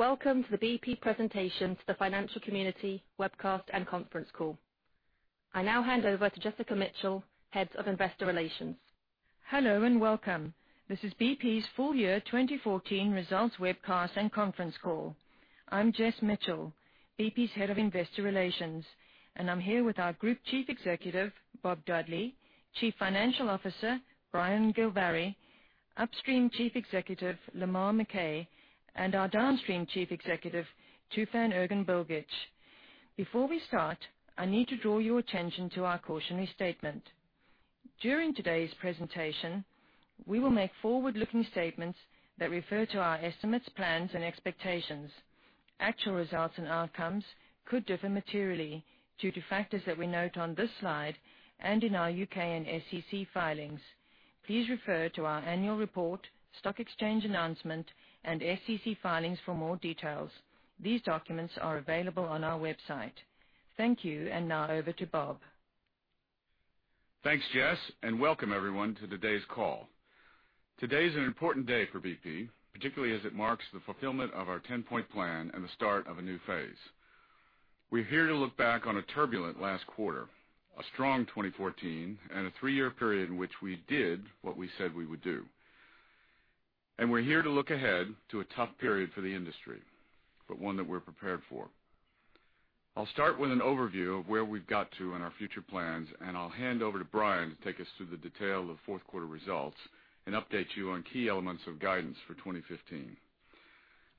Welcome to the BP presentation to the financial community webcast and conference call. I now hand over to Jessica Mitchell, Head of Investor Relations. Hello, and welcome. This is BP's full year 2014 results webcast and conference call. I'm Jess Mitchell, BP's Head of Investor Relations, and I'm here with our Group Chief Executive, Bob Dudley, Chief Financial Officer, Brian Gilvary, Upstream Chief Executive, Lamar McKay, and our Downstream Chief Executive, Tufan Erginbilgic. Before we start, I need to draw your attention to our cautionary statement. During today's presentation, we will make forward-looking statements that refer to our estimates, plans, and expectations. Actual results and outcomes could differ materially due to factors that we note on this slide and in our U.K. and SEC filings. Please refer to our annual report, stock exchange announcement, and SEC filings for more details. These documents are available on our website. Thank you. Now over to Bob. Thanks, Jess. Welcome everyone to today's call. Today's an important day for BP, particularly as it marks the fulfillment of our 10-point plan and the start of a new phase. We're here to look back on a turbulent last quarter, a strong 2014, and a three-year period in which we did what we said we would do. We're here to look ahead to a tough period for the industry, but one that we're prepared for. I'll start with an overview of where we've got to and our future plans, and I'll hand over to Brian to take us through the detail of fourth quarter results and update you on key elements of guidance for 2015.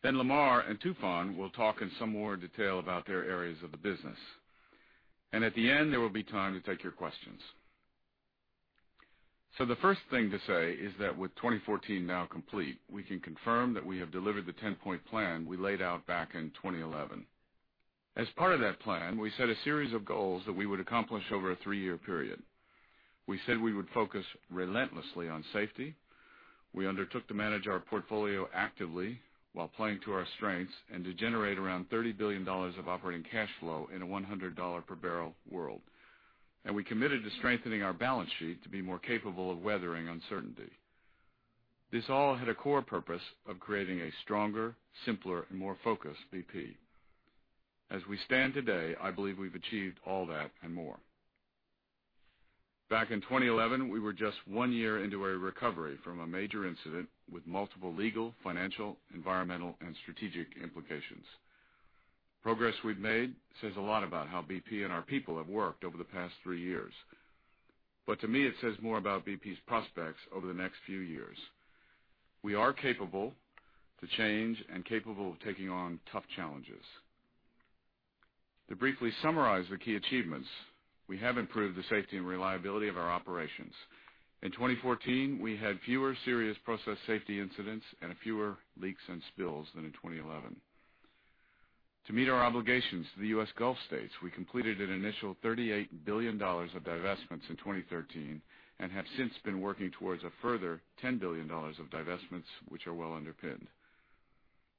Lamar and Tufan will talk in some more detail about their areas of the business. At the end, there will be time to take your questions. The first thing to say is that with 2014 now complete, we can confirm that we have delivered the 10-point plan we laid out back in 2011. As part of that plan, we set a series of goals that we would accomplish over a three-year period. We said we would focus relentlessly on safety. We undertook to manage our portfolio actively while playing to our strengths and to generate around GBP 30 billion of operating cash flow in a GBP 100 per barrel world. We committed to strengthening our balance sheet to be more capable of weathering uncertainty. This all had a core purpose of creating a stronger, simpler, and more focused BP. As we stand today, I believe we've achieved all that and more. Back in 2011, we were just one year into a recovery from a major incident with multiple legal, financial, environmental, and strategic implications. Progress we've made says a lot about how BP and our people have worked over the past three years. To me, it says more about BP's prospects over the next few years. We are capable to change and capable of taking on tough challenges. To briefly summarize the key achievements, we have improved the safety and reliability of our operations. In 2014, we had fewer serious process safety incidents and fewer leaks and spills than in 2011. To meet our obligations to the U.S. Gulf States, we completed an initial GBP 38 billion of divestments in 2013 and have since been working towards a further GBP 10 billion of divestments, which are well underpinned.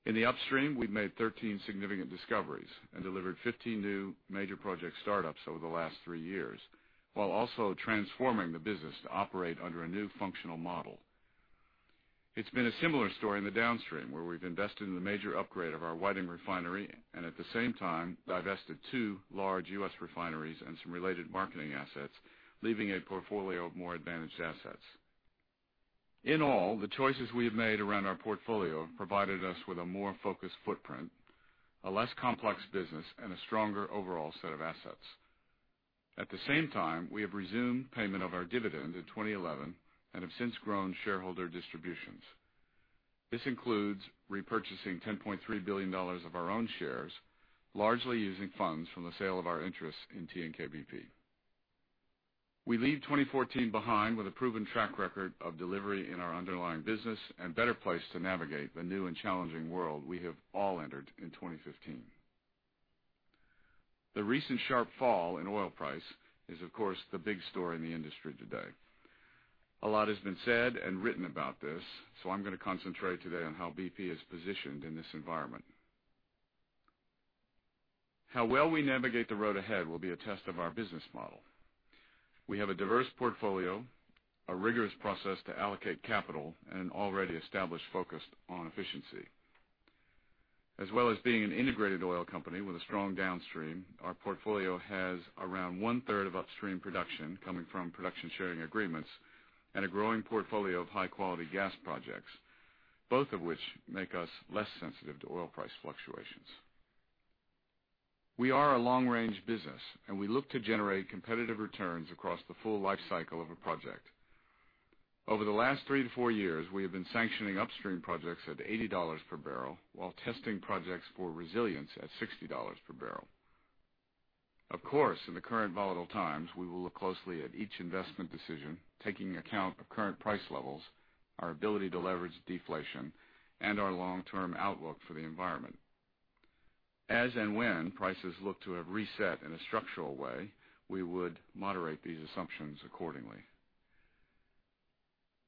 In the Upstream, we've made 13 significant discoveries and delivered 15 new major project startups over the last three years, while also transforming the business to operate under a new functional model. It's been a similar story in the Downstream, where we've invested in the major upgrade of our Whiting Refinery and at the same time divested two large U.S. refineries and some related marketing assets, leaving a portfolio of more advantaged assets. In all, the choices we have made around our portfolio have provided us with a more focused footprint, a less complex business, and a stronger overall set of assets. At the same time, we have resumed payment of our dividend in 2011 and have since grown shareholder distributions. This includes repurchasing GBP 10.3 billion of our own shares, largely using funds from the sale of our interest in TNK-BP. We leave 2014 behind with a proven track record of delivery in our underlying business and better placed to navigate the new and challenging world we have all entered in 2015. The recent sharp fall in oil price is, of course, the big story in the industry today. A lot has been said and written about this. I'm going to concentrate today on how BP is positioned in this environment. How well we navigate the road ahead will be a test of our business model. We have a diverse portfolio, a rigorous process to allocate capital, and an already established focus on efficiency. As well as being an integrated oil company with a strong Downstream, our portfolio has around one-third of Upstream production coming from production sharing agreements and a growing portfolio of high-quality gas projects, both of which make us less sensitive to oil price fluctuations. We are a long-range business, and we look to generate competitive returns across the full life cycle of a project. Over the last three to four years, we have been sanctioning Upstream projects at GBP 80 per barrel while testing projects for resilience at GBP 60 per barrel. Of course, in the current volatile times, we will look closely at each investment decision, taking account of current price levels, our ability to leverage deflation, and our long-term outlook for the environment. As and when prices look to have reset in a structural way, we would moderate these assumptions accordingly.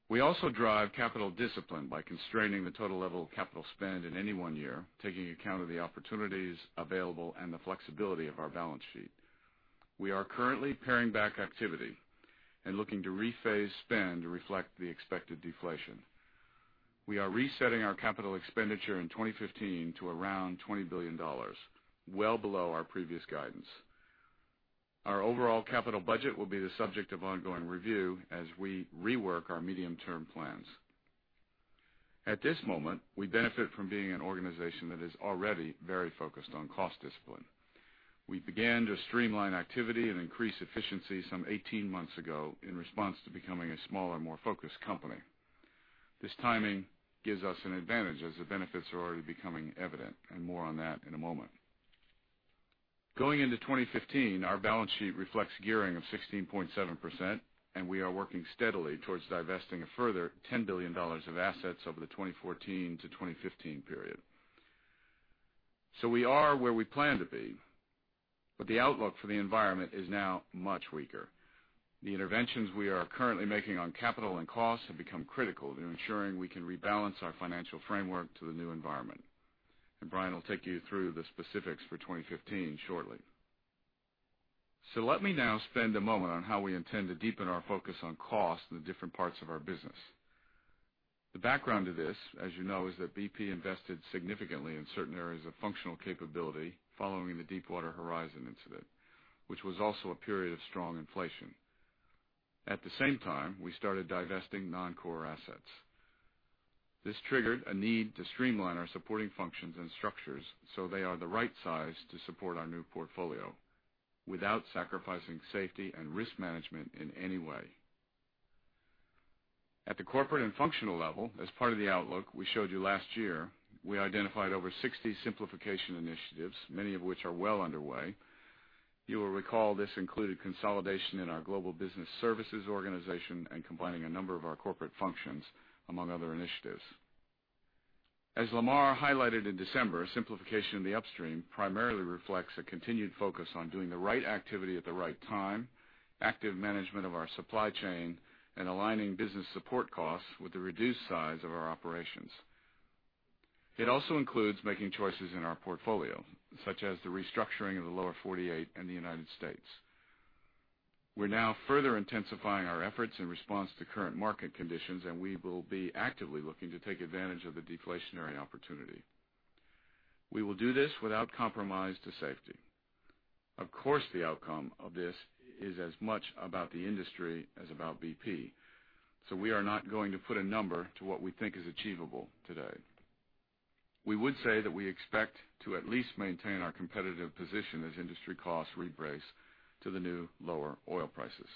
We also drive capital discipline by constraining the total level of capital spend in any one year, taking account of the opportunities available and the flexibility of our balance sheet. We are currently paring back activity. Looking to rephase spend to reflect the expected deflation. We are resetting our capital expenditure in 2015 to around GBP 20 billion, well below our previous guidance. Our overall capital budget will be the subject of ongoing review as we rework our medium-term plans. At this moment, we benefit from being an organization that is already very focused on cost discipline. We began to streamline activity and increase efficiency some 18 months ago in response to becoming a smaller, more focused company. This timing gives us an advantage as the benefits are already becoming evident, and more on that in a moment. Going into 2015, our balance sheet reflects gearing of 16.7%, and we are working steadily towards divesting a further GBP 10 billion of assets over the 2014 to 2015 period. We are where we plan to be, but the outlook for the environment is now much weaker. The interventions we are currently making on capital and costs have become critical in ensuring we can rebalance our financial framework to the new environment. Brian will take you through the specifics for 2015 shortly. Let me now spend a moment on how we intend to deepen our focus on cost in the different parts of our business. The background to this, as you know, is that BP invested significantly in certain areas of functional capability following the Deepwater Horizon incident, which was also a period of strong inflation. At the same time, we started divesting non-core assets. This triggered a need to streamline our supporting functions and structures so they are the right size to support our new portfolio without sacrificing safety and risk management in any way. At the corporate and functional level, as part of the outlook we showed you last year, we identified over 60 simplification initiatives, many of which are well underway. You will recall this included consolidation in our global business services organization and combining a number of our corporate functions, among other initiatives. As Lamar highlighted in December, simplification in the upstream primarily reflects a continued focus on doing the right activity at the right time, active management of our supply chain, and aligning business support costs with the reduced size of our operations. It also includes making choices in our portfolio, such as the restructuring of the Lower 48 in the United States. We're now further intensifying our efforts in response to current market conditions, we will be actively looking to take advantage of the deflationary opportunity. We will do this without compromise to safety. Of course, the outcome of this is as much about the industry as about BP, we are not going to put a number to what we think is achievable today. We would say that we expect to at least maintain our competitive position as industry costs re-brace to the new lower oil prices.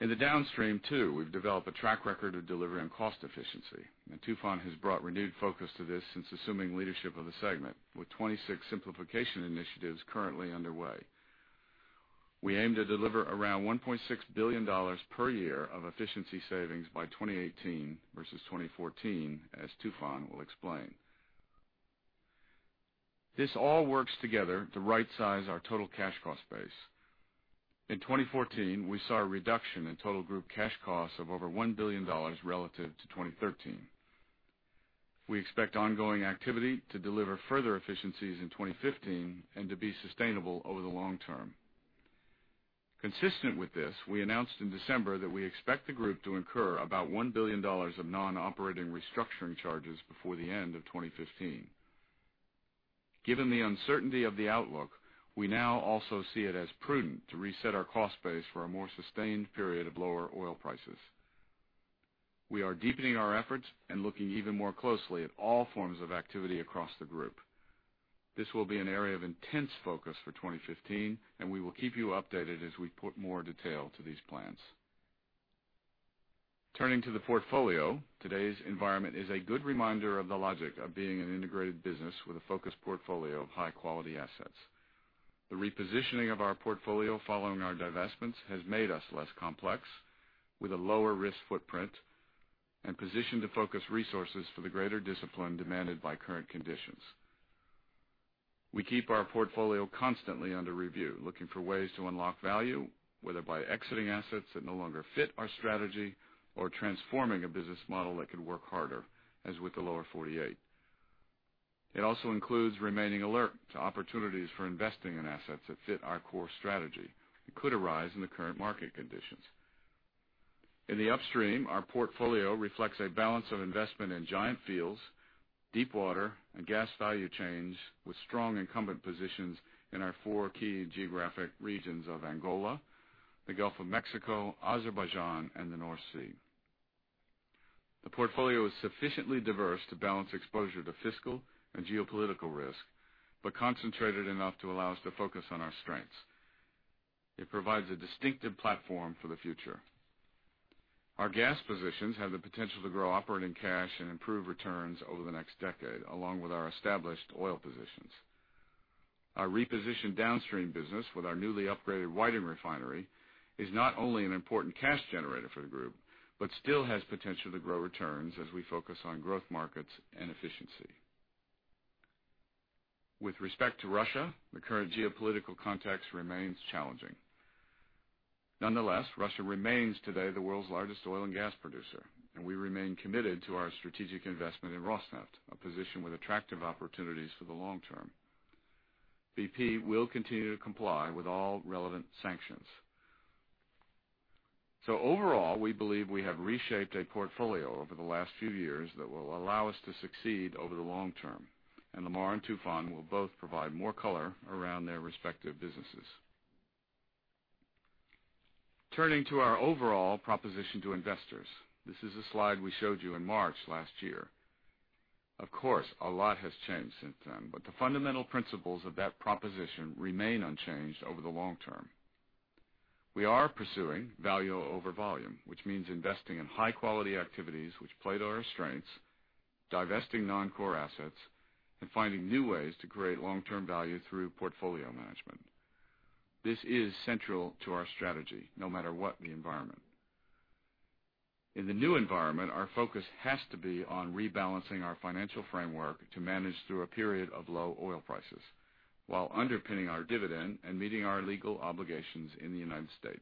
In the downstream too, we've developed a track record of delivery and cost efficiency, Tufan has brought renewed focus to this since assuming leadership of the segment, with 26 simplification initiatives currently underway. We aim to deliver around GBP 1.6 billion per year of efficiency savings by 2018 versus 2014, as Tufan will explain. This all works together to rightsize our total cash cost base. In 2014, we saw a reduction in total group cash costs of over GBP 1 billion relative to 2013. We expect ongoing activity to deliver further efficiencies in 2015 and to be sustainable over the long term. Consistent with this, we announced in December that we expect the group to incur about GBP 1 billion of non-operating restructuring charges before the end of 2015. Given the uncertainty of the outlook, we now also see it as prudent to reset our cost base for a more sustained period of lower oil prices. We are deepening our efforts and looking even more closely at all forms of activity across the group. This will be an area of intense focus for 2015, and we will keep you updated as we put more detail to these plans. Turning to the portfolio, today's environment is a good reminder of the logic of being an integrated business with a focused portfolio of high-quality assets. The repositioning of our portfolio following our divestments has made us less complex, with a lower risk footprint and positioned to focus resources for the greater discipline demanded by current conditions. We keep our portfolio constantly under review, looking for ways to unlock value, whether by exiting assets that no longer fit our strategy or transforming a business model that could work harder, as with the Lower 48. It also includes remaining alert to opportunities for investing in assets that fit our core strategy and could arise in the current market conditions. In the upstream, our portfolio reflects a balance of investment in giant fields, deepwater, and gas value chains with strong incumbent positions in our four key geographic regions of Angola, the Gulf of Mexico, Azerbaijan, and the North Sea. The portfolio is sufficiently diverse to balance exposure to fiscal and geopolitical risk, but concentrated enough to allow us to focus on our strengths. It provides a distinctive platform for the future. Our gas positions have the potential to grow operating cash and improve returns over the next decade, along with our established oil positions. Our repositioned downstream business with our newly upgraded Whiting Refinery is not only an important cash generator for the group, but still has potential to grow returns as we focus on growth markets and efficiency. With respect to Russia, the current geopolitical context remains challenging. Nonetheless, Russia remains today the world's largest oil and gas producer, and we remain committed to our strategic investment in Rosneft, a position with attractive opportunities for the long term. BP will continue to comply with all relevant sanctions. Overall, we believe we have reshaped a portfolio over the last few years that will allow us to succeed over the long term, and Lamar and Tufan will both provide more color around their respective businesses. Turning to our overall proposition to investors. This is a slide we showed you in March last year. Of course, a lot has changed since then, but the fundamental principles of that proposition remain unchanged over the long term. We are pursuing value over volume, which means investing in high-quality activities which play to our strengths, divesting non-core assets, and finding new ways to create long-term value through portfolio management. This is central to our strategy, no matter what the environment. In the new environment, our focus has to be on rebalancing our financial framework to manage through a period of low oil prices while underpinning our dividend and meeting our legal obligations in the United States.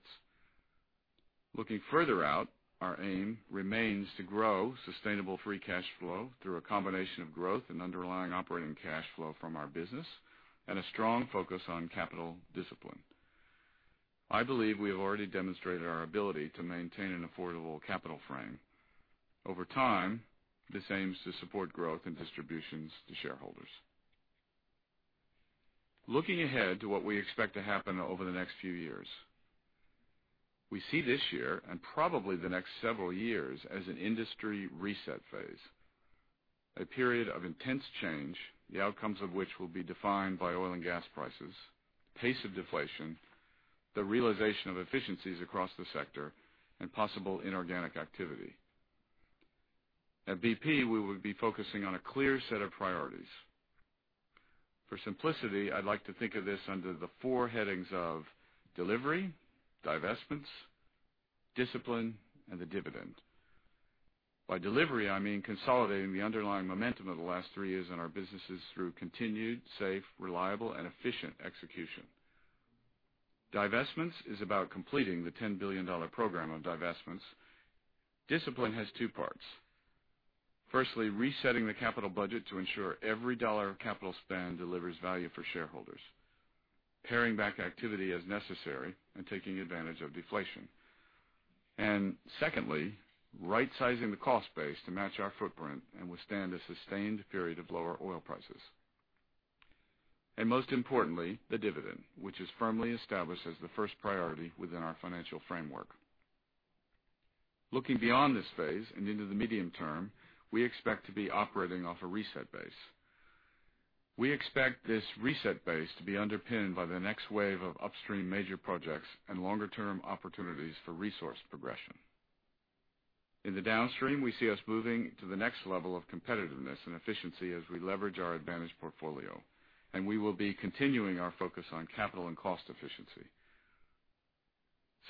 Looking further out, our aim remains to grow sustainable free cash flow through a combination of growth and underlying operating cash flow from our business and a strong focus on capital discipline. I believe we have already demonstrated our ability to maintain an affordable capital frame. Over time, this aims to support growth and distributions to shareholders. Looking ahead to what we expect to happen over the next few years. We see this year, and probably the next several years, as an industry reset phase, a period of intense change, the outcomes of which will be defined by oil and gas prices, pace of deflation, the realization of efficiencies across the sector, and possible inorganic activity. At BP, we will be focusing on a clear set of priorities. For simplicity, I'd like to think of this under the four headings of delivery, divestments, discipline, and the dividend. By delivery, I mean consolidating the underlying momentum of the last three years in our businesses through continued safe, reliable, and efficient execution. Divestments is about completing the GBP 10 billion program of divestments. Discipline has two parts. Firstly, resetting the capital budget to ensure every dollar of capital spend delivers value for shareholders, paring back activity as necessary and taking advantage of deflation. Secondly, right-sizing the cost base to match our footprint and withstand a sustained period of lower oil prices. Most importantly, the dividend, which is firmly established as the first priority within our financial framework. Looking beyond this phase and into the medium term, we expect to be operating off a reset base. We expect this reset base to be underpinned by the next wave of upstream major projects and longer-term opportunities for resource progression. In the downstream, we see us moving to the next level of competitiveness and efficiency as we leverage our advantage portfolio, and we will be continuing our focus on capital and cost efficiency.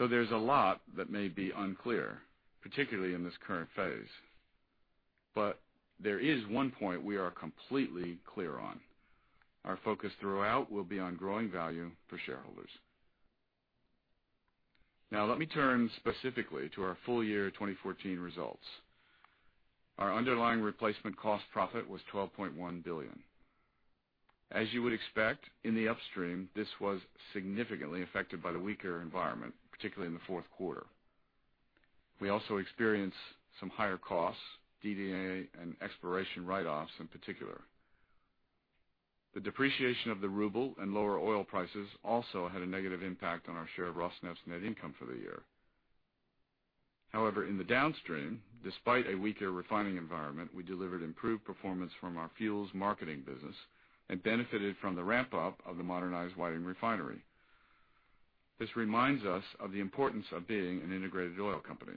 There's a lot that may be unclear, particularly in this current phase. There is one point we are completely clear on. Our focus throughout will be on growing value for shareholders. Now let me turn specifically to our full year 2014 results. Our underlying replacement cost profit was 12.1 billion. As you would expect, in the upstream, this was significantly affected by the weaker environment, particularly in the fourth quarter. We also experienced some higher costs, DD&A and exploration write-offs in particular. The depreciation of the ruble and lower oil prices also had a negative impact on our share of Rosneft's net income for the year. However, in the downstream, despite a weaker refining environment, we delivered improved performance from our fuels marketing business and benefited from the ramp-up of the modernized Whiting Refinery. This reminds us of the importance of being an integrated oil company.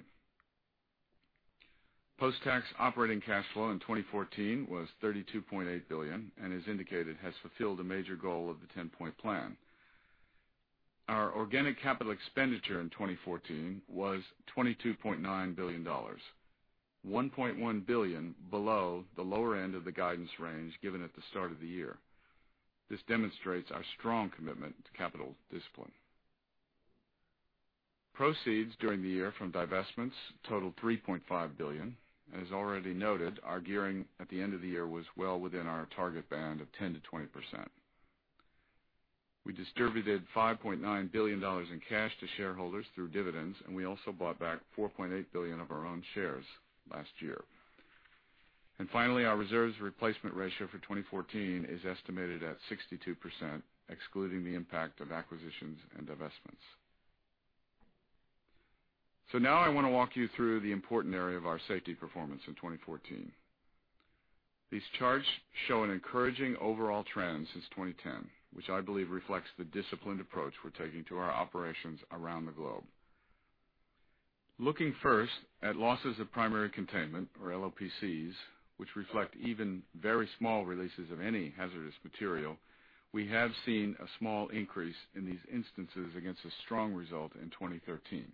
Post-tax operating cash flow in 2014 was 32.8 billion and, as indicated, has fulfilled a major goal of the 10-point plan. Our organic capital expenditure in 2014 was GBP 22.9 billion, 1.1 billion below the lower end of the guidance range given at the start of the year. This demonstrates our strong commitment to capital discipline. Proceeds during the year from divestments totaled 3.5 billion. As already noted, our gearing at the end of the year was well within our target band of 10%-20%. We distributed GBP 5.9 billion in cash to shareholders through dividends, and we also bought back 4.8 billion of our own shares last year. Finally, our reserves replacement ratio for 2014 is estimated at 62%, excluding the impact of acquisitions and divestments. Now I want to walk you through the important area of our safety performance in 2014. These charts show an encouraging overall trend since 2010, which I believe reflects the disciplined approach we're taking to our operations around the globe. Looking first at losses of primary containment, or LOPCs, which reflect even very small releases of any hazardous material, we have seen a small increase in these instances against a strong result in 2013.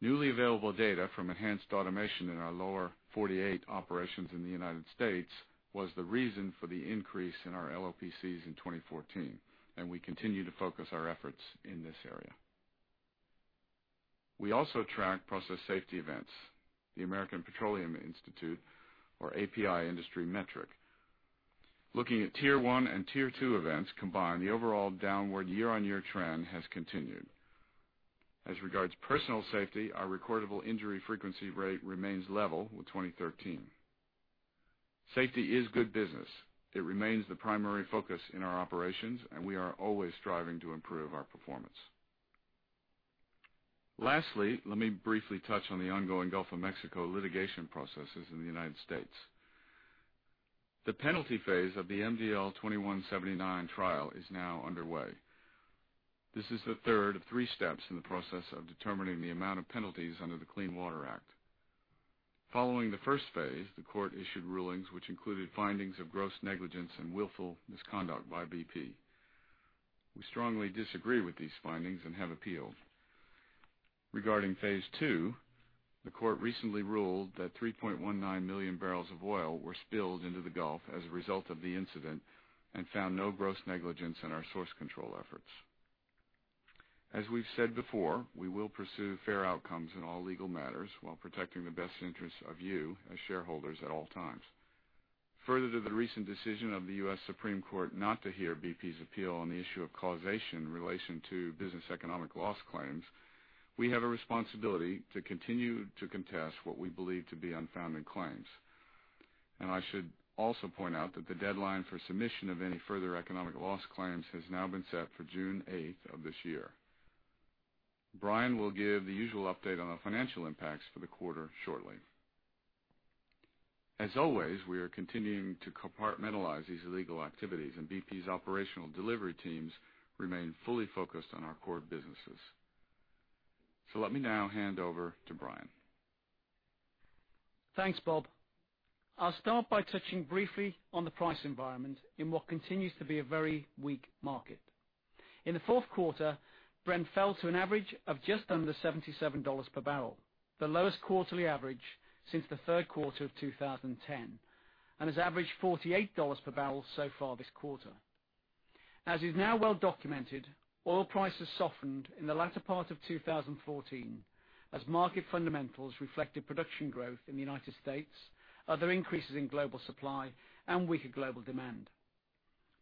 Newly available data from enhanced automation in our Lower 48 operations in the U.S. was the reason for the increase in our LOPCs in 2014, and we continue to focus our efforts in this area. We also track process safety events, the American Petroleum Institute, or API industry metric. Looking at Tier 1 and Tier 2 events combined, the overall downward year-on-year trend has continued. As regards personal safety, our recordable injury frequency rate remains level with 2013. Safety is good business. It remains the primary focus in our operations, and we are always striving to improve our performance. Lastly, let me briefly touch on the ongoing Gulf of Mexico litigation processes in the U.S. The penalty phase of the MDL 2179 trial is now underway. This is the third of 3 steps in the process of determining the amount of penalties under the Clean Water Act. Following the first phase, the court issued rulings which included findings of gross negligence and willful misconduct by BP. We strongly disagree with these findings and have appealed. Regarding phase 2, the court recently ruled that 3.19 million barrels of oil were spilled into the Gulf as a result of the incident, and found no gross negligence in our source control efforts. As we've said before, we will pursue fair outcomes in all legal matters while protecting the best interests of you, as shareholders, at all times. Further to the recent decision of the U.S. Supreme Court not to hear BP's appeal on the issue of causation in relation to business economic loss claims, we have a responsibility to continue to contest what we believe to be unfounded claims. I should also point out that the deadline for submission of any further economic loss claims has now been set for June 8th of this year. Brian will give the usual update on the financial impacts for the quarter shortly. As always, we are continuing to compartmentalize these legal activities, and BP's operational delivery teams remain fully focused on our core businesses. Let me now hand over to Brian. Thanks, Bob. I'll start by touching briefly on the price environment in what continues to be a very weak market. In the fourth quarter, Brent fell to an average of just under $77 per barrel, the lowest quarterly average since the third quarter of 2010, and has averaged $48 per barrel so far this quarter. As is now well documented, oil prices softened in the latter part of 2014 as market fundamentals reflected production growth in the U.S., other increases in global supply, and weaker global demand.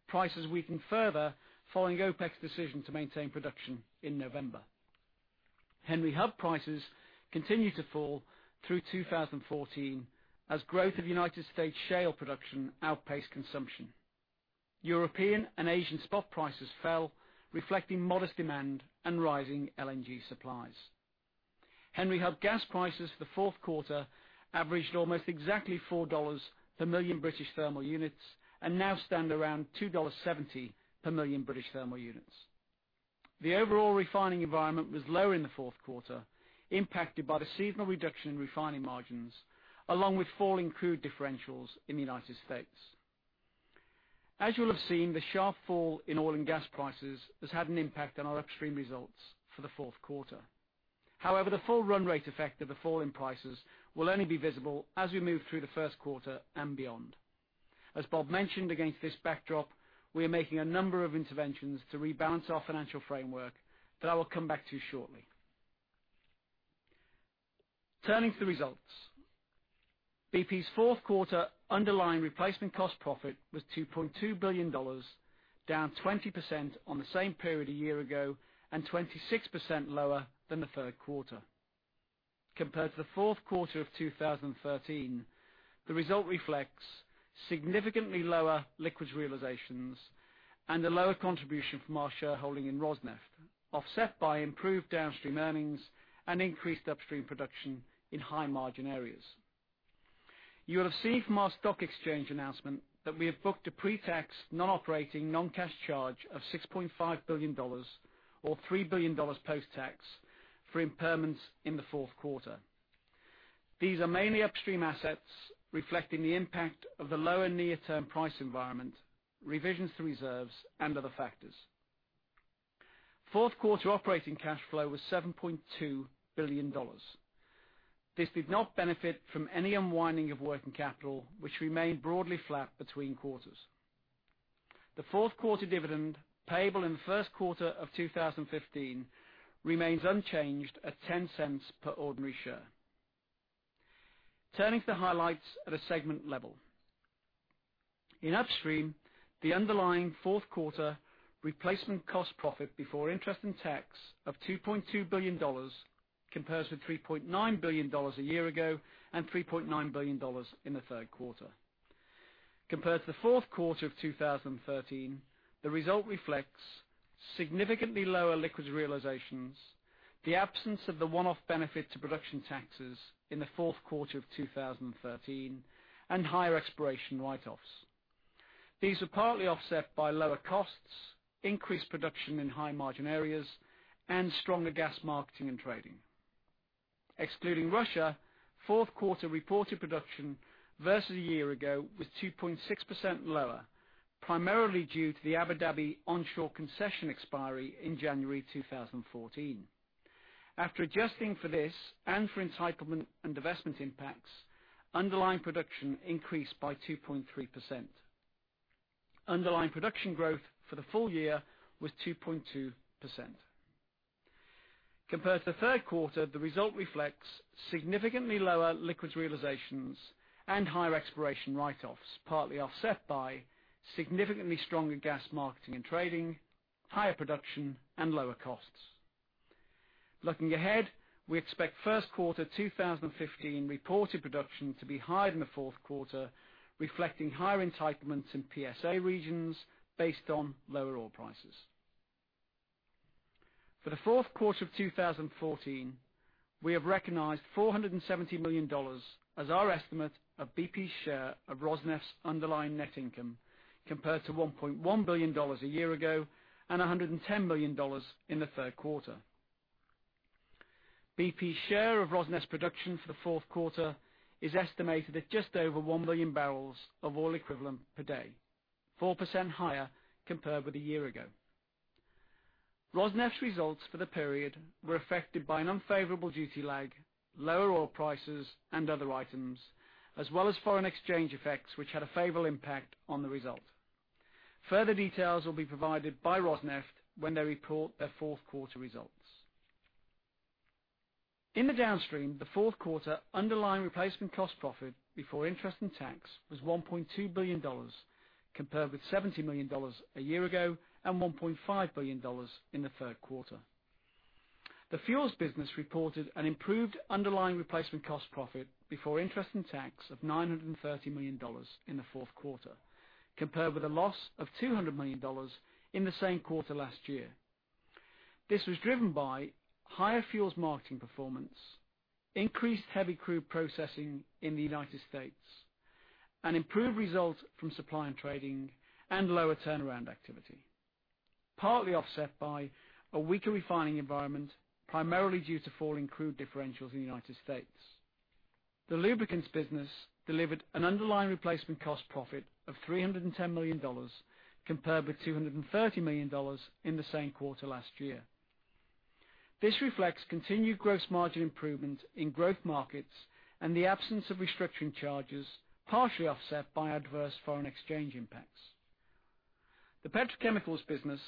Prices weakened further following OPEC's decision to maintain production in November. Henry Hub prices continued to fall through 2014 as growth of U.S. shale production outpaced consumption. European and Asian spot prices fell, reflecting modest demand and rising LNG supplies. Henry Hub gas prices for the fourth quarter averaged almost exactly $4 per million British thermal units, and now stand around $2.70 per million British thermal units. The overall refining environment was lower in the fourth quarter, impacted by the seasonal reduction in refining margins, along with falling crude differentials in the U.S. As you'll have seen, the sharp fall in oil and gas prices has had an impact on our upstream results for the fourth quarter. However, the full run rate effect of the fall in prices will only be visible as we move through the first quarter and beyond. As Bob mentioned, against this backdrop, we are making a number of interventions to rebalance our financial framework that I will come back to shortly. Turning to the results. BP's fourth quarter underlying replacement cost profit was GBP 2.2 billion, down 20% on the same period a year ago and 26% lower than the third quarter. Compared to the fourth quarter of 2013, the result reflects significantly lower liquids realizations and a lower contribution from our shareholding in Rosneft, offset by improved downstream earnings and increased upstream production in high-margin areas. You'll have seen from our stock exchange announcement that we have booked a pre-tax, non-operating, non-cash charge of GBP 6.5 billion, or GBP 3 billion post-tax, for impairments in the fourth quarter. These are mainly upstream assets, reflecting the impact of the lower near-term price environment, revisions to reserves, and other factors. Fourth quarter operating cash flow was GBP 7.2 billion. This did not benefit from any unwinding of working capital, which remained broadly flat between quarters. The fourth quarter dividend, payable in the first quarter of 2015, remains unchanged at 0.10 per ordinary share. Turning to the highlights at a segment level. In upstream, the underlying fourth quarter replacement cost profit before interest and tax of GBP 2.2 billion compares with GBP 3.9 billion a year ago and GBP 3.9 billion in the third quarter. Compared to the fourth quarter of 2013, the result reflects significantly lower liquids realizations, the absence of the one-off benefit to production taxes in the fourth quarter of 2013, and higher exploration write-offs. These were partly offset by lower costs, increased production in high-margin areas, and stronger gas marketing and trading. Excluding Russia, fourth quarter reported production versus a year ago was 2.6% lower, primarily due to the Abu Dhabi onshore concession expiry in January 2014. After adjusting for this and for entitlement and divestment impacts, underlying production increased by 2.3%. Underlying production growth for the full year was 2.2%. Compared to the third quarter, the result reflects significantly lower liquids realizations and higher exploration write-offs, partly offset by significantly stronger gas marketing and trading, higher production, and lower costs. Looking ahead, we expect first quarter 2015 reported production to be higher than the fourth quarter, reflecting higher entitlements in PSA regions based on lower oil prices. For the fourth quarter of 2014, we have recognized GBP 470 million as our estimate of BP's share of Rosneft's underlying net income, compared to GBP 1.1 billion a year ago and GBP 110 million in the third quarter. BP's share of Rosneft's production for the fourth quarter is estimated at just over 1 million barrels of oil equivalent per day, 4% higher compared with a year ago. Rosneft's results for the period were affected by an unfavorable duty lag, lower oil prices, and other items, as well as foreign exchange effects, which had a favorable impact on the result. Further details will be provided by Rosneft when they report their fourth quarter results. In the Downstream, the fourth quarter underlying replacement cost profit before interest and tax was $1.2 billion, compared with $70 million a year ago and $1.5 billion in the third quarter. The fuels business reported an improved underlying replacement cost profit before interest and tax of $930 million in the fourth quarter, compared with a loss of $200 million in the same quarter last year. This was driven by higher fuels marketing performance, increased heavy crude processing in the U.S., an improved result from supply and trading, and lower turnaround activity, partly offset by a weaker refining environment, primarily due to falling crude differentials in the U.S. The lubricants business delivered an underlying replacement cost profit of $310 million compared with $230 million in the same quarter last year. This reflects continued gross margin improvement in growth markets and the absence of restructuring charges, partially offset by adverse foreign exchange impacts. The petrochemicals business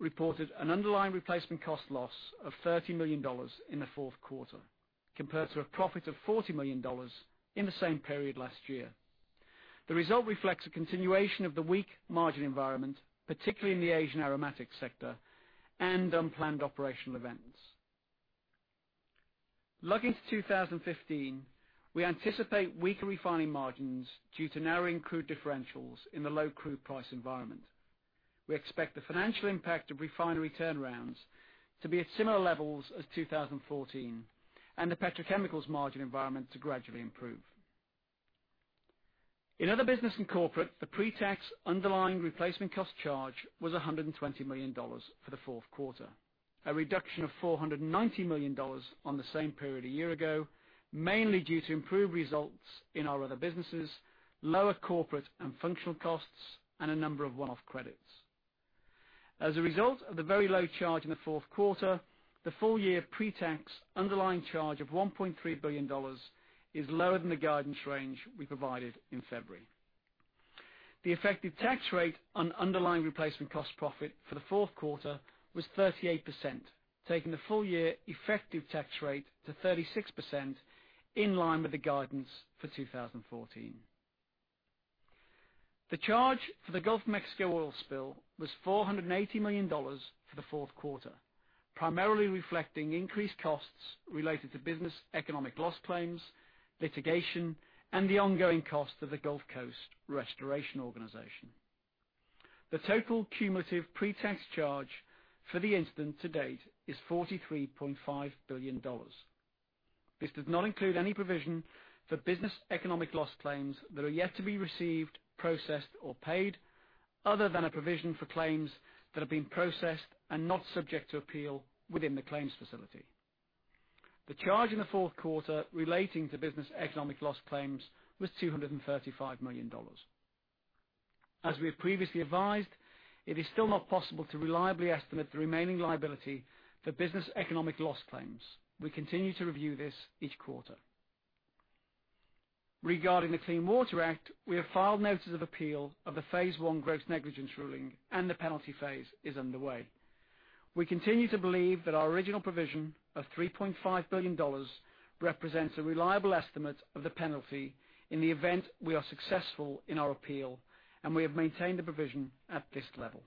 reported an underlying replacement cost loss of $30 million in the fourth quarter, compared to a profit of $40 million in the same period last year. The result reflects a continuation of the weak margin environment, particularly in the Asian aromatics sector, and unplanned operational events. Looking to 2015, we anticipate weaker refining margins due to narrowing crude differentials in the low crude price environment. We expect the financial impact of refinery turnarounds to be at similar levels as 2014 and the petrochemicals margin environment to gradually improve. In other business and corporate, the pretax underlying replacement cost charge was $120 million for the fourth quarter, a reduction of $490 million on the same period a year ago, mainly due to improved results in our other businesses, lower corporate and functional costs, and a number of one-off credits. As a result of the very low charge in the fourth quarter, the full-year pretax underlying charge of $1.3 billion is lower than the guidance range we provided in February. The effective tax rate on underlying replacement cost profit for the fourth quarter was 38%, taking the full-year effective tax rate to 36%, in line with the guidance for 2014. The charge for the Gulf of Mexico oil spill was $480 million for the fourth quarter, primarily reflecting increased costs related to business economic loss claims, litigation, and the ongoing cost of the Gulf Coast Restoration Organization. The total cumulative pretax charge for the incident to date is $43.5 billion. This does not include any provision for business economic loss claims that are yet to be received, processed, or paid, other than a provision for claims that have been processed and not subject to appeal within the claims facility. The charge in the fourth quarter relating to business economic loss claims was $235 million. As we have previously advised, it is still not possible to reliably estimate the remaining liability for business economic loss claims. We continue to review this each quarter. Regarding the Clean Water Act, we have filed notice of appeal of the phase 1 gross negligence ruling and the penalty phase is underway. We continue to believe that our original provision of $3.5 billion represents a reliable estimate of the penalty in the event we are successful in our appeal, and we have maintained the provision at this level.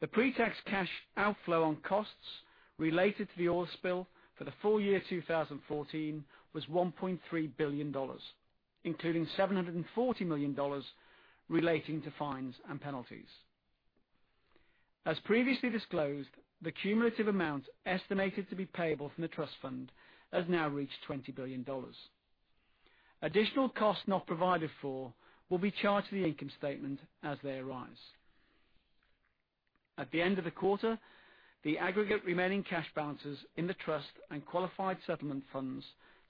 The pretax cash outflow on costs related to the oil spill for the full year 2014 was $1.3 billion, including $740 million relating to fines and penalties. As previously disclosed, the cumulative amount estimated to be payable from the trust fund has now reached $20 billion. Additional costs not provided for will be charged to the income statement as they arise. At the end of the quarter, the aggregate remaining cash balances in the trust and qualified settlement funds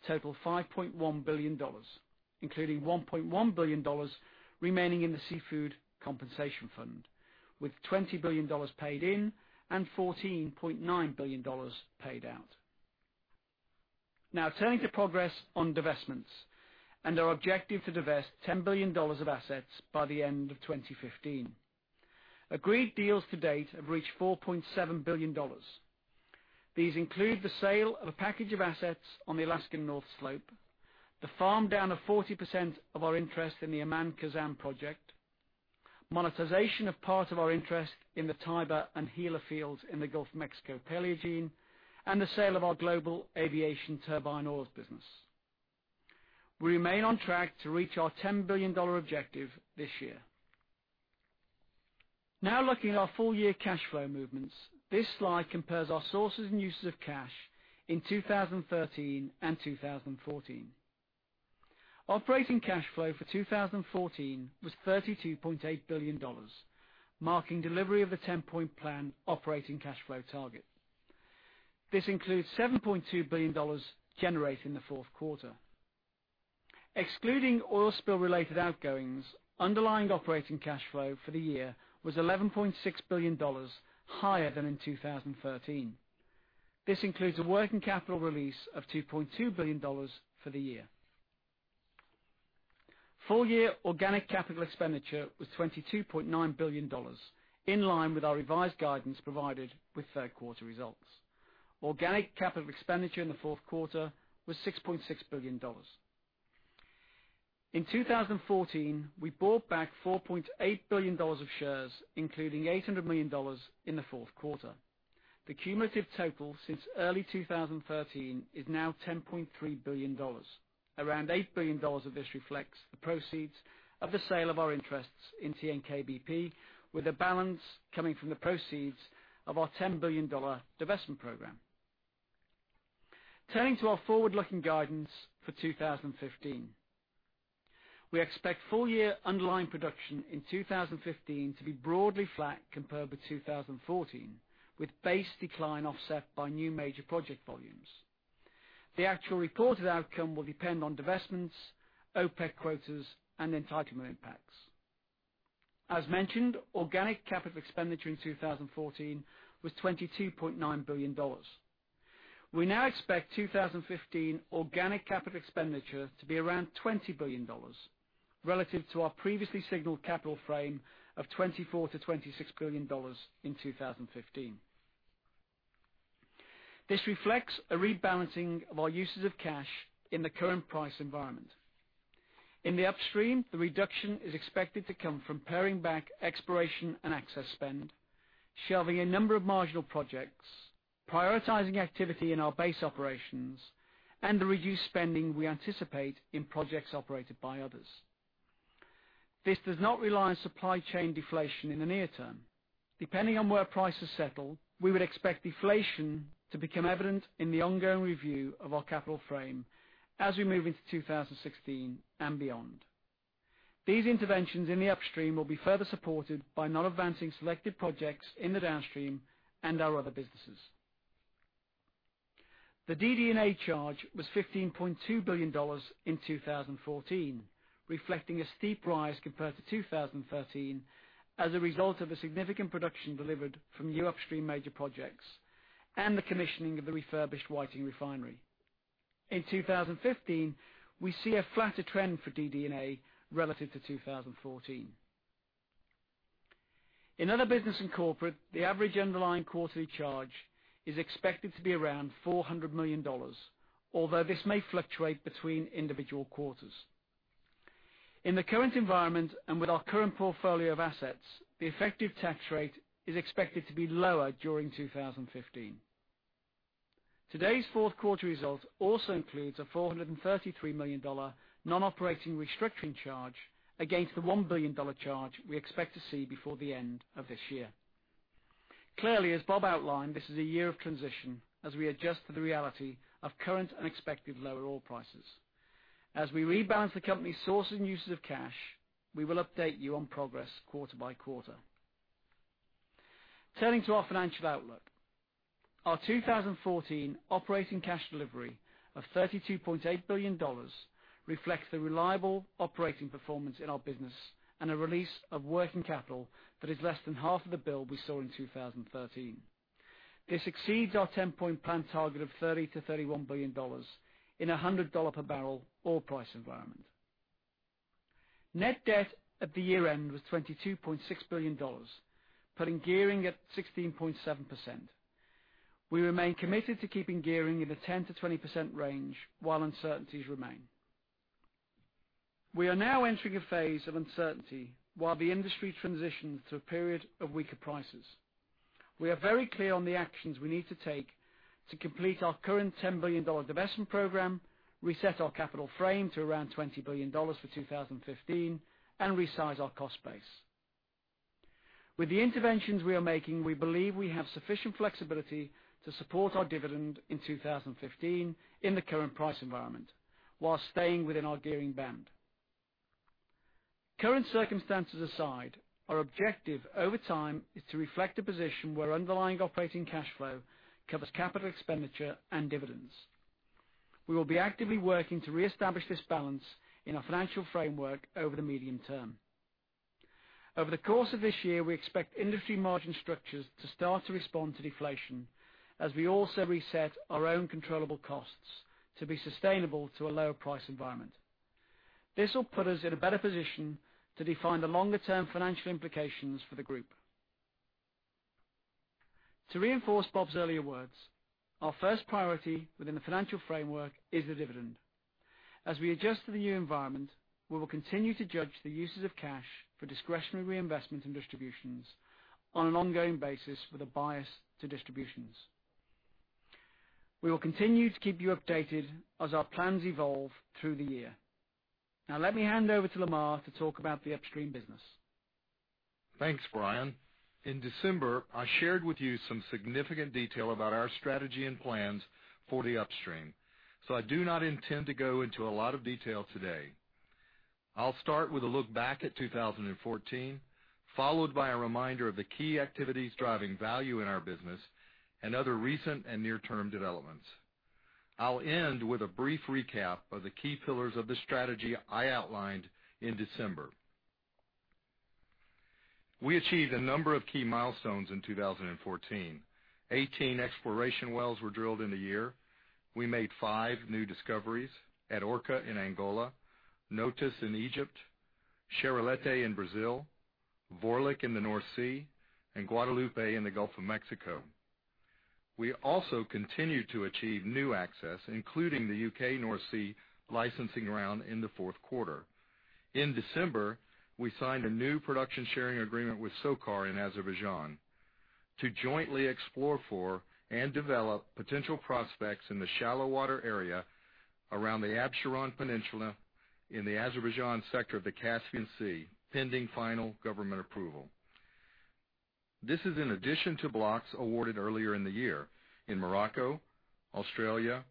total $5.1 billion, including $1.1 billion remaining in the Seafood Compensation Fund, with $20 billion paid in and $14.9 billion paid out. Now turning to progress on divestments and our objective to divest $10 billion of assets by the end of 2015. Agreed deals to date have reached $4.7 billion. These include the sale of a package of assets on the Alaskan North Slope, the farm down of 40% of our interest in the Khazzan project, monetization of part of our interest in the Tiber and Gila fields in the Gulf of Mexico Paleogene, and the sale of our global aviation turbine oils business. We remain on track to reach our $10 billion objective this year. Now looking at our full year cash flow movements. This slide compares our sources and uses of cash in 2013 and 2014. Operating cash flow for 2014 was $32.8 billion, marking delivery of the 10-point plan operating cash flow target. This includes $7.2 billion generated in the fourth quarter. Excluding oil spill related outgoings, underlying operating cash flow for the year was $11.6 billion, higher than in 2013. This includes a working capital release of $2.2 billion for the year. Full year organic capital expenditure was $22.9 billion, in line with our revised guidance provided with third quarter results. Organic capital expenditure in the fourth quarter was $6.6 billion. In 2014, we bought back $4.8 billion of shares, including $800 million in the fourth quarter. The cumulative total since early 2013 is now $10.3 billion. Around $8 billion of this reflects the proceeds of the sale of our interests in TNK-BP, with a balance coming from the proceeds of our $10 billion divestment program. Turning to our forward-looking guidance for 2015. We expect full year underlying production in 2015 to be broadly flat compared with 2014, with base decline offset by new major project volumes. The actual reported outcome will depend on divestments, OPEC quotas, and entitlement impacts. As mentioned, organic capital expenditure in 2014 was $22.9 billion. We now expect 2015 organic capital expenditure to be around $20 billion relative to our previously signaled capital frame of $24 billion-$26 billion in 2015. This reflects a rebalancing of our uses of cash in the current price environment. In the upstream, the reduction is expected to come from paring back exploration and access spend, shelving a number of marginal projects, prioritizing activity in our base operations, and the reduced spending we anticipate in projects operated by others. This does not rely on supply chain deflation in the near term. Depending on where prices settle, we would expect deflation to become evident in the ongoing review of our capital frame as we move into 2016 and beyond. These interventions in the upstream will be further supported by not advancing selected projects in the downstream and our other businesses. The DD&A charge was $15.2 billion in 2014, reflecting a steep rise compared to 2013 as a result of a significant production delivered from new upstream major projects and the commissioning of the refurbished Whiting Refinery. In 2015, we see a flatter trend for DD&A relative to 2014. In other business and corporate, the average underlying quarterly charge is expected to be around $400 million, although this may fluctuate between individual quarters. In the current environment, with our current portfolio of assets, the effective tax rate is expected to be lower during 2015. Today's fourth quarter results also includes a $433 million non-operating restructuring charge against the $1 billion charge we expect to see before the end of this year. Clearly, as Bob outlined, this is a year of transition as we adjust to the reality of current and expected lower oil prices. As we rebalance the company's sources and uses of cash, we will update you on progress quarter by quarter. Turning to our financial outlook. Our 2014 operating cash delivery of $32.8 billion reflects the reliable operating performance in our business and a release of working capital that is less than half of the build we saw in 2013. This exceeds our 10-point plan target of $30 billion-$31 billion in a $100 per barrel oil price environment. Net debt at the year-end was $22.6 billion, putting gearing at 16.7%. We remain committed to keeping gearing in the 10%-20% range while uncertainties remain. We are now entering a phase of uncertainty while the industry transitions through a period of weaker prices. We are very clear on the actions we need to take to complete our current $10 billion divestment program, reset our capital frame to around $20 billion for 2015, and resize our cost base. With the interventions we are making, we believe we have sufficient flexibility to support our dividend in 2015 in the current price environment while staying within our gearing band. Current circumstances aside, our objective over time is to reflect a position where underlying operating cash flow covers capital expenditure and dividends. We will be actively working to reestablish this balance in our financial framework over the medium term. Over the course of this year, we expect industry margin structures to start to respond to deflation as we also reset our own controllable costs to be sustainable to a lower price environment. This will put us in a better position to define the longer-term financial implications for the group. To reinforce Bob's earlier words, our first priority within the financial framework is the dividend. As we adjust to the new environment, we will continue to judge the uses of cash for discretionary investment and distributions on an ongoing basis with a bias to distributions. We will continue to keep you updated as our plans evolve through the year. Now, let me hand over to Lamar McKay to talk about the upstream business. Thanks, Brian Gilvary. In December, I shared with you some significant detail about our strategy and plans for the upstream. I do not intend to go into a lot of detail today. I'll start with a look back at 2014, followed by a reminder of the key activities driving value in our business and other recent and near-term developments. I'll end with a brief recap of the key pillars of the strategy I outlined in December. We achieved a number of key milestones in 2014. 18 exploration wells were drilled in the year. We made five new discoveries at Orca in Angola, Notus in Egypt, Chiribiquete in Brazil, Vorlich in the North Sea, and Guadalupe in the Gulf of Mexico. We also continued to achieve new access, including the U.K. North Sea licensing round in the fourth quarter. In December, we signed a new production sharing agreement with SOCAR in Azerbaijan to jointly explore for and develop potential prospects in the shallow water area around the Absheron Peninsula in the Azerbaijan sector of the Caspian Sea, pending final government approval. This is in addition to blocks awarded earlier in the year in Morocco, Australia,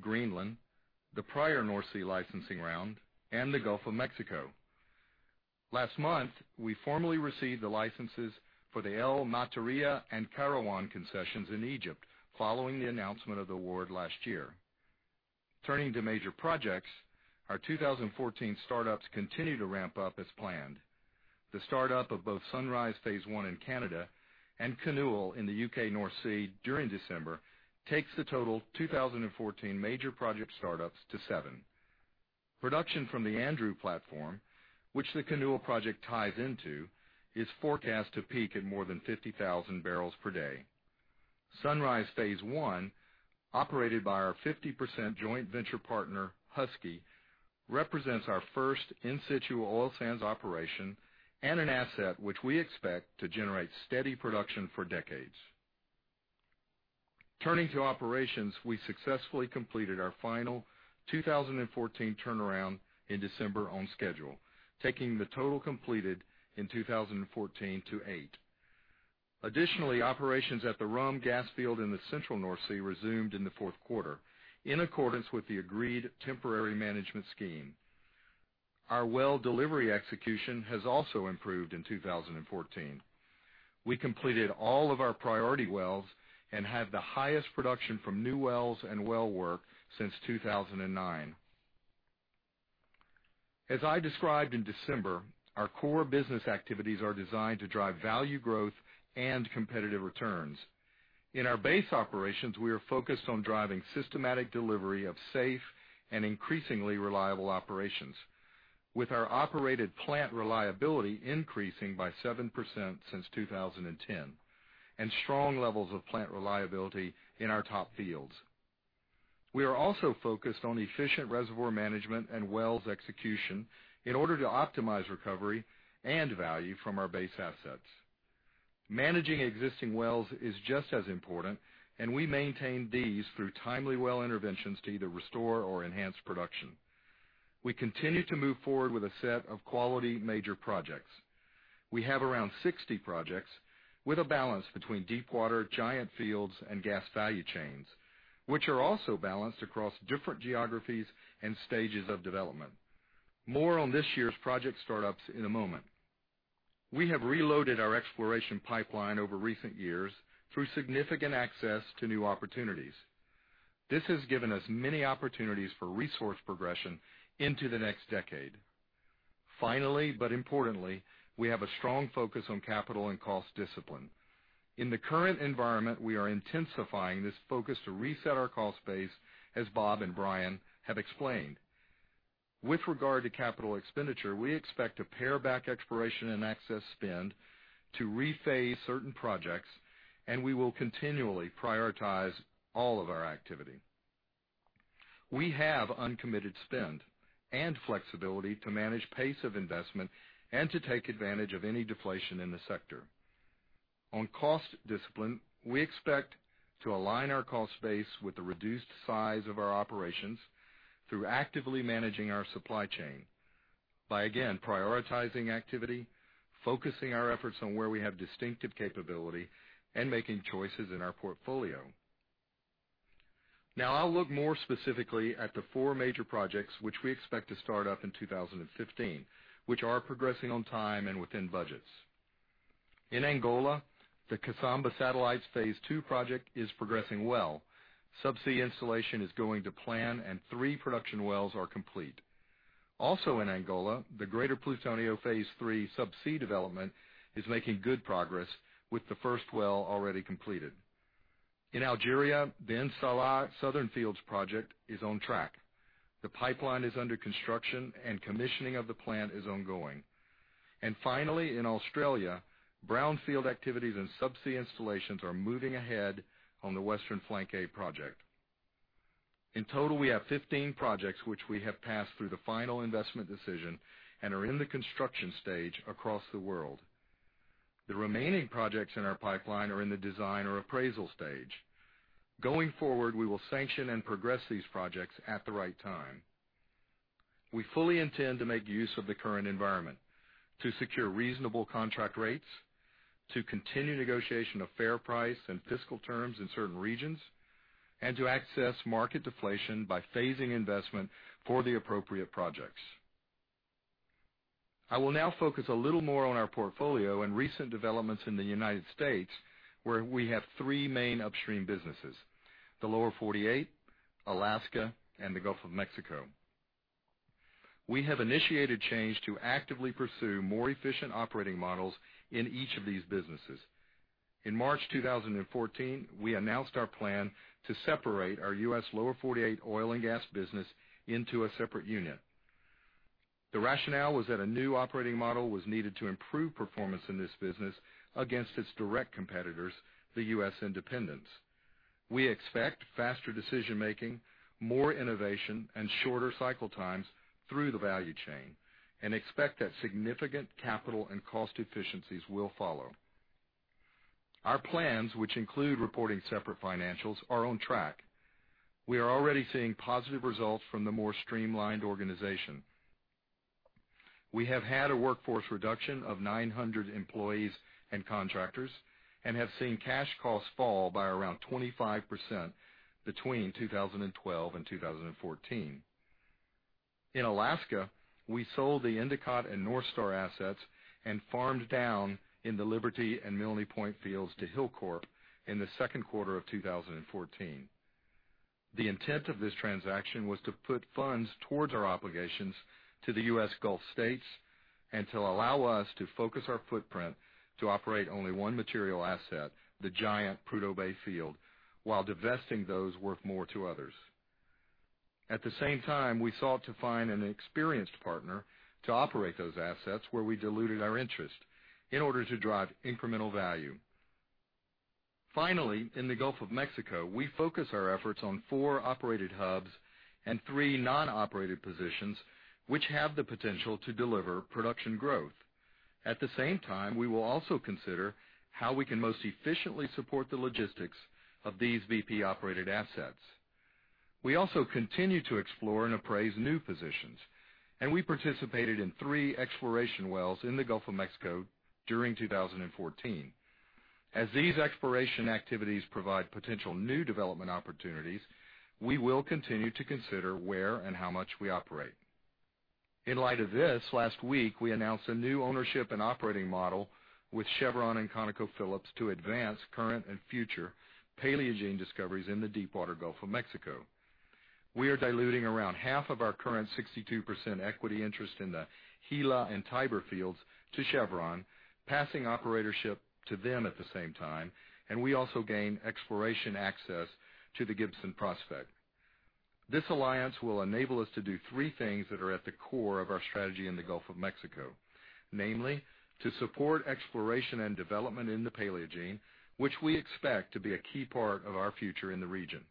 Greenland, the prior North Sea licensing round, and the Gulf of Mexico. Last month, we formally received the licenses for the El Matariya and Karawan concessions in Egypt following the announcement of the award last year. Turning to major projects, our 2014 startups continue to ramp up as planned. The startup of both Sunrise Phase One in Canada and Canoe in the U.K. North Sea during December takes the total 2014 major project startups to seven. Production from the Andrew platform, which the Canoe project ties into, is forecast to peak at more than 50,000 barrels per day. Sunrise Phase One, operated by our 50% joint venture partner, Husky, represents our first in-situ oil sands operation and an asset which we expect to generate steady production for decades. Turning to operations, we successfully completed our final 2014 turnaround in December on schedule, taking the total completed in 2014 to eight. Additionally, operations at the Rhum gas field in the central North Sea resumed in the fourth quarter in accordance with the agreed temporary management scheme. Our well delivery execution has also improved in 2014. We completed all of our priority wells and have the highest production from new wells and well work since 2009. As I described in December, our core business activities are designed to drive value growth and competitive returns. In our base operations, we are focused on driving systematic delivery of safe and increasingly reliable operations with our operated plant reliability increasing by 7% since 2010, and strong levels of plant reliability in our top fields. We are also focused on efficient reservoir management and wells execution in order to optimize recovery and value from our base assets. Managing existing wells is just as important, and we maintain these through timely well interventions to either restore or enhance production. We continue to move forward with a set of quality major projects. We have around 60 projects with a balance between deep water, giant fields, and gas value chains, which are also balanced across different geographies and stages of development. More on this year's project startups in a moment. We have reloaded our exploration pipeline over recent years through significant access to new opportunities. This has given us many opportunities for resource progression into the next decade. Importantly, we have a strong focus on capital and cost discipline. In the current environment, we are intensifying this focus to reset our cost base, as Bob Dudley and Brian Gilvary have explained. With regard to capital expenditure, we expect to pare back exploration and access spend to rephase certain projects. We will continually prioritize all of our activity. We have uncommitted spend and flexibility to manage pace of investment and to take advantage of any deflation in the sector. On cost discipline, we expect to align our cost base with the reduced size of our operations through actively managing our supply chain by, again, prioritizing activity, focusing our efforts on where we have distinctive capability, and making choices in our portfolio. Now, I'll look more specifically at the four major projects which we expect to start up in 2015, which are progressing on time and within budgets. In Angola, the Kizomba Satellites phase II project is progressing well. Subsea installation is going to plan, and three production wells are complete. Also in Angola, the Greater Plutonio phase III subsea development is making good progress with the first well already completed. In Algeria, the In Salah Southern Fields project is on track. The pipeline is under construction and commissioning of the plant is ongoing. Finally, in Australia, brownfield activities and subsea installations are moving ahead on the Greater Western Flank Phase 1 project. In total, we have 15 projects which we have passed through the final investment decision and are in the construction stage across the world. The remaining projects in our pipeline are in the design or appraisal stage. Going forward, we will sanction and progress these projects at the right time. We fully intend to make use of the current environment to secure reasonable contract rates, to continue negotiation of fair price and fiscal terms in certain regions, and to access market deflation by phasing investment for the appropriate projects. I will now focus a little more on our portfolio and recent developments in the U.S., where we have three main upstream businesses, the Lower 48, Alaska, and the Gulf of Mexico. We have initiated change to actively pursue more efficient operating models in each of these businesses. In March 2014, we announced our plan to separate our U.S. Lower 48 oil and gas business into a separate unit. The rationale was that a new operating model was needed to improve performance in this business against its direct competitors, the U.S. independents. We expect faster decision-making, more innovation, and shorter cycle times through the value chain, and expect that significant capital and cost efficiencies will follow. Our plans, which include reporting separate financials, are on track. We are already seeing positive results from the more streamlined organization. We have had a workforce reduction of 900 employees and contractors and have seen cash costs fall by around 25% between 2012 and 2014. In Alaska, we sold the Endicott and Northstar assets and farmed down in the Liberty and Milne Point fields to Hilcorp in the second quarter of 2014. The intent of this transaction was to put funds towards our obligations to the U.S. Gulf States and to allow us to focus our footprint to operate only one material asset, the giant Prudhoe Bay field, while divesting those worth more to others. At the same time, we sought to find an experienced partner to operate those assets where we diluted our interest in order to drive incremental value. In the Gulf of Mexico, we focus our efforts on four operated hubs and three non-operated positions, which have the potential to deliver production growth. At the same time, we will also consider how we can most efficiently support the logistics of these BP-operated assets. We also continue to explore and appraise new positions, and we participated in three exploration wells in the Gulf of Mexico during 2014. As these exploration activities provide potential new development opportunities, we will continue to consider where and how much we operate. In light of this, last week we announced a new ownership and operating model with Chevron and ConocoPhillips to advance current and future Paleogene discoveries in the deepwater Gulf of Mexico. We are diluting around half of our current 62% equity interest in the Gila and Tiber fields to Chevron, passing operatorship to them at the same time, and we also gain exploration access to the Gibson prospect. This alliance will enable us to do three things that are at the core of our strategy in the Gulf of Mexico. Namely, to support exploration and development in the Paleogene, which we expect to be a key part of our future in the region,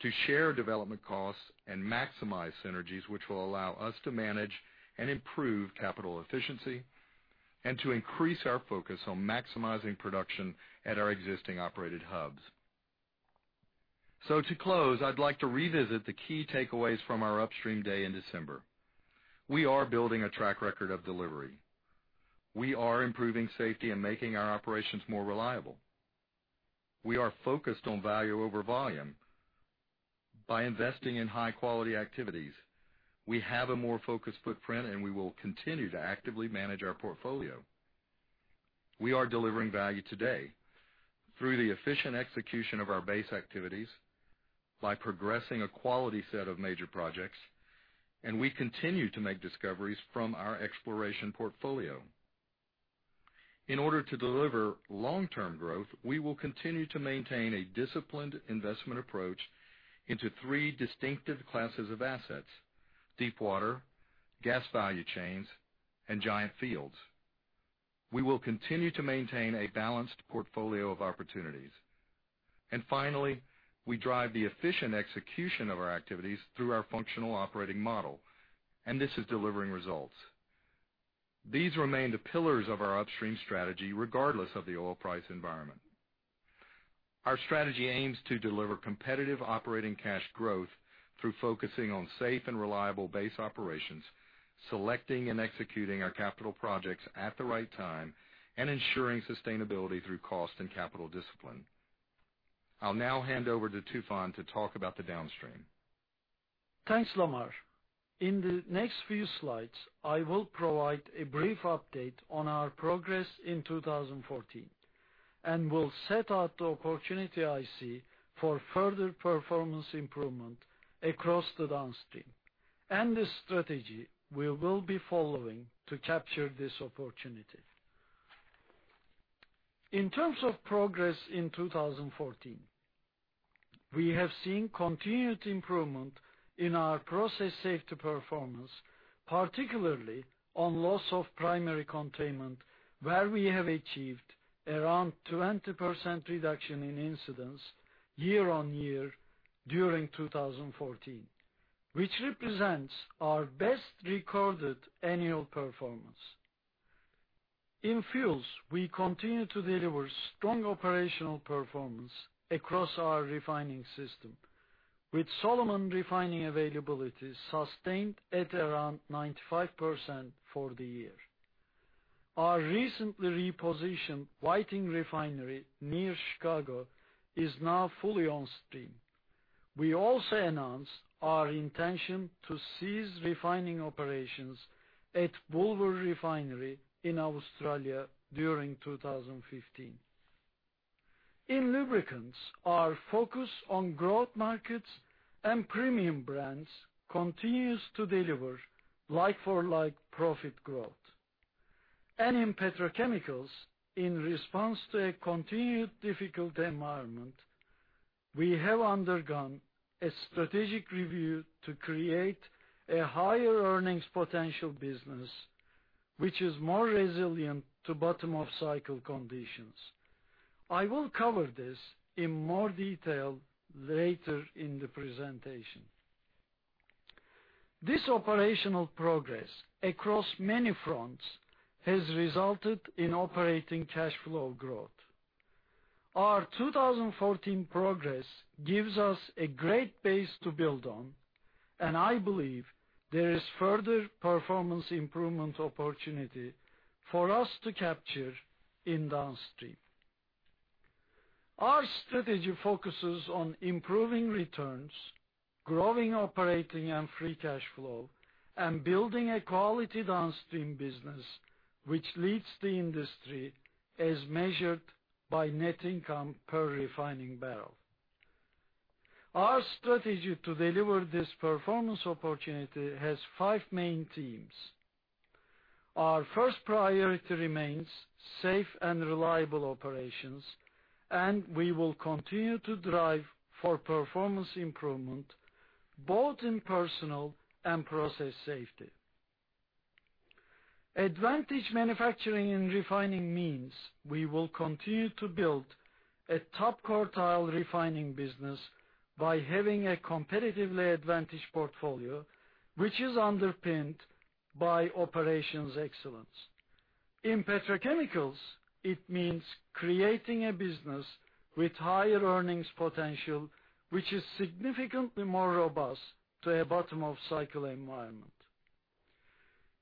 to share development costs and maximize synergies, which will allow us to manage and improve capital efficiency, and to increase our focus on maximizing production at our existing operated hubs. To close, I'd like to revisit the key takeaways from our upstream day in December. We are building a track record of delivery. We are improving safety and making our operations more reliable. We are focused on value over volume. By investing in high-quality activities, we have a more focused footprint, and we will continue to actively manage our portfolio. We are delivering value today through the efficient execution of our base activities by progressing a quality set of major projects, and we continue to make discoveries from our exploration portfolio. In order to deliver long-term growth, we will continue to maintain a disciplined investment approach into three distinctive classes of assets, deepwater, gas value chains, and giant fields. We will continue to maintain a balanced portfolio of opportunities. Finally, we drive the efficient execution of our activities through our functional operating model, and this is delivering results. These remain the pillars of our upstream strategy regardless of the oil price environment. Our strategy aims to deliver competitive operating cash growth through focusing on safe and reliable base operations, selecting and executing our capital projects at the right time, and ensuring sustainability through cost and capital discipline. I will now hand over to Tufan to talk about the Downstream. Thanks, Lamar. In the next few slides, I will provide a brief update on our progress in 2014 and will set out the opportunity I see for further performance improvement across the Downstream and the strategy we will be following to capture this opportunity. In terms of progress in 2014, we have seen continued improvement in our process safety performance, particularly on Loss of Primary Containment, where we have achieved around 20% reduction in incidents year-on-year during 2014, which represents our best recorded annual performance. In fuels, we continue to deliver strong operational performance across our refining system, with Solomon refining availability sustained at around 95% for the year. Our recently repositioned Whiting Refinery near Chicago is now fully on stream. We also announced our intention to cease refining operations at Bulwer Island Refinery in Australia during 2015. In lubricants, our focus on growth markets and premium brands continues to deliver like-for-like profit growth. In petrochemicals, in response to a continued difficult environment, we have undergone a strategic review to create a higher earnings potential business, which is more resilient to bottom-of-cycle conditions. I will cover this in more detail later in the presentation. This operational progress across many fronts has resulted in operating cash flow growth. Our 2014 progress gives us a great base to build on. I believe there is further performance improvement opportunity for us to capture in Downstream. Our strategy focuses on improving returns, growing operating and free cash flow, and building a quality Downstream business, which leads the industry as measured by net income per refining barrel. Our strategy to deliver this performance opportunity has five main themes. Our first priority remains safe and reliable operations. We will continue to drive for performance improvement both in personal and process safety. Advantage manufacturing and refining means we will continue to build a top quartile refining business by having a competitively advantaged portfolio, which is underpinned by operations excellence. In petrochemicals, it means creating a business with higher earnings potential, which is significantly more robust to a bottom-of-cycle environment.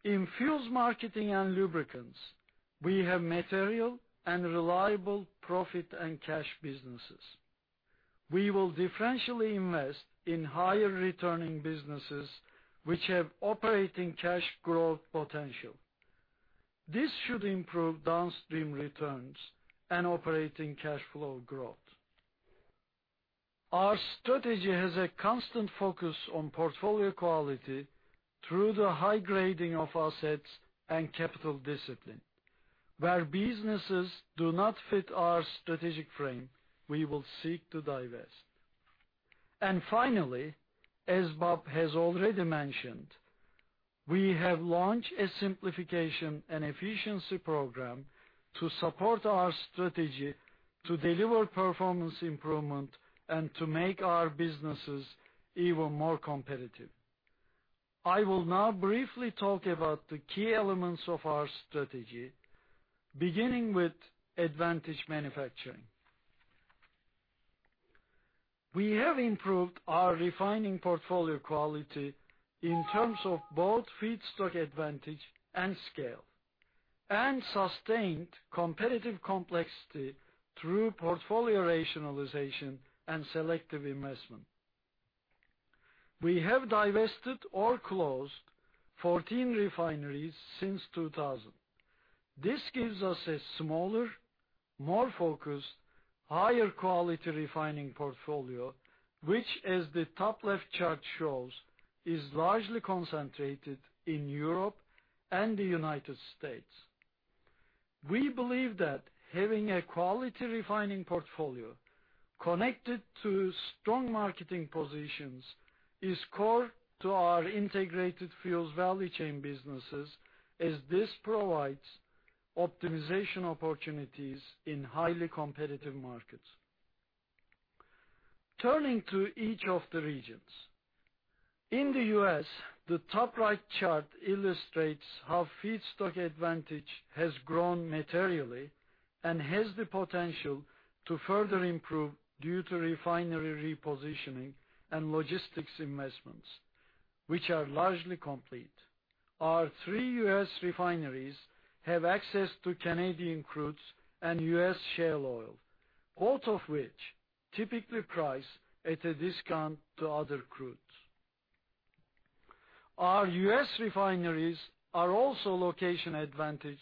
In fuels marketing and lubricants, we have material and reliable profit and cash businesses. We will differentially invest in higher returning businesses, which have operating cash growth potential. This should improve Downstream returns and operating cash flow growth. Our strategy has a constant focus on portfolio quality through the high grading of assets and capital discipline. Where businesses do not fit our strategic frame, we will seek to divest. Finally, as Bob has already mentioned, we have launched a simplification and efficiency program to support our strategy to deliver performance improvement and to make our businesses even more competitive. I will now briefly talk about the key elements of our strategy, beginning with advantage manufacturing. We have improved our refining portfolio quality in terms of both feedstock advantage and scale, and sustained competitive complexity through portfolio rationalization and selective investment. We have divested or closed 14 refineries since 2000. This gives us a smaller, more focused, higher quality refining portfolio, which, as the top left chart shows, is largely concentrated in Europe and the United States. We believe that having a quality refining portfolio connected to strong marketing positions is core to our integrated fuels value chain businesses, as this provides optimization opportunities in highly competitive markets. Turning to each of the regions. In the U.S., the top right chart illustrates how feedstock advantage has grown materially and has the potential to further improve due to refinery repositioning and logistics investments, which are largely complete. Our 3 U.S. refineries have access to Canadian crudes and U.S. shale oil. Both of which typically price at a discount to other crudes. Our U.S. refineries are also location advantage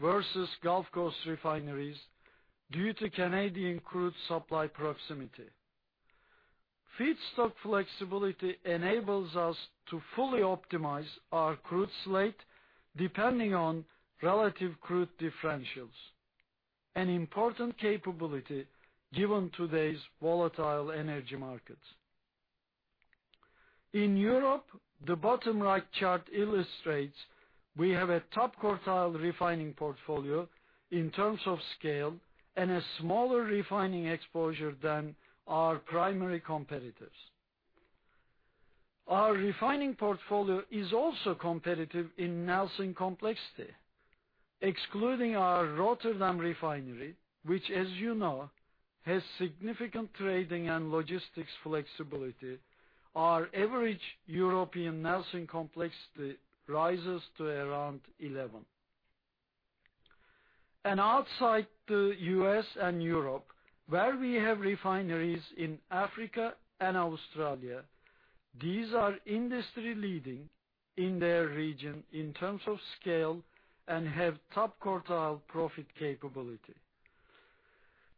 versus Gulf Coast refineries due to Canadian crude supply proximity. Feedstock flexibility enables us to fully optimize our crude slate depending on relative crude differentials, an important capability given today's volatile energy markets. In Europe, the bottom right chart illustrates we have a top quartile refining portfolio in terms of scale and a smaller refining exposure than our primary competitors. Our refining portfolio is also competitive in Nelson complexity. Excluding our Rotterdam refinery, which as you know, has significant trading and logistics flexibility, our average European Nelson complexity rises to around 11. Outside the U.S. and Europe, where we have refineries in Africa and Australia, these are industry-leading in their region in terms of scale and have top quartile profit capability.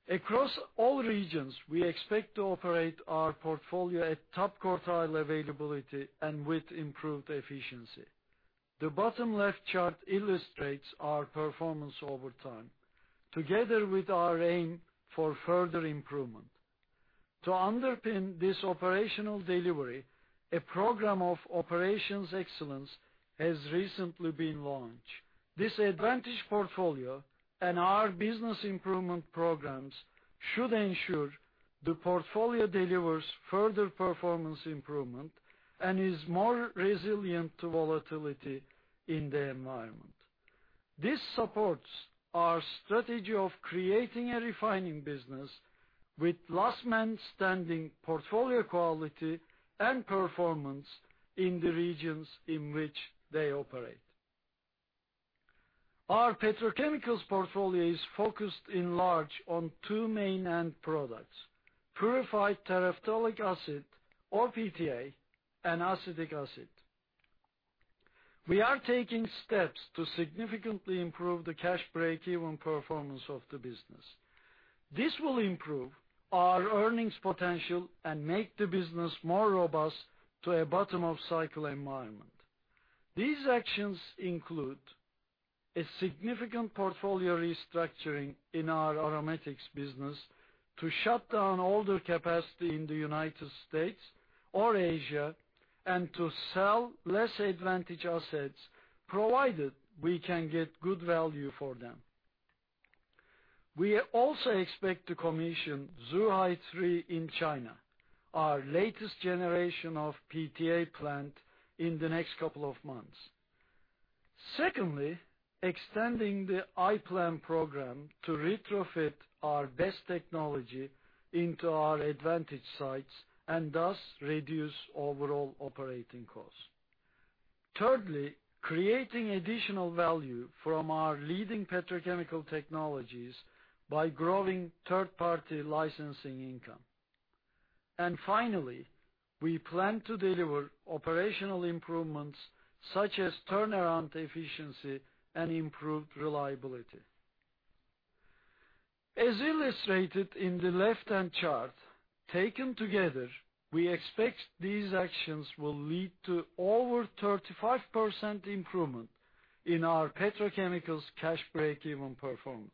Across all regions, we expect to operate our portfolio at top quartile availability and with improved efficiency. The bottom left chart illustrates our performance over time, together with our aim for further improvement. To underpin this operational delivery, a program of Operations Excellence has recently been launched. This advantage portfolio and our business improvement programs should ensure the portfolio delivers further performance improvement and is more resilient to volatility in the environment. This supports our strategy of creating a refining business with last man standing portfolio quality and performance in the regions in which they operate. Our petrochemicals portfolio is focused in large on 2 main end products, purified terephthalic acid, or PTA, and acetic acid. We are taking steps to significantly improve the cash breakeven performance of the business. This will improve our earnings potential and make the business more robust to a bottom-of-cycle environment. These actions include a significant portfolio restructuring in our aromatics business to shut down older capacity in the United States or Asia, and to sell less advantage assets, provided we can get good value for them. We also expect to commission Zhuhai 3 in China, our latest generation of PTA plant, in the next couple of months. Secondly, extending the iPlan program to retrofit our best technology into our advantage sites and thus reduce overall operating costs. Thirdly, creating additional value from our leading petrochemical technologies by growing third-party licensing income. We plan to deliver operational improvements such as turnaround efficiency and improved reliability. As illustrated in the left-hand chart, taken together, we expect these actions will lead to over 35% improvement in our petrochemicals cash breakeven performance.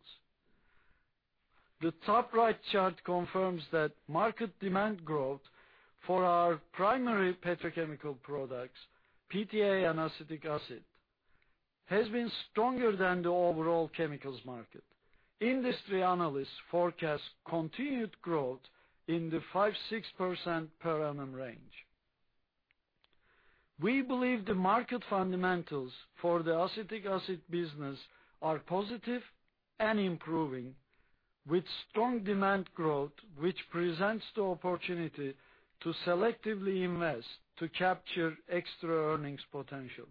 The top right chart confirms that market demand growth for our primary petrochemical products, PTA and acetic acid, has been stronger than the overall chemicals market. Industry analysts forecast continued growth in the 5%-6% per annum range. We believe the market fundamentals for the acetic acid business are positive and improving, with strong demand growth, which presents the opportunity to selectively invest to capture extra earnings potential.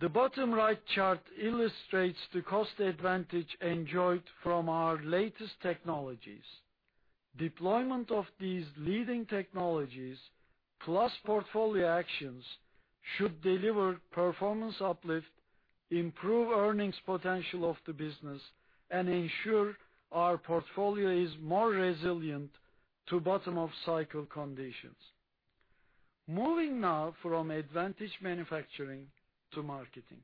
The bottom right chart illustrates the cost advantage enjoyed from our latest technologies. Deployment of these leading technologies, plus portfolio actions, should deliver performance uplift, improve earnings potential of the business, and ensure our portfolio is more resilient to bottom-of-cycle conditions. Moving now from advantage manufacturing to marketing.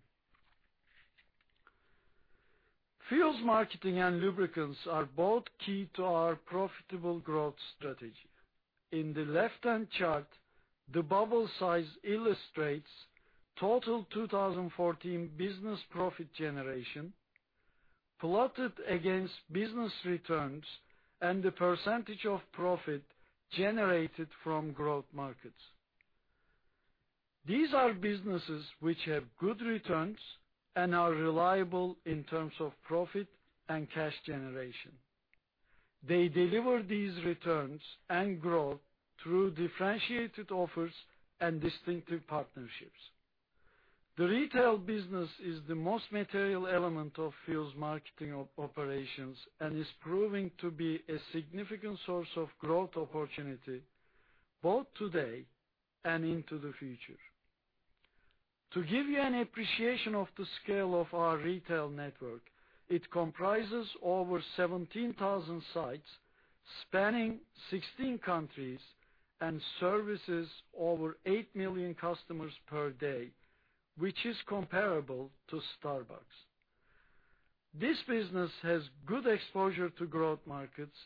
Fuels marketing and lubricants are both key to our profitable growth strategy. In the left-hand chart, the bubble size illustrates total 2014 business profit generation plotted against business returns and the percentage of profit generated from growth markets. These are businesses which have good returns and are reliable in terms of profit and cash generation. They deliver these returns and growth through differentiated offers and distinctive partnerships. The retail business is the most material element of fuels marketing operations and is proving to be a significant source of growth opportunity, both today and into the future. To give you an appreciation of the scale of our retail network, it comprises over 17,000 sites spanning 16 countries and services over 8 million customers per day, which is comparable to Starbucks. This business has good exposure to growth markets.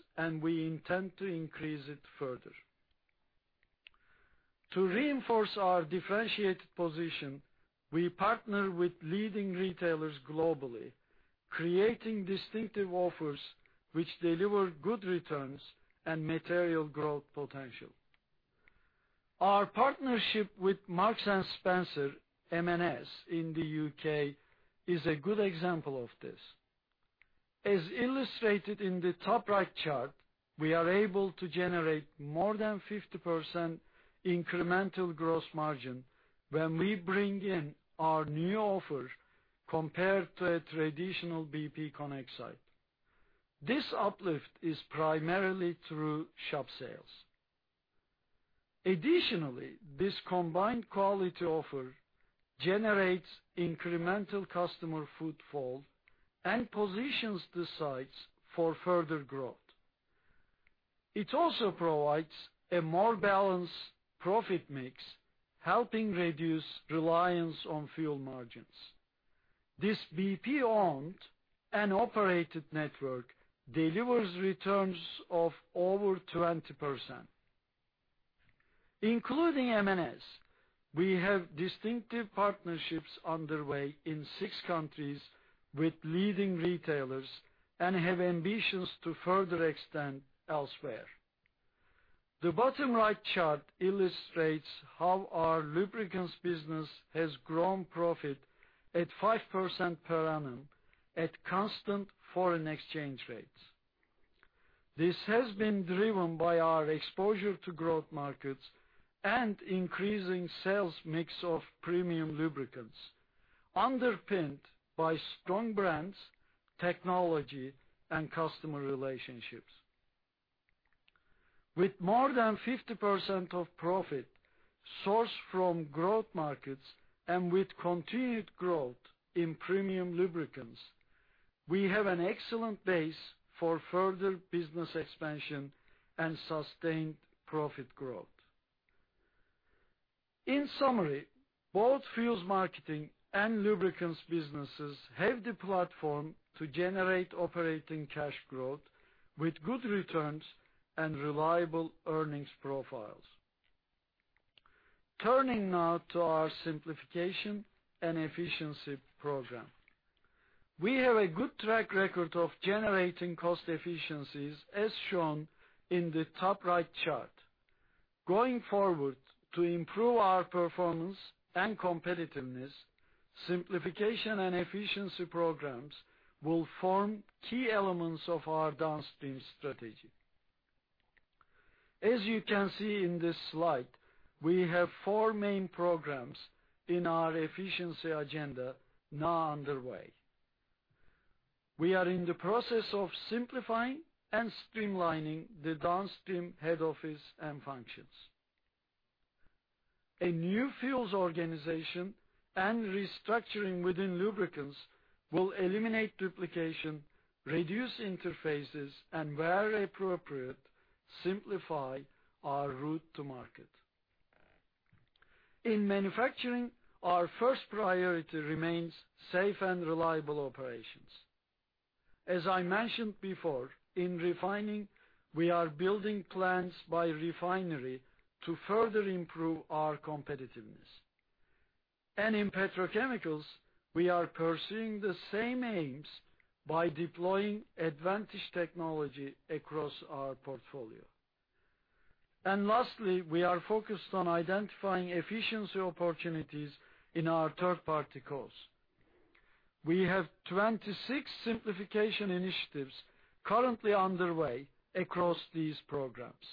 We intend to increase it further. To reinforce our differentiated position, we partner with leading retailers globally, creating distinctive offers which deliver good returns and material growth potential. Our partnership with Marks & Spencer, M&S, in the U.K. is a good example of this. As illustrated in the top right chart, we are able to generate more than 50% incremental gross margin when we bring in our new offer compared to a traditional bp Connect site. This uplift is primarily through shop sales. Additionally, this combined quality offer generates incremental customer footfall and positions the sites for further growth. It also provides a more balanced profit mix, helping reduce reliance on fuel margins. This BP-owned and operated network delivers returns of over 20%. Including M&S, we have distinctive partnerships underway in six countries with leading retailers and have ambitions to further extend elsewhere. The bottom right chart illustrates how our lubricants business has grown profit at 5% per annum at constant foreign exchange rates. This has been driven by our exposure to growth markets and increasing sales mix of premium lubricants, underpinned by strong brands, technology, and customer relationships. With more than 50% of profit sourced from growth markets and with continued growth in premium lubricants, we have an excellent base for further business expansion and sustained profit growth. In summary, both fuels marketing and lubricants businesses have the platform to generate operating cash growth with good returns and reliable earnings profiles. Turning now to our simplification and efficiency program. We have a good track record of generating cost efficiencies as shown in the top right chart. Going forward, to improve our performance and competitiveness, simplification and efficiency programs will form key elements of our Downstream strategy. As you can see in this slide, we have four main programs in our efficiency agenda now underway. We are in the process of simplifying and streamlining the Downstream head office and functions. A new fuels organization and restructuring within lubricants will eliminate duplication, reduce interfaces, and where appropriate, simplify our route to market. In manufacturing, our first priority remains safe and reliable operations. As I mentioned before, in refining, we are building plans by refinery to further improve our competitiveness. In petrochemicals, we are pursuing the same aims by deploying advantage technology across our portfolio. Lastly, we are focused on identifying efficiency opportunities in our third-party costs. We have 26 simplification initiatives currently underway across these programs.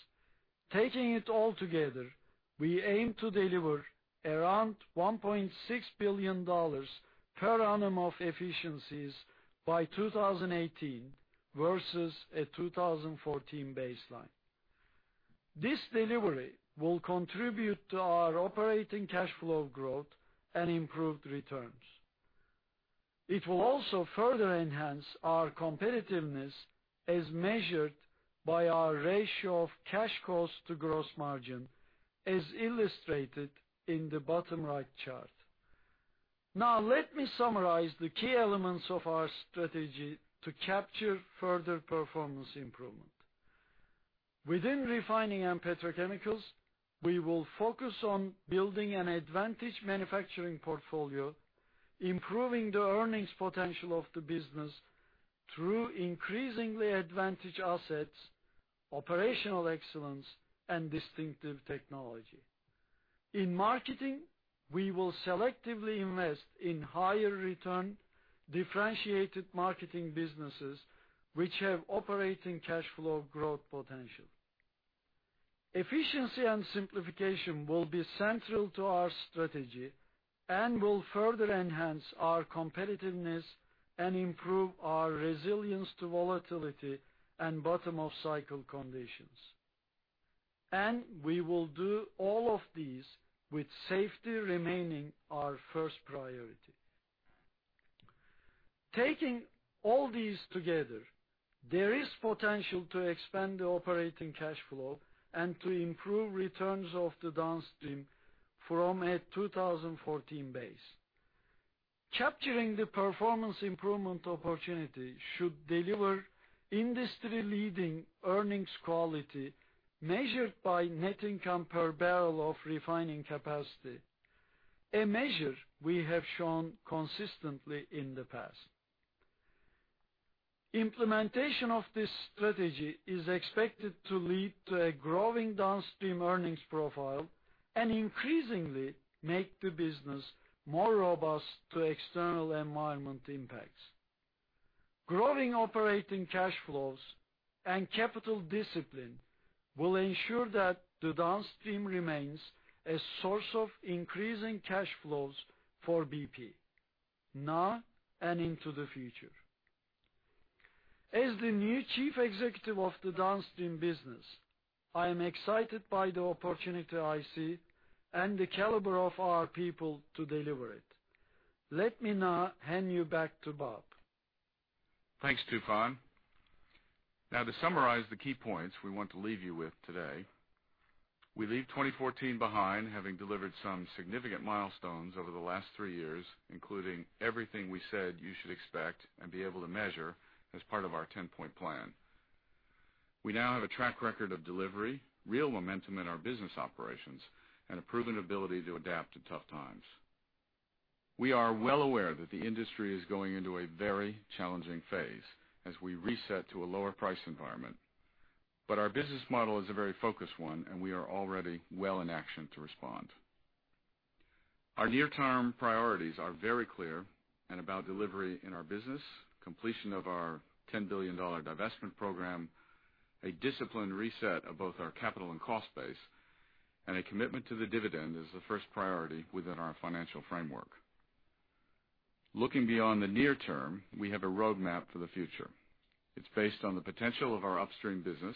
Taking it all together, we aim to deliver around GBP 1.6 billion per annum of efficiencies by 2018 versus a 2014 baseline. This delivery will contribute to our operating cash flow growth and improved returns. It will also further enhance our competitiveness as measured by our ratio of cash cost to gross margin, as illustrated in the bottom right chart. Let me summarize the key elements of our strategy to capture further performance improvement. Within Refining and Petrochemicals, we will focus on building an advantage manufacturing portfolio, improving the earnings potential of the business through increasingly advantage assets, operational excellence, and distinctive technology. In Marketing, we will selectively invest in higher return differentiated marketing businesses which have operating cash flow growth potential. Efficiency and simplification will be central to our strategy and will further enhance our competitiveness and improve our resilience to volatility and bottom-of-cycle conditions. We will do all of these with safety remaining our first priority. Taking all these together, there is potential to expand the operating cash flow and to improve returns of the Downstream from a 2014 base. Capturing the performance improvement opportunity should deliver industry-leading earnings quality measured by net income per barrel of refining capacity, a measure we have shown consistently in the past. Implementation of this strategy is expected to lead to a growing Downstream earnings profile and increasingly make the business more robust to external environment impacts. Growing operating cash flows and capital discipline will ensure that the Downstream remains a source of increasing cash flows for BP now and into the future. As the new Chief Executive of the Downstream business, I am excited by the opportunity I see and the caliber of our people to deliver it. Let me now hand you back to Bob. Thanks, Tufan. To summarize the key points we want to leave you with today. We leave 2014 behind, having delivered some significant milestones over the last three years, including everything we said you should expect and be able to measure as part of our 10-point plan. We now have a track record of delivery, real momentum in our business operations, and a proven ability to adapt to tough times. Our business model is a very focused one, we are already well in action to respond. Our near-term priorities are very clear and about delivery in our business, completion of our $10 billion divestment program, a disciplined reset of both our capital and cost base, and a commitment to the dividend as the first priority within our financial framework. Looking beyond the near term, we have a roadmap for the future. It's based on the potential of our Upstream business,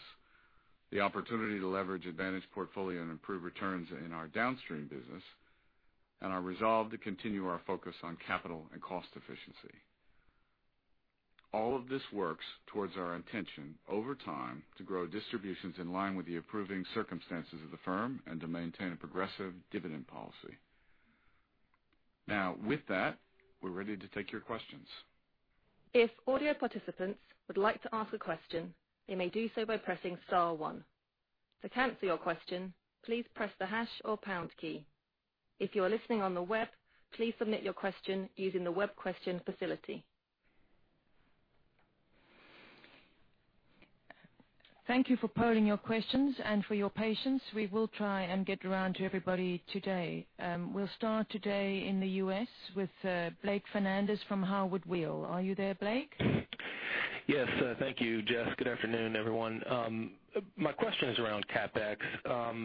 the opportunity to leverage advantage portfolio and improve returns in our Downstream business, and our resolve to continue our focus on capital and cost efficiency. All of this works towards our intention over time to grow distributions in line with the improving circumstances of the firm and to maintain a progressive dividend policy. With that, we're ready to take your questions. If audio participants would like to ask a question, they may do so by pressing star one. To cancel your question, please press the hash or pound key. If you are listening on the web, please submit your question using the web question facility. Thank you for pooling your questions and for your patience. We will try and get around to everybody today. We'll start today in the U.S. with Blake Fernandez from Howard Weil. Are you there, Blake? Yes. Thank you, Jess. Good afternoon, everyone. My question is around CapEx.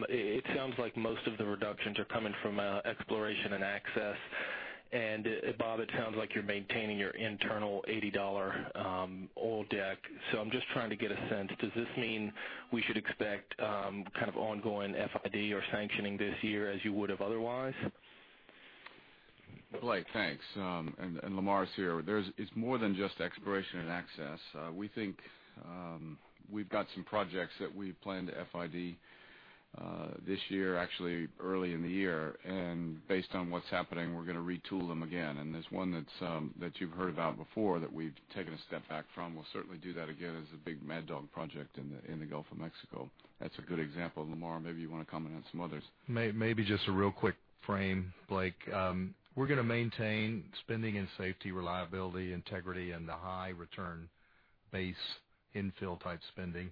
It sounds like most of the reductions are coming from exploration and access. Bob, it sounds like you're maintaining your internal $80 oil deck. I'm just trying to get a sense. Does this mean we should expect kind of ongoing FID or sanctioning this year as you would have otherwise? Blake, thanks. Lamar is here. It's more than just exploration and access. We think we've got some projects that we plan to FID this year, actually early in the year. Based on what's happening, we're going to retool them again. There's one that you've heard about before that we've taken a step back from. We'll certainly do that again as a big Mad Dog project in the Gulf of Mexico. That's a good example. Lamar, maybe you want to comment on some others. Maybe just a real quick frame, Blake. We're going to maintain spending in safety, reliability, integrity, and the high return base infill type spending.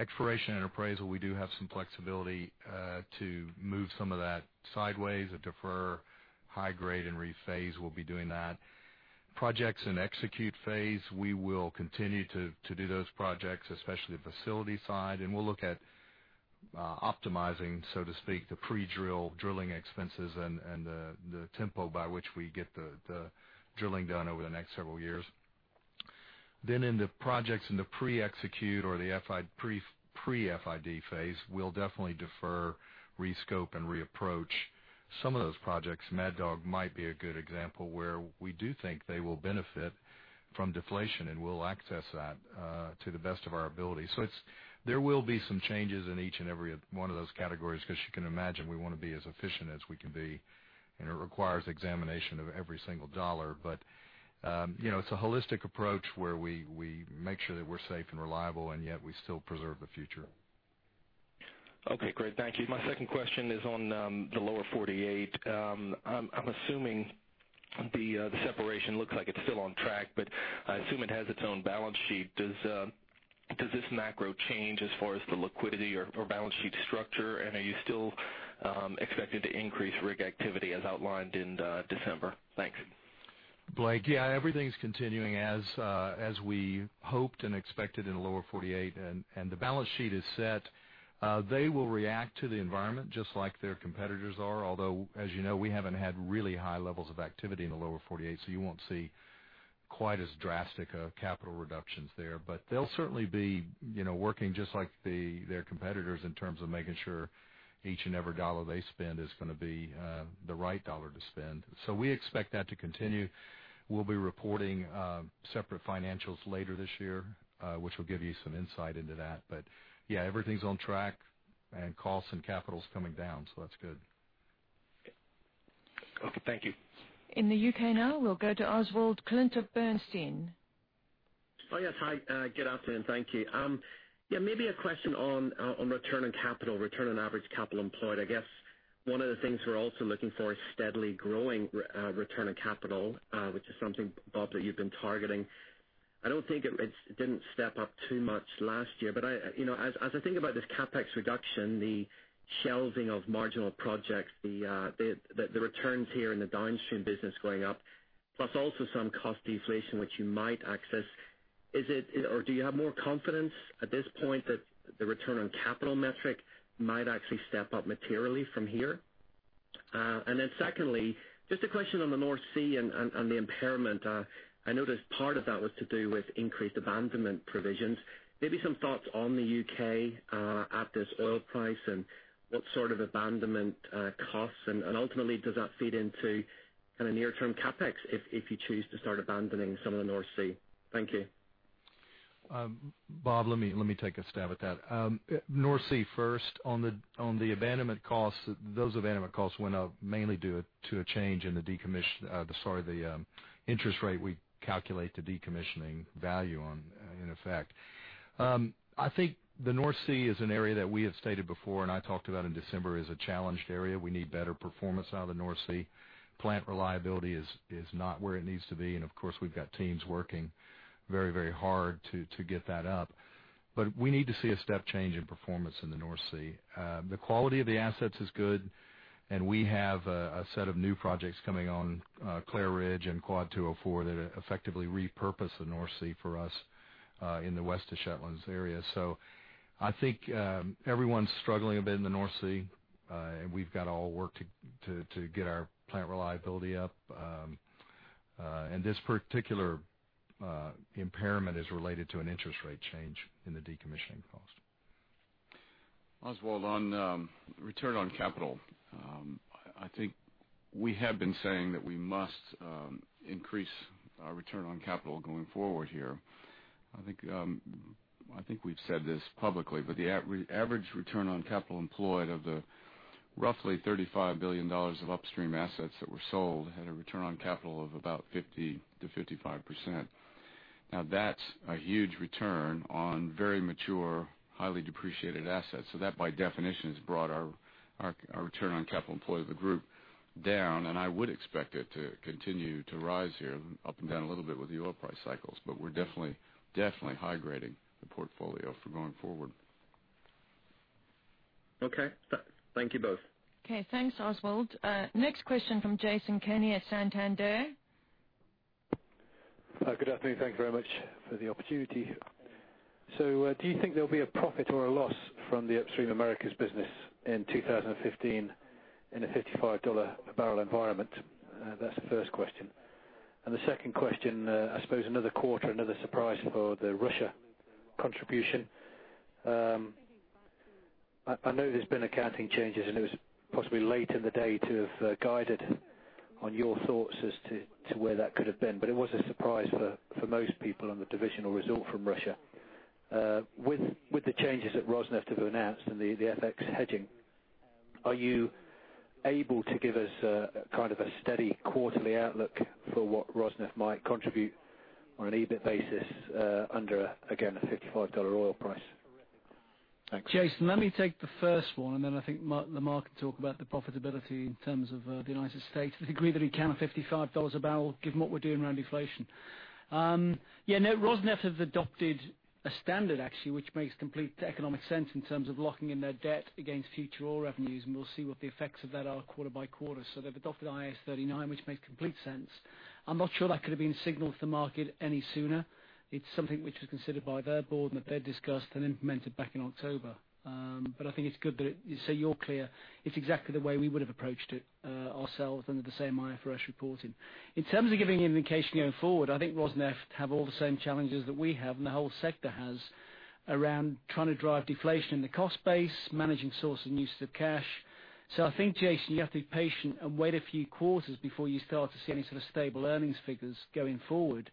Exploration and appraisal, we do have some flexibility to move some of that sideways or defer high grade and rephase. We'll be doing that. Projects in execute phase, we will continue to do those projects, especially the facility side, and we'll look at optimizing, so to speak, the pre-drill drilling expenses and the tempo by which we get the drilling done over the next several years. In the projects in the pre-execute or the pre-FID phase, we'll definitely defer, rescope, and re-approach some of those projects. Mad Dog might be a good example where we do think they will benefit from deflation, and we'll access that to the best of our ability. There will be some changes in each and every one of those categories because you can imagine we want to be as efficient as we can be, and it requires examination of every single dollar. It's a holistic approach where we make sure that we're safe and reliable, and yet we still preserve the future. Okay, great. Thank you. My second question is on the Lower 48. The separation looks like it's still on track, but I assume it has its own balance sheet. Does this macro change as far as the liquidity or balance sheet structure? Are you still expected to increase rig activity as outlined in December? Thanks. Blake, yeah, everything's continuing as we hoped and expected in the Lower 48, the balance sheet is set. They will react to the environment just like their competitors are. Although, as you know, we haven't had really high levels of activity in the Lower 48, so you won't see quite as drastic of capital reductions there. They'll certainly be working just like their competitors in terms of making sure each and every dollar they spend is going to be the right dollar to spend. We expect that to continue. We'll be reporting separate financials later this year, which will give you some insight into that. Yeah, everything's on track and costs and capital's coming down, so that's good. Okay. Thank you. In the U.K. now, we'll go to Oswald Clint of Bernstein. Oh, yes. Hi, good afternoon. Thank you. Maybe a question on return on capital, return on average capital employed. I guess one of the things we're also looking for is steadily growing return on capital, which is something, Bob, that you've been targeting. I don't think it didn't step up too much last year, but as I think about this CapEx reduction, the shelving of marginal projects, the returns here in the downstream business going up, plus also some cost deflation, which you might access. Do you have more confidence at this point that the return on capital metric might actually step up materially from here? Then secondly, just a question on the North Sea and the impairment. I noticed part of that was to do with increased abandonment provisions. Maybe some thoughts on the U.K. at this oil price and what sort of abandonment costs, ultimately, does that feed into near-term CapEx if you choose to start abandoning some of the North Sea? Thank you. Bob, let me take a stab at that. North Sea first. On the abandonment costs, those abandonment costs went up mainly due to a change in the interest rate we calculate the decommissioning value on in effect. I think the North Sea is an area that we have stated before, I talked about in December, is a challenged area. We need better performance out of the North Sea. Plant reliability is not where it needs to be, of course, we've got teams working very hard to get that up. We need to see a step change in performance in the North Sea. The quality of the assets is good, we have a set of new projects coming on Clair Ridge and Quad 204 that effectively repurpose the North Sea for us in the West of Shetlands area. I think everyone's struggling a bit in the North Sea. We've got our work to get our plant reliability up. This particular impairment is related to an interest rate change in the decommissioning cost. Oswald, on return on capital. I think we have been saying that we must increase our return on capital going forward here. I think we've said this publicly, the average return on capital employed of the roughly GBP 35 billion of upstream assets that were sold had a return on capital of about 50%-55%. Now, that's a huge return on very mature, highly depreciated assets. That, by definition, has brought our return on capital employed of the group down, I would expect it to continue to rise here, up and down a little bit with the oil price cycles. We're definitely high-grading the portfolio for going forward. Okay. Thank you both. Okay, thanks, Oswald. Next question from Jason Kenny at Santander. Good afternoon. Thank you very much for the opportunity. Do you think there'll be a profit or a loss from the Upstream Americas business in 2015 in a $55-a-barrel environment? That's the first question. The second question, I suppose another quarter, another surprise for the Russia contribution. I know there's been accounting changes, and it was possibly late in the day to have guided on your thoughts as to where that could have been, but it was a surprise for most people on the divisional result from Russia. With the changes that Rosneft have announced and the FX hedging, are you able to give us a steady quarterly outlook for what Rosneft might contribute on an EBIT basis under, again, a $55 oil price? Thanks. Jason, let me take the first one. Lamar can talk about the profitability in terms of the U.S. I agree that we count a $55 a barrel given what we're doing around deflation. Rosneft have adopted a standard actually, which makes complete economic sense in terms of locking in their debt against future oil revenues, and we'll see what the effects of that are quarter by quarter. They've adopted IAS 39, which makes complete sense. I'm not sure that could have been signaled to the market any sooner. It's something which was considered by their board and that they had discussed and implemented back in October. I think it's good that, you're clear, it's exactly the way we would have approached it ourselves under the same IFRS reporting. In terms of giving indication going forward, I think Rosneft have all the same challenges that we have and the whole sector has around trying to drive deflation in the cost base, managing source and uses of cash. I think, Jason, you have to be patient and wait a few quarters before you start to see any sort of stable earnings figures going forward.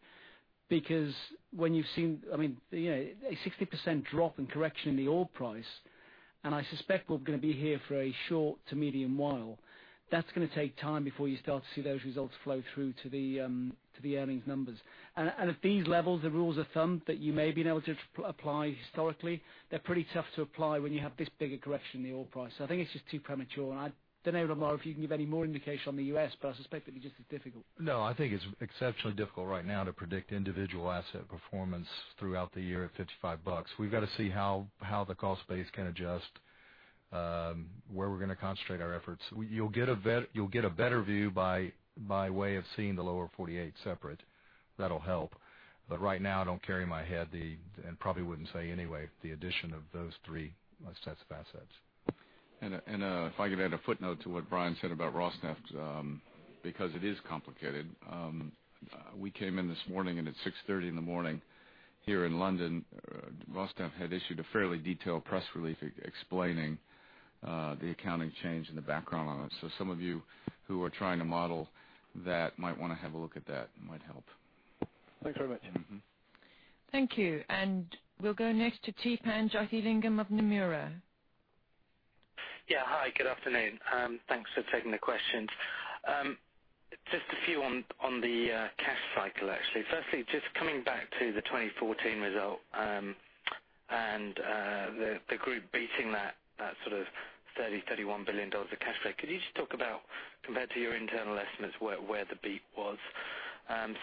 When you've seen a 60% drop in correction in the oil price, and I suspect we're going to be here for a short to medium while, that's going to take time before you start to see those results flow through to the earnings numbers. At these levels, the rules of thumb that you may have been able to apply historically, they're pretty tough to apply when you have this big a correction in the oil price. I think it's just too premature, and I don't know, Lamar, if you can give any more indication on the U.S., but I suspect it'd be just as difficult. No, I think it's exceptionally difficult right now to predict individual asset performance throughout the year at $55. We've got to see how the cost base can adjust. Where we're going to concentrate our efforts. You'll get a better view by way of seeing the Lower 48 separate. That'll help. Right now, I don't carry in my head the, and probably wouldn't say anyway, the addition of those three sets of assets. If I could add a footnote to what Brian said about Rosneft, because it is complicated. We came in this morning and at 6:30 A.M. here in London, Rosneft had issued a fairly detailed press release explaining the accounting change and the background on it. Some of you who are trying to model that might want to have a look at that. It might help. Thanks very much. Thank you. We'll go next to Theepan Jothilingam of Nomura. Hi, good afternoon. Thanks for taking the questions. Just a few on the cash cycle, actually. Firstly, just coming back to the 2014 result, the group beating that sort of 30 billion, GBP 31 billion of cash flow. Could you just talk about, compared to your internal estimates, where the beat was?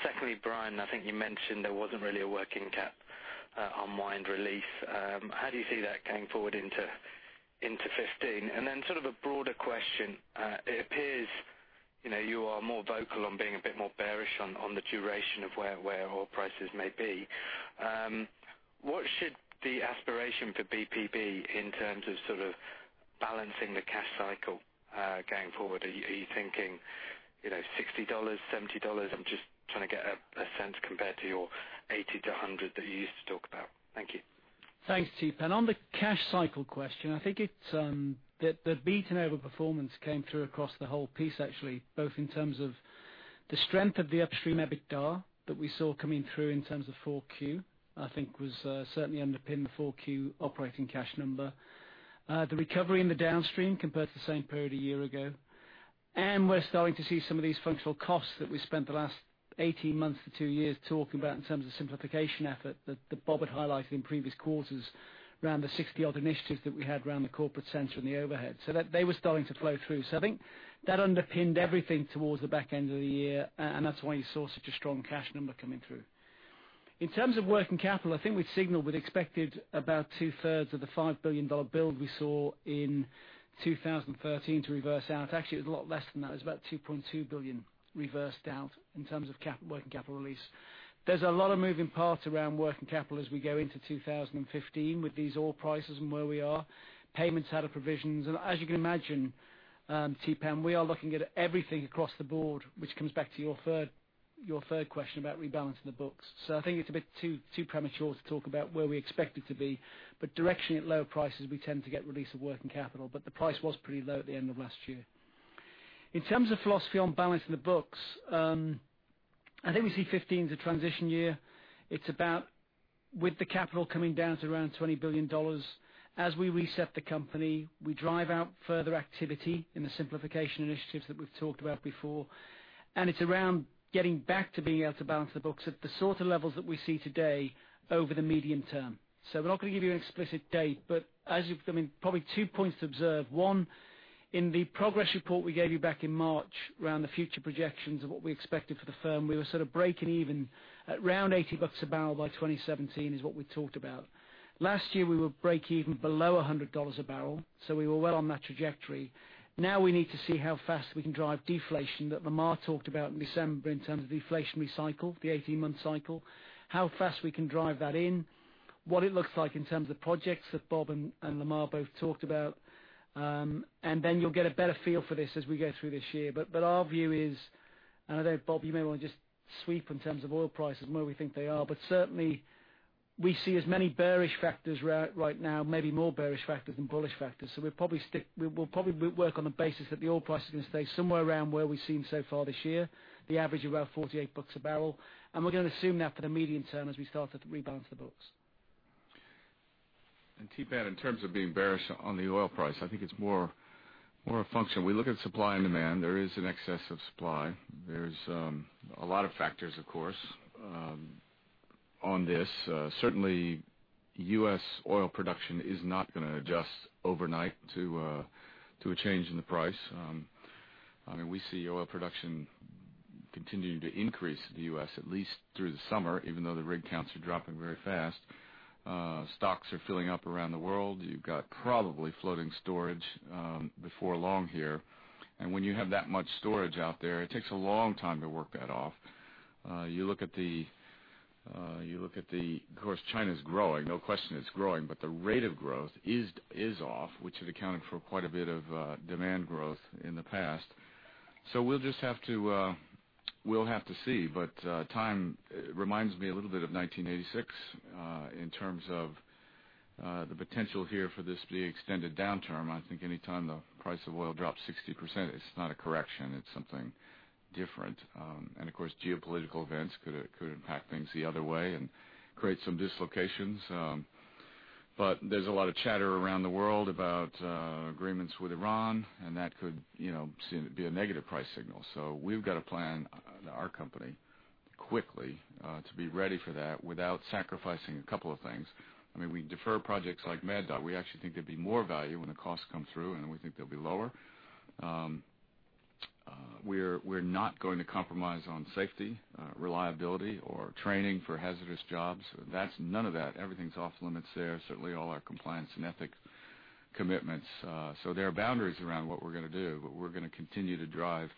Secondly, Brian, I think you mentioned there wasn't really a working cap unwind release. How do you see that going forward into 2015? Then sort of a broader question. It appears you are more vocal on being a bit more bearish on the duration of where oil prices may be. What should the aspiration for BP be in terms of balancing the cash cycle going forward? Are you thinking GBP 60, GBP 70? I'm just trying to get a sense compared to your 80-100 that you used to talk about. Thank you. Thanks, Theepan. On the cash cycle question, I think the beat and overperformance came through across the whole piece, actually, both in terms of the strength of the upstream EBITDA that we saw coming through in terms of Q4, I think was certainly underpinned the Q4 operating cash number. The recovery in the downstream compared to the same period a year ago. We're starting to see some of these functional costs that we spent the last 18 months to two years talking about in terms of simplification effort that Bob had highlighted in previous quarters around the 60-odd initiatives that we had around the corporate center and the overhead. They were starting to flow through. I think that underpinned everything towards the back end of the year, and that's why you saw such a strong cash number coming through. In terms of working capital, I think we signaled we'd expected about two-thirds of the $5 billion build we saw in 2013 to reverse out. Actually, it was a lot less than that. It was about $2.2 billion reversed out in terms of working capital release. There's a lot of moving parts around working capital as we go into 2015 with these oil prices and where we are. Payments out of provisions, and as you can imagine, Theepan, we are looking at everything across the board, which comes back to your third question about rebalancing the books. I think it's a bit too premature to talk about where we expect it to be. Directionally at lower prices, we tend to get release of working capital, but the price was pretty low at the end of last year. In terms of philosophy on balancing the books, I think we see 2015 as a transition year. It's about with the capital coming down to around $20 billion as we reset the company. We drive out further activity in the simplification initiatives that we've talked about before. It's around getting back to being able to balance the books at the sort of levels that we see today over the medium term. We're not going to give you an explicit date, but probably two points to observe. One, in the progress report we gave you back in March around the future projections of what we expected for the firm, we were sort of breaking even at around $80 a barrel by 2017 is what we talked about. Last year, we were breakeven below $100 a barrel, so we were well on that trajectory. We need to see how fast we can drive deflation that Lamar talked about in December in terms of deflationary cycle, the 18-month cycle. How fast we can drive that in, what it looks like in terms of projects that Bob and Lamar both talked about. Then you'll get a better feel for this as we go through this year. Our view is, and I know, Bob, you may want to just sweep in terms of oil prices and where we think they are. Certainly, we see as many bearish factors right now, maybe more bearish factors than bullish factors. We'll probably work on the basis that the oil price is going to stay somewhere around where we've seen so far this year, the average of around $48 a barrel. We're going to assume that for the medium term as we start to rebalance the books. Theepan, in terms of being bearish on the oil price, I think it's more a function. We look at supply and demand. There is an excess of supply. There's a lot of factors, of course, on this. Certainly, U.S. oil production is not going to adjust overnight to a change in the price. We see oil production continuing to increase in the U.S., at least through the summer, even though the rig counts are dropping very fast. Stocks are filling up around the world. You've got probably floating storage before long here. When you have that much storage out there, it takes a long time to work that off. Of course, China's growing. No question it's growing, but the rate of growth is off, which had accounted for quite a bit of demand growth in the past. We'll have to see, time reminds me a little bit of 1986 in terms of the potential here for this to be extended downturn. I think anytime the price of oil drops 60%, it's not a correction, it's something different. Of course, geopolitical events could impact things the other way and create some dislocations. There's a lot of chatter around the world about agreements with Iran, and that could be a negative price signal. We've got to plan our company quickly to be ready for that without sacrificing a couple of things. We defer projects like Mad Dog. We actually think there'd be more value when the costs come through, and we think they'll be lower. We're not going to compromise on safety, reliability, or training for hazardous jobs. None of that. Everything's off limits there. Certainly, all our compliance and ethics commitments. There are boundaries around what we're going to do. We're going to continue to drive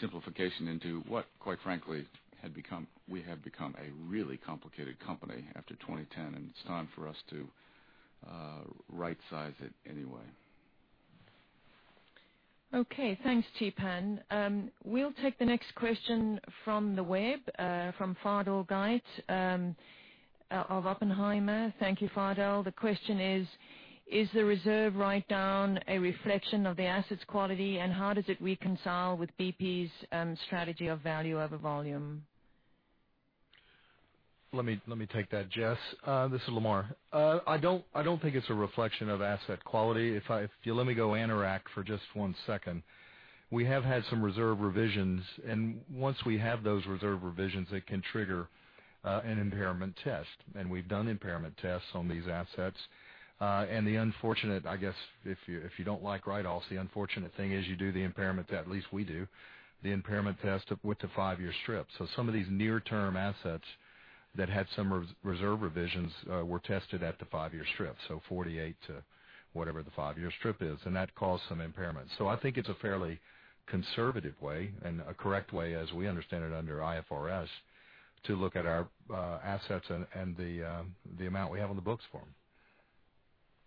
simplification into what, quite frankly, we had become a really complicated company after 2010, and it's time for us to right-size it anyway. Okay, thanks, Theepan. We'll take the next question from the web, from Fadel Gheit of Oppenheimer. Thank you, Fadel. The question is: Is the reserve write-down a reflection of the asset quality, and how does it reconcile with BP's strategy of value over volume? Let me take that, Jess. This is Lamar. I don't think it's a reflection of asset quality. If you let me go interact for just one second. We have had some reserve revisions. Once we have those reserve revisions, that can trigger an impairment test. We've done impairment tests on these assets. The unfortunate, I guess, if you don't like write-offs, the unfortunate thing is you do the impairment test, at least we do, the impairment test with the five-year strip. Some of these near-term assets that had some reserve revisions were tested at the five-year strip, so 48 to whatever the five-year strip is. That caused some impairment. I think it's a fairly conservative way and a correct way, as we understand it under IFRS, to look at our assets and the amount we have on the books for them.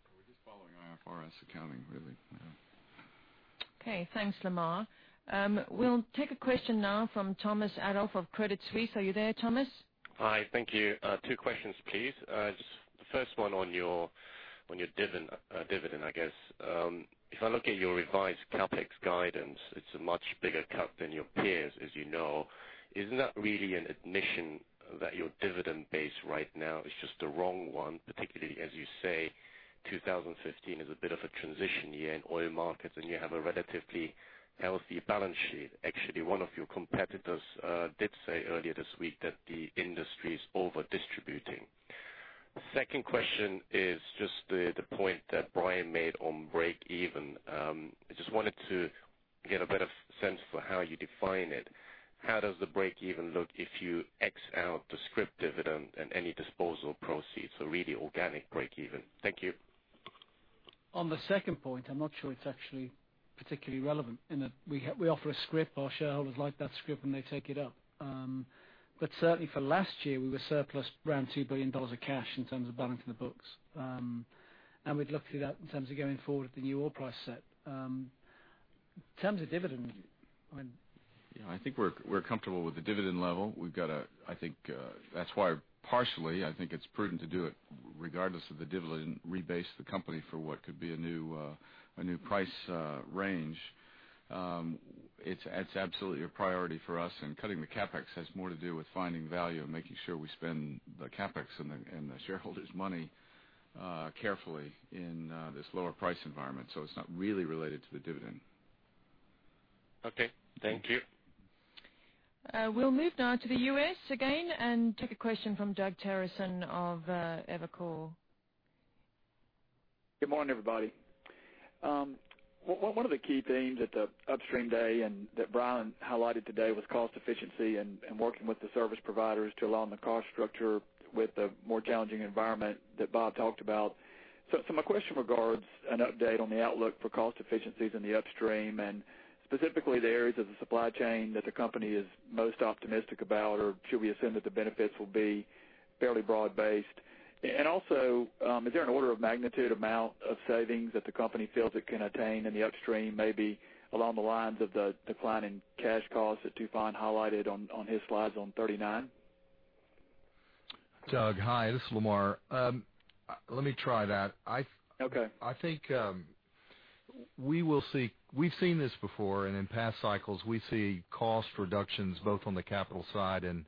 We're just following IFRS accounting, really. Yeah. Okay, thanks, Lamar. We'll take a question now from Thomas Adolff of Credit Suisse. Are you there, Thomas? Hi, thank you. Two questions, please. The first one on your dividend, I guess. If I look at your revised CapEx guidance, it's a much bigger cut than your peers, as you know. Isn't that really an admission that your dividend base right now is just the wrong one, particularly as you say, 2015 is a bit of a transition year in oil markets. You have a relatively healthy balance sheet. One of your competitors did say earlier this week that the industry is over-distributing. Second question is just the point that Brian made on break even. I just wanted to get a better sense for how you define it. How does the break even look if you X out the scrip dividend and any disposal proceeds, so really organic break even? Thank you. On the second point, I'm not sure it's actually particularly relevant. We offer a scrip. Our shareholders like that scrip, and they take it up. Certainly for last year, we were surplus around $2 billion of cash in terms of balancing the books. We'd look through that in terms of going forward with the new oil price set. In terms of dividend. I think we're comfortable with the dividend level. That's why partially, I think it's prudent to do it regardless of the dividend, rebase the company for what could be a new price range. It's absolutely a priority for us. Cutting the CapEx has more to do with finding value and making sure we spend the CapEx and the shareholders' money carefully in this lower price environment. It's not really related to the dividend. Okay. Thank you. We'll move now to the U.S. again and take a question from Doug Terreson of Evercore. Good morning, everybody. One of the key themes at the Upstream Day and that Brian highlighted today was cost efficiency and working with the service providers to align the cost structure with the more challenging environment that Bob talked about. My question regards an update on the outlook for cost efficiencies in the Upstream and specifically the areas of the supply chain that the company is most optimistic about, or should we assume that the benefits will be fairly broad-based? Also, is there an order of magnitude amount of savings that the company feels it can attain in the Upstream, maybe along the lines of the decline in cash costs that Tufan highlighted on his slides on 39? Doug, hi. This is Lamar. Let me try that. Okay. I think we've seen this before, in past cycles, we see cost reductions both on the capital side and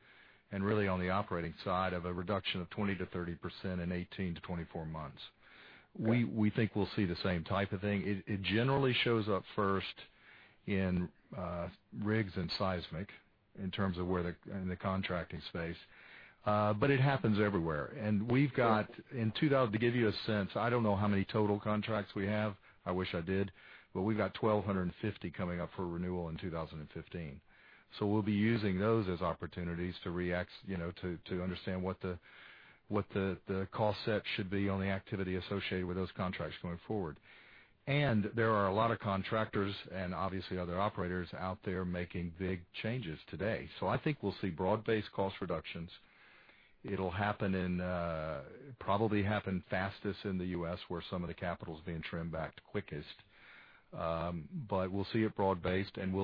really on the operating side of a reduction of 20%-30% in 18-24 months. We think we'll see the same type of thing. It generally shows up first in rigs and seismic in terms of in the contracting space, but it happens everywhere. To give you a sense, I don't know how many total contracts we have. I wish I did. We've got 1,250 coming up for renewal in 2015. We'll be using those as opportunities to understand what the cost set should be on the activity associated with those contracts going forward. There are a lot of contractors and obviously other operators out there making big changes today. I think we'll see broad-based cost reductions. It'll probably happen fastest in the U.S., where some of the capital is being trimmed back the quickest. We'll see it broad-based, and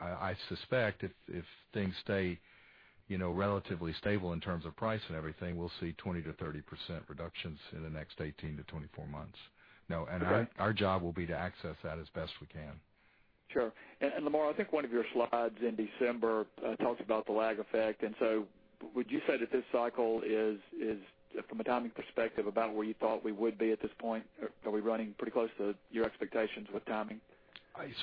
I suspect if things stay relatively stable in terms of price and everything, we'll see 20%-30% reductions in the next 18-24 months. All right. Our job will be to access that as best we can. Sure. Lamar, I think one of your slides in December talked about the lag effect. Would you say that this cycle is from a timing perspective about where you thought we would be at this point? Are we running pretty close to your expectations with timing?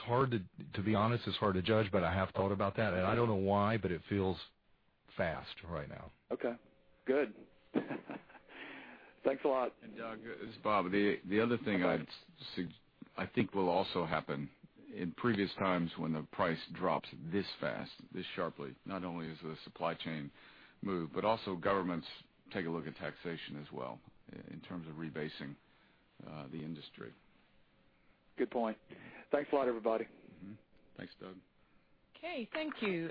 To be honest, it's hard to judge, but I have thought about that, and I don't know why, but it feels fast right now. Okay, good. Thanks a lot. Doug, it's Bob. Hi I think will also happen in previous times when the price drops this fast, this sharply, not only does the supply chain move, but also governments take a look at taxation as well in terms of rebasing the industry. Good point. Thanks a lot, everybody. Thanks, Doug. Okay, thank you.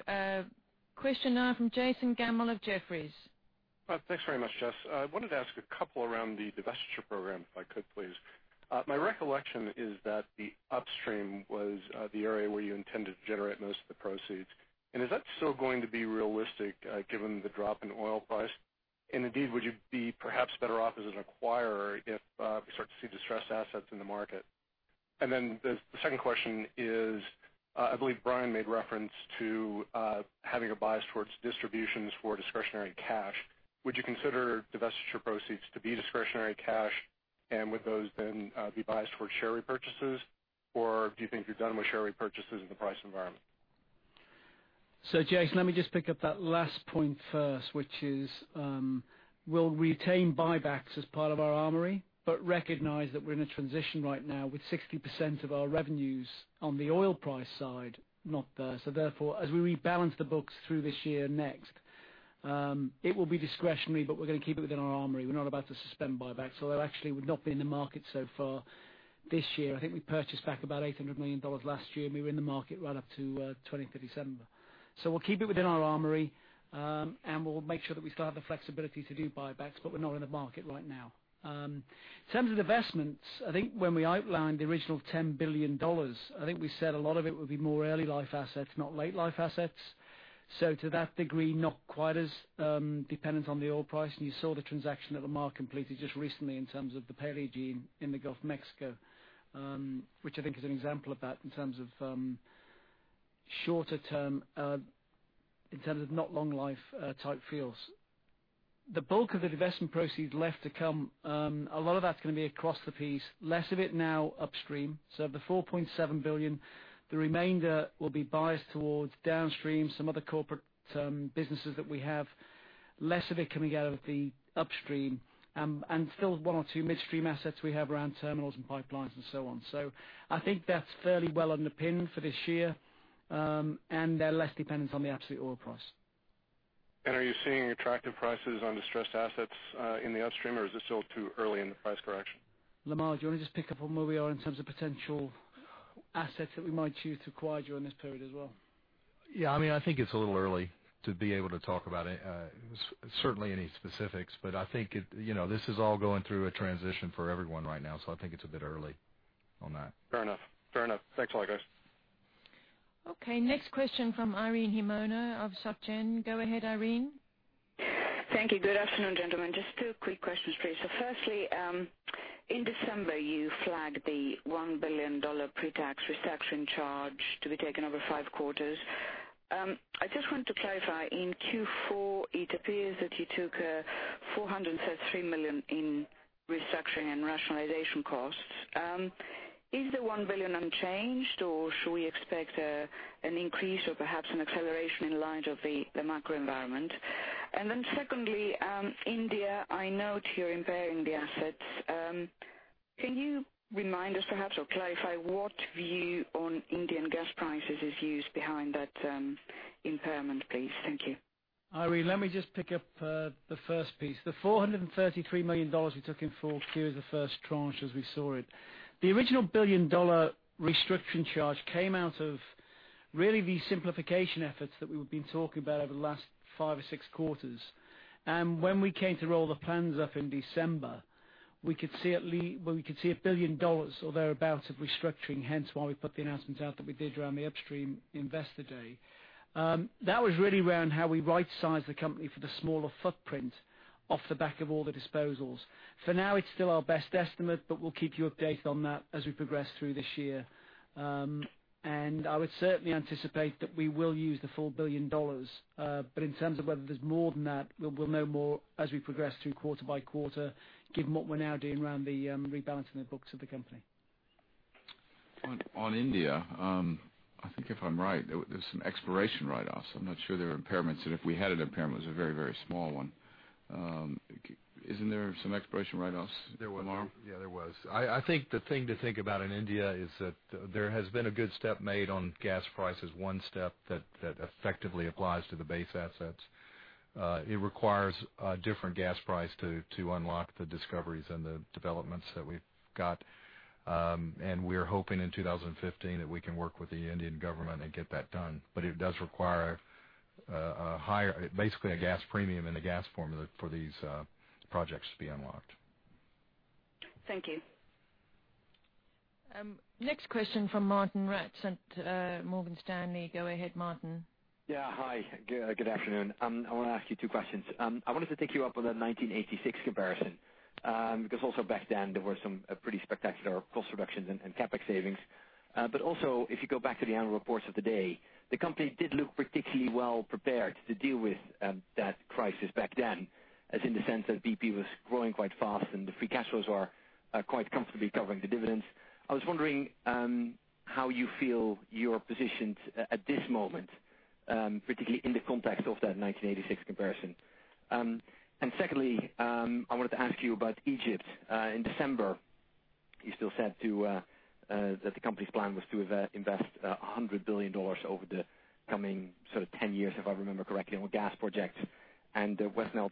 Question now from Jason Gammel of Jefferies. Thanks very much, Jess. I wanted to ask a couple around the divestiture program, if I could, please. My recollection is that the upstream was the area where you intended to generate most of the proceeds. Is that still going to be realistic given the drop in oil price? Indeed, would you be perhaps better off as an acquirer if we start to see distressed assets in the market? Then the second question is, I believe Brian made reference to having a bias towards distributions for discretionary cash. Would you consider divestiture proceeds to be discretionary cash? Would those then be biased toward share repurchases, or do you think you're done with share repurchases in the price environment? Jason, let me just pick up that last point first, which is, we'll retain buybacks as part of our armory, but recognize that we're in a transition right now with 60% of our revenues on the oil price side, not there. Therefore, as we rebalance the books through this year next, it will be discretionary, but we're going to keep it within our armory. We're not about to suspend buybacks, although actually we've not been in the market so far this year. I think we purchased back about $800 million last year, and we were in the market right up to 2014 December. We'll keep it within our armory, and we'll make sure that we still have the flexibility to do buybacks, but we're not in the market right now. In terms of divestments, I think when we outlined the original $10 billion, I think we said a lot of it would be more early life assets, not late life assets. To that degree, not quite as dependent on the oil price. You saw the transaction that Lamar completed just recently in terms of the Paleogene in the Gulf of Mexico, which I think is an example of that in terms of shorter term, in terms of not long life type fields. The bulk of the divestment proceeds left to come, a lot of that's going to be across the piece, less of it now upstream. Of the $4.7 billion, the remainder will be biased towards downstream, some other corporate businesses that we have, less of it coming out of the upstream, and still one or two midstream assets we have around terminals and pipelines and so on. I think that's fairly well underpinned for this year, they're less dependent on the absolute oil price. Are you seeing attractive prices on distressed assets in the upstream, or is it still too early in the price correction? Lamar, do you want to just pick up on where we are in terms of potential assets that we might choose to acquire during this period as well? Yeah, I think it's a little early to be able to talk about it, certainly any specifics. I think this is all going through a transition for everyone right now, I think it's a bit early on that. Fair enough. Thanks a lot, guys. Okay. Next question from Irene Himona of Societe Generale. Go ahead, Irene. Thank you. Good afternoon, gentlemen. Just two quick questions, please. Firstly, in December you flagged the $1 billion pre-tax restructuring charge to be taken over 5 quarters. I just wanted to clarify, in Q4 it appears that you took $433 million in restructuring and rationalization costs. Is the $1 billion unchanged, or should we expect an increase or perhaps an acceleration in light of the macro environment? Secondly, India, I note you're impairing the assets. Can you remind us perhaps, or clarify what view on Indian gas prices is used behind that impairment, please? Thank you. Irene, let me just pick up the first piece. The $433 million we took in 4Q is the first tranche as we saw it. The original billion-dollar restructuring charge came out of really the simplification efforts that we have been talking about over the last five or six quarters. When we came to roll the plans up in December, we could see $1 billion or thereabouts of restructuring, hence why we put the announcements out that we did around the Upstream Investor Day. That was really around how we right-size the company for the smaller footprint off the back of all the disposals. For now, it's still our best estimate, but we'll keep you updated on that as we progress through this year. I would certainly anticipate that we will use the full $1 billion. In terms of whether there's more than that, we'll know more as we progress through quarter by quarter, given what we're now doing around the rebalancing the books of the company. On India, I think if I'm right, there's some exploration write-offs. I'm not sure there are impairments, and if we had an impairment, it was a very, very small one. Isn't there some exploration write-offs, Lamar? There was. Yeah, there was. I think the thing to think about in India is that there has been a good step made on gas prices, one step that effectively applies to the base assets. It requires a different gas price to unlock the discoveries and the developments that we've got. We're hoping in 2015 that we can work with the Indian government and get that done. It does require basically a gas premium in the gas formula for these projects to be unlocked. Thank you. Next question from Martijn Rats, Morgan Stanley. Go ahead, Martin. Yeah. Hi. Good afternoon. I want to ask you two questions. I wanted to take you up on the 1986 comparison, because also back then there were some pretty spectacular cost reductions and CapEx savings. Also, if you go back to the annual reports of the day, the company did look particularly well prepared to deal with that crisis back then, as in the sense that BP was growing quite fast and the free cash flows are quite comfortably covering the dividends. I was wondering how you feel you're positioned at this moment Particularly in the context of that 1986 comparison. Secondly, I wanted to ask you about Egypt. In December, you still said that the company's plan was to invest GBP 100 billion over the coming 10 years, if I remember correctly, on gas projects. West Nile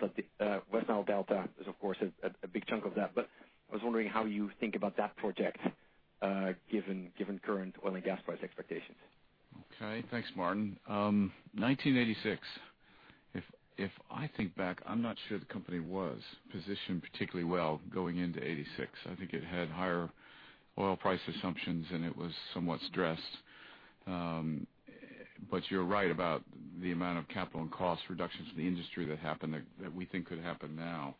Delta is of course a big chunk of that. I was wondering how you think about that project given current oil and gas price expectations. Okay. Thanks, Martijn. 1986, if I think back, I am not sure the company was positioned particularly well going into 1986. I think it had higher oil price assumptions, and it was somewhat stressed. You are right about the amount of capital and cost reductions in the industry that happened that we think could happen now.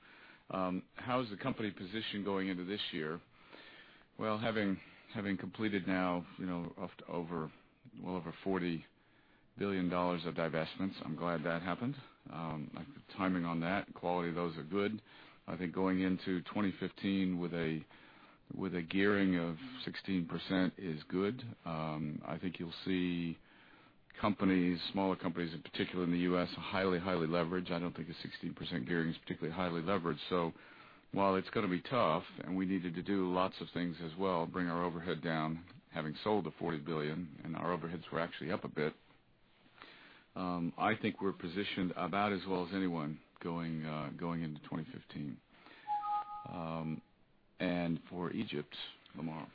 How is the company positioned going into this year? Well, having completed now well over GBP 40 billion of divestments, I am glad that happened. Timing on that, quality of those are good. I think going into 2015 with a gearing of 16% is good. I think you will see companies, smaller companies in particular in the U.S., are highly leveraged. I do not think a 16% gearing is particularly highly leveraged. While it is going to be tough and we needed to do lots of things as well, bring our overhead down, having sold the 40 billion, and our overheads were actually up a bit, I think we are positioned about as well as anyone going into 2015. For Egypt, Lamar.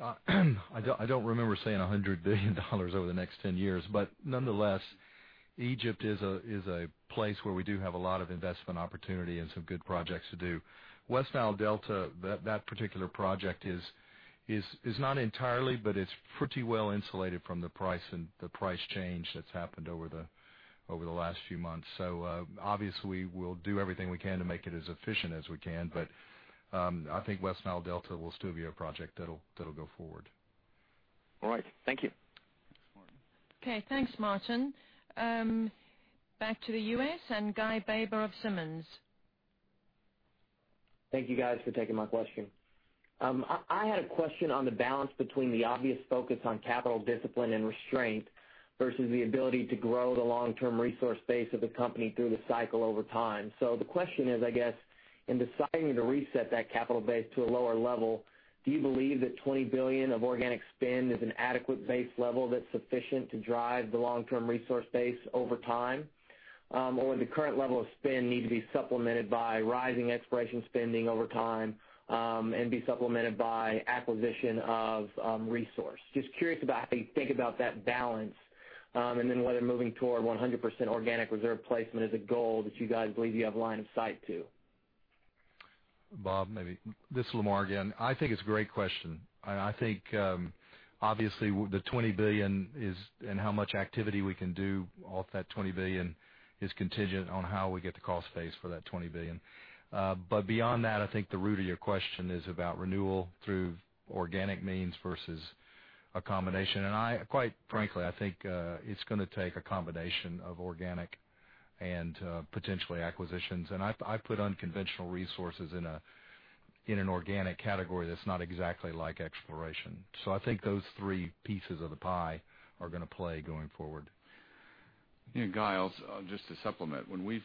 I do not remember saying GBP 100 billion over the next 10 years. Nonetheless, Egypt is a place where we do have a lot of investment opportunity and some good projects to do. West Nile Delta, that particular project is not entirely, but it is pretty well insulated from the price and the price change that has happened over the last few months. Obviously we will do everything we can to make it as efficient as we can, but I think West Nile Delta will still be a project that will go forward. All right. Thank you. Thanks, Martin. Okay. Thanks, Martin. Back to the U.S. and Guy Baber of Simmons. Thank you guys for taking my question. I had a question on the balance between the obvious focus on capital discipline and restraint versus the ability to grow the long-term resource base of the company through the cycle over time. The question is, I guess, in deciding to reset that capital base to a lower level, do you believe that $20 billion of organic spend is an adequate base level that's sufficient to drive the long-term resource base over time? Or would the current level of spend need to be supplemented by rising exploration spending over time and be supplemented by acquisition of resource? Just curious about how you think about that balance and then whether moving toward 100% organic reserve replacement is a goal that you guys believe you have line of sight to. Bob, maybe. This is Lamar again. I think it's a great question. I think obviously the 20 billion and how much activity we can do off that 20 billion is contingent on how we get the cost base for that 20 billion. Beyond that, I think the root of your question is about renewal through organic means versus a combination. Quite frankly, I think it's going to take a combination of organic and potentially acquisitions. I'd put unconventional resources in an organic category that's not exactly like exploration. I think those three pieces of the pie are going to play going forward. Yeah, Guy, just to supplement. When we've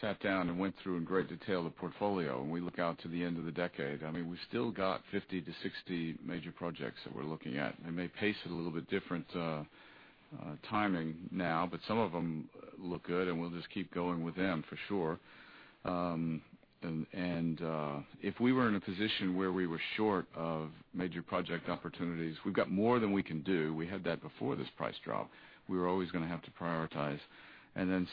sat down and went through in great detail the portfolio and we look out to the end of the decade, we still got 50 to 60 major projects that we're looking at. They may pace it a little bit different timing now, but some of them look good, and we'll just keep going with them for sure. If we were in a position where we were short of major project opportunities, we've got more than we can do. We had that before this price drop. We were always going to have to prioritize.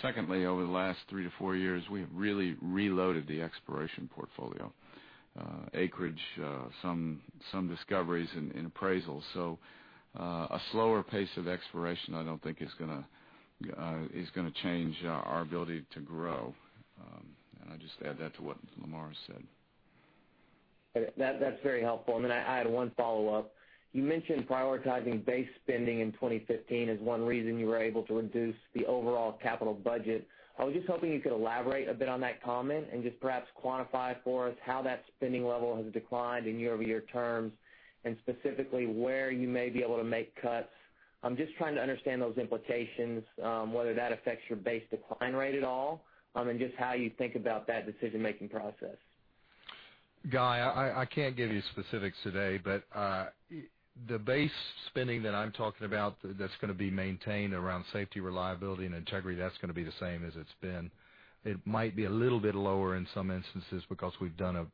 Secondly, over the last three to four years, we have really reloaded the exploration portfolio. Acreage, some discoveries and appraisals. A slower pace of exploration I don't think is going to change our ability to grow. I'd just add that to what Lamar said. That's very helpful. Then I had one follow-up. You mentioned prioritizing base spending in 2015 as one reason you were able to reduce the overall capital budget. I was just hoping you could elaborate a bit on that comment and just perhaps quantify for us how that spending level has declined in year-over-year terms, specifically where you may be able to make cuts. I'm just trying to understand those implications, whether that affects your base decline rate at all, just how you think about that decision-making process. Guy, I can't give you specifics today, but the base spending that I'm talking about that's going to be maintained around safety, reliability, and integrity, that's going to be the same as it's been. It might be a little bit lower in some instances because we've done a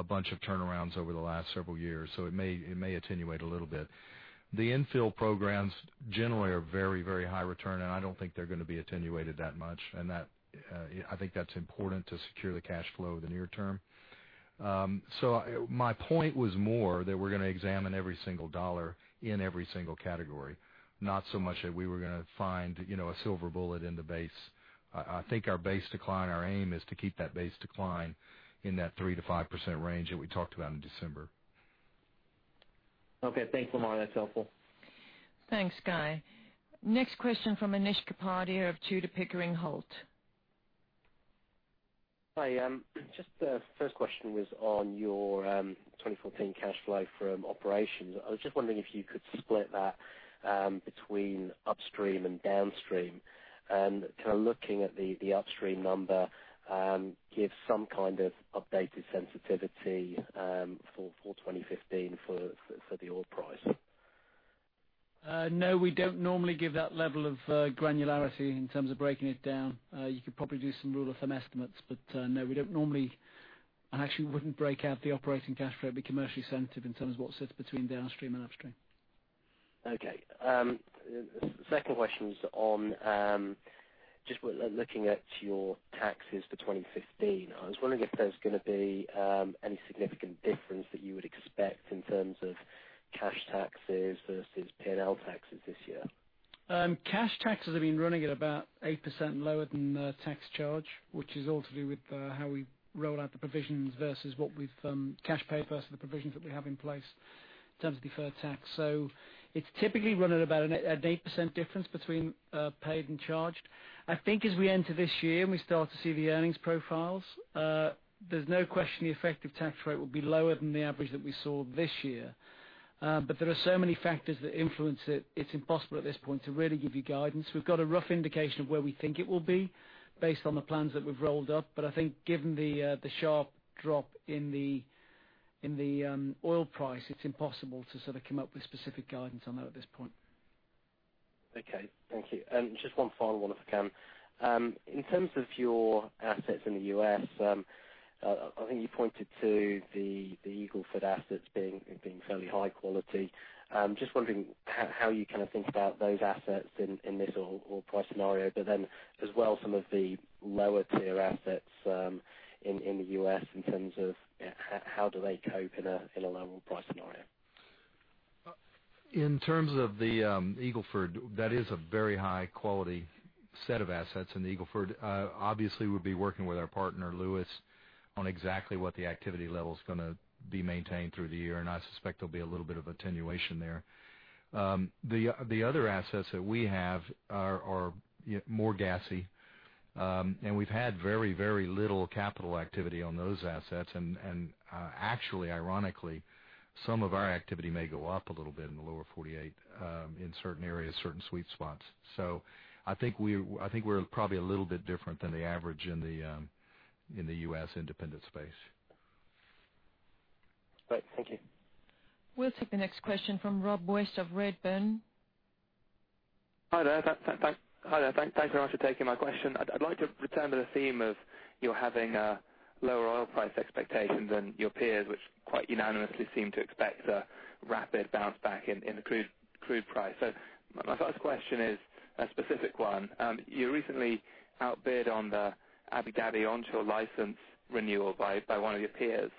bunch of turnarounds over the last several years. It may attenuate a little bit. The infill programs generally are very, very high return, I don't think they're going to be attenuated that much. I think that's important to secure the cash flow in the near term. My point was more that we're going to examine every single GBP in every single category, not so much that we were going to find a silver bullet in the base. I think our base decline, our aim is to keep that base decline in that 3%-5% range that we talked about in December. Okay. Thanks, Lamar. That's helpful. Thanks, Guy. Next question from Anish Kapadia of Tudor, Pickering, Holt & Co. Hi. Just the first question was on your 2014 cash flow from operations. I was just wondering if you could split that between upstream and downstream, and looking at the upstream number, give some kind of updated sensitivity for 2015 for the oil price. No, we don't normally give that level of granularity in terms of breaking it down. You could probably do some rule of thumb estimates, no, we don't normally, and actually wouldn't break out the operating cash flow be commercially sensitive in terms of what sits between downstream and upstream. Okay. Second question is on just looking at your taxes for 2015. I was wondering if there's going to be any significant difference that you would expect in terms of cash taxes versus P&L taxes this year. Cash taxes have been running at about 8% lower than tax charge, which is all to do with how we roll out the provisions versus cash pay versus the provisions that we have in place in terms of deferred tax. It's typically run at about an 8% difference between paid and charged. I think as we enter this year and we start to see the earnings profiles, there's no question the effective tax rate will be lower than the average that we saw this year. There are so many factors that influence it's impossible at this point to really give you guidance. We've got a rough indication of where we think it will be based on the plans that we've rolled up. I think given the sharp drop in the oil price, it's impossible to sort of come up with specific guidance on that at this point. Okay, thank you. Just one final one, if I can. In terms of your assets in the U.S., I think you pointed to the Eagle Ford assets being fairly high quality. Just wondering how you think about those assets in this oil price scenario, but then as well, some of the lower tier assets in the U.S. in terms of how do they cope in a lower oil price scenario. In terms of the Eagle Ford, that is a very high-quality set of assets. The Eagle Ford, obviously, we'll be working with our partner, Lewis, on exactly what the activity level's going to be maintained through the year, and I suspect there'll be a little bit of attenuation there. The other assets that we have are more gassy. We've had very, very little capital activity on those assets. Actually, ironically, some of our activity may go up a little bit in the Lower 48, in certain areas, certain sweet spots. I think we're probably a little bit different than the average in the U.S. independent space. Great. Thank you. We'll take the next question from Rob West of Redburn. Hi there. Thanks very much for taking my question. I'd like to return to the theme of you having lower oil price expectations than your peers, which quite unanimously seem to expect a rapid bounce back in the crude price. My first question is a specific one. You recently outbid on the Abu Dhabi onshore license renewal by one of your peers.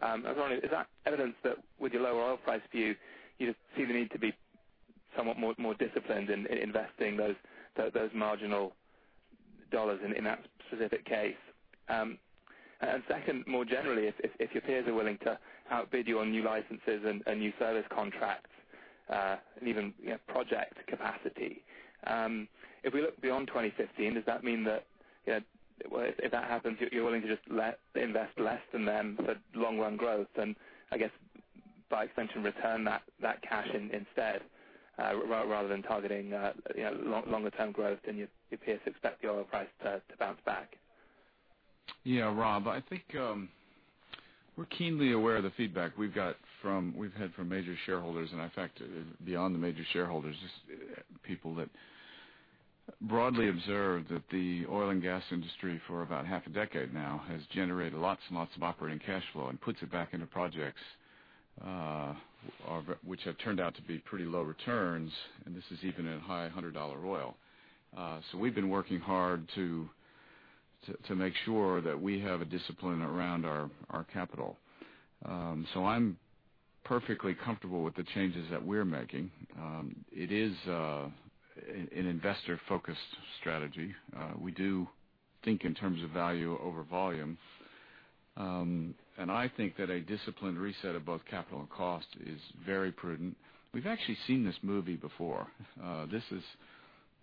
I was wondering, is that evidence that with your lower oil price view, you just see the need to be somewhat more disciplined in investing those marginal dollars in that specific case? Second, more generally, if your peers are willing to outbid you on new licenses and new service contracts, and even project capacity. If we look beyond 2015, does that mean that if that happens, you're willing to just invest less in them for long run growth and, I guess by extension, return that cash instead, rather than targeting longer term growth than your peers expect the oil price to bounce back? Yeah, Rob, I think we're keenly aware of the feedback we've had from major shareholders, and in fact, beyond the major shareholders, just people that broadly observe that the oil and gas industry for about half a decade now has generated lots and lots of operating cash flow and puts it back into projects which have turned out to be pretty low returns, and this is even at high GBP 100 oil. We've been working hard to make sure that we have a discipline around our capital. I'm perfectly comfortable with the changes that we're making. It is an investor-focused strategy. We do think in terms of value over volume. I think that a disciplined reset of both capital and cost is very prudent. We've actually seen this movie before.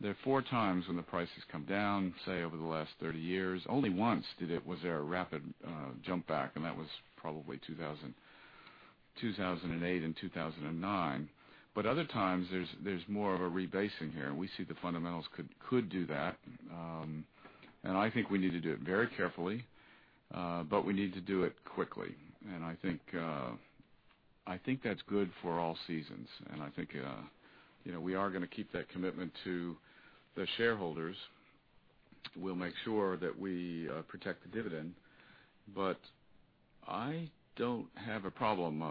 There are four times when the price has come down, say, over the last 30 years. Only once was there a rapid jump back, and that was probably 2008 and 2009. Other times, there's more of a rebasing here, and we see the fundamentals could do that. I think we need to do it very carefully. We need to do it quickly, and I think that's good for all seasons. I think we are going to keep that commitment to the shareholders. We'll make sure that we protect the dividend. I don't have a problem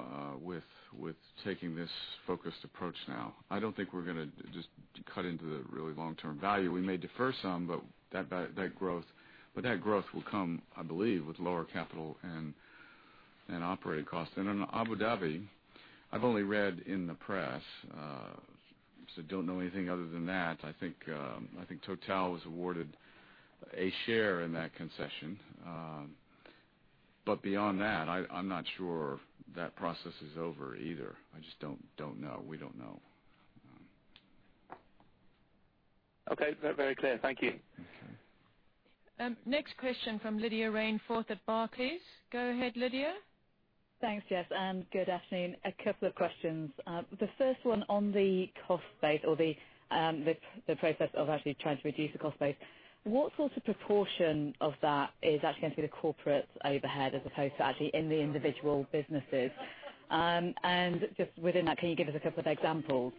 with taking this focused approach now. I don't think we're going to just cut into the really long-term value. We may defer some, but that growth will come, I believe, with lower capital and operating costs. In Abu Dhabi, I've only read in the press, so don't know anything other than that. I think Total was awarded a share in that concession. Beyond that, I'm not sure that process is over either. I just don't know. We don't know. Okay. Very clear. Thank you. Next question from Lydia Rainforth at Barclays. Go ahead, Lydia. Thanks, Jess, and good afternoon. A couple of questions. The first one on the cost base or the process of actually trying to reduce the cost base. What sort of proportion of that is actually going to be the corporate overhead as opposed to actually in the individual businesses? Just within that, can you give us a couple of examples?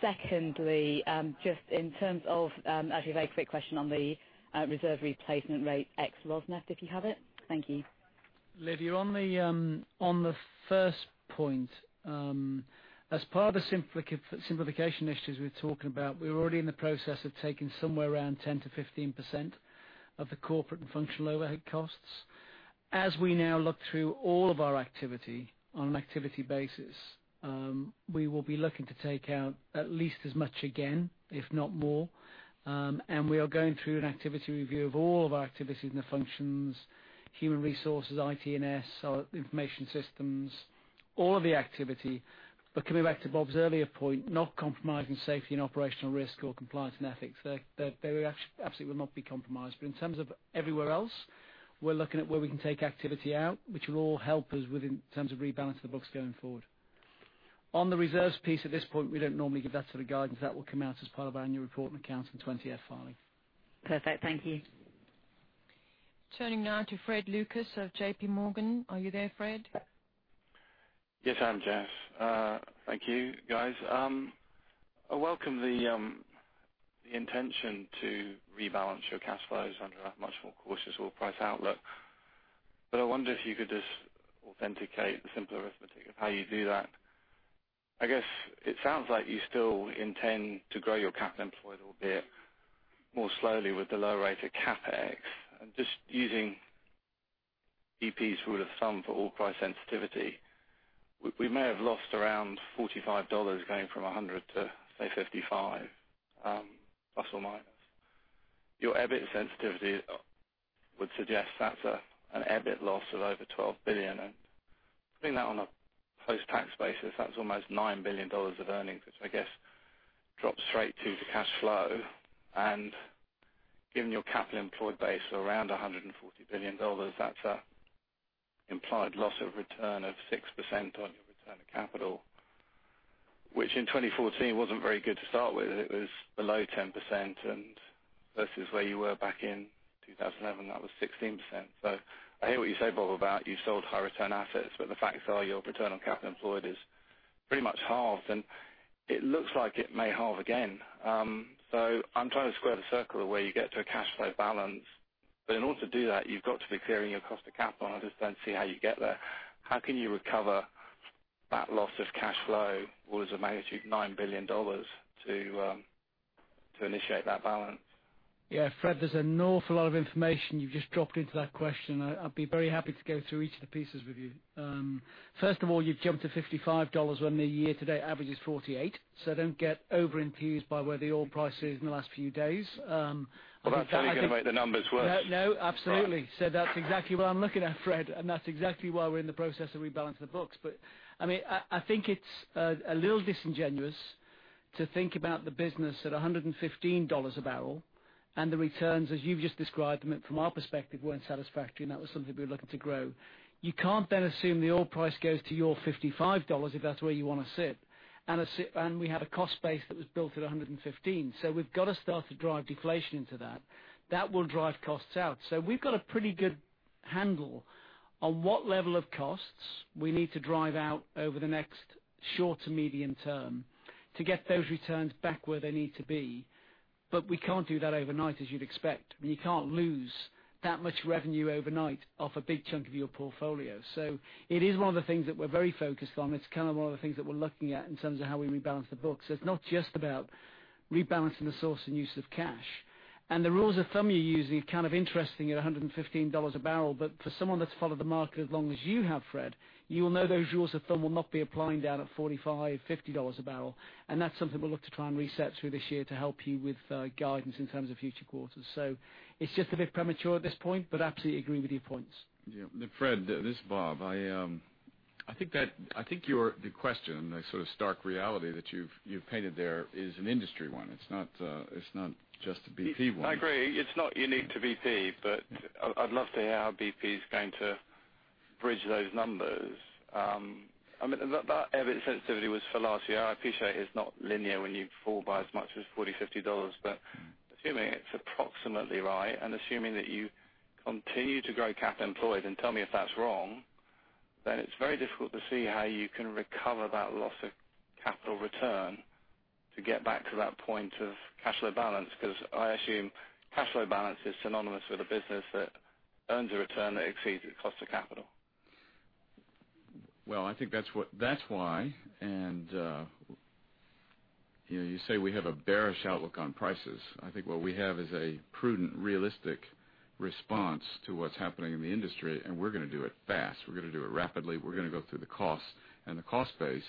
Secondly, just in terms of actually a very quick question on the reserve replacement rate ex Rosneft, if you have it. Thank you. Lydia, on the first point, as part of the simplification initiatives we're talking about, we're already in the process of taking somewhere around 10%-15% of the corporate and functional overhead costs. As we now look through all of our activity on an activity basis, we will be looking to take out at least as much again, if not more. We are going through an activity review of all of our activities in the functions, human resources, IT&S, our information systems, all of the activity. Coming back to Bob's earlier point, not compromising safety and operational risk or compliance and ethics. They absolutely will not be compromised. In terms of everywhere else, we're looking at where we can take activity out, which will all help us in terms of rebalancing the books going forward. On the reserves piece, at this point, we don't normally give that sort of guidance. That will come out as part of our annual report and accounts and 20F filing. Perfect. Thank you. Turning now to Frederick Lucas of J.P. Morgan. Are you there, Fred? Yes, I am, Jess. Thank you, guys. I welcome the intention to rebalance your cash flows under a much more cautious oil price outlook. I wonder if you could just authenticate the simple arithmetic of how you do that. I guess it sounds like you still intend to grow your capital employed, albeit more slowly with the lower rate of CapEx. Using BP's rule of thumb for oil price sensitivity, we may have lost around GBP 45 going from 100 to, say, 55, plus or minus. Your EBIT sensitivity would suggest that's an EBIT loss of over 12 billion. Putting that on a post-tax basis, that's almost GBP 9 billion of earnings, which I guess drops straight to the cash flow. Given your capital employed base of around GBP 140 billion, that's an implied loss of return of 6% on your return of capital. Which in 2014 wasn't very good to start with. It was below 10%, and versus where you were back in 2011, that was 16%. I hear what you say, Bob, about you sold high-return assets, but the facts are your return on capital employed has pretty much halved, and it looks like it may halve again. I'm trying to square the circle of where you get to a cash flow balance. In order to do that, you've got to be clearing your cost of capital. I just don't see how you get there. How can you recover that loss of cash flow that was a magnitude of GBP 9 billion to initiate that balance? Yeah, Fred, there's an awful lot of information you've just dropped into that question. I'd be very happy to go through each of the pieces with you. First of all, you've jumped to GBP 55 when the year-to-date average is 48. Don't get over-enthused by where the oil price is in the last few days. Well, that's only going to make the numbers worse. No, absolutely. That's exactly what I'm looking at, Fred, and that's exactly why we're in the process of rebalancing the books. I think it's a little disingenuous to think about the business at $115 a barrel and the returns, as you've just described them, from our perspective, weren't satisfactory, and that was something we were looking to grow. You can't assume the oil price goes to your $55 if that's where you want to sit, and we had a cost base that was built at $115. We've got to start to drive deflation into that. That will drive costs out. We've got a pretty good handle on what level of costs we need to drive out over the next short to medium term to get those returns back where they need to be. We can't do that overnight, as you'd expect. You can't lose that much revenue overnight off a big chunk of your portfolio. It is one of the things that we're very focused on. It's one of the things that we're looking at in terms of how we rebalance the books. It's not just about rebalancing the source and use of cash. The rules of thumb you're using are kind of interesting at $115 a barrel, but for someone that's followed the market as long as you have, Fred, you will know those rules of thumb will not be applying down at $45, $50 a barrel. That's something we'll look to try and reset through this year to help you with guidance in terms of future quarters. It's just a bit premature at this point, but absolutely agree with your points. Yeah. Fred, this is Bob. I think the question and the sort of stark reality that you've painted there is an industry one. It's not just a BP one. I agree. It's not unique to BP, but I'd love to hear how BP's going to bridge those numbers. That EBIT sensitivity was for last year. I appreciate it's not linear when you fall by as much as $40, $50, but assuming it's approximately right, and assuming that you continue to grow capital employed, and tell me if that's wrong, then it's very difficult to see how you can recover that loss of capital return to get back to that point of cash flow balance, because I assume cash flow balance is synonymous with a business that earns a return that exceeds its cost of capital. Well, I think that's why. You say we have a bearish outlook on prices. I think what we have is a prudent, realistic response to what's happening in the industry, and we're going to do it fast. We're going to do it rapidly. We're going to go through the costs and the cost base.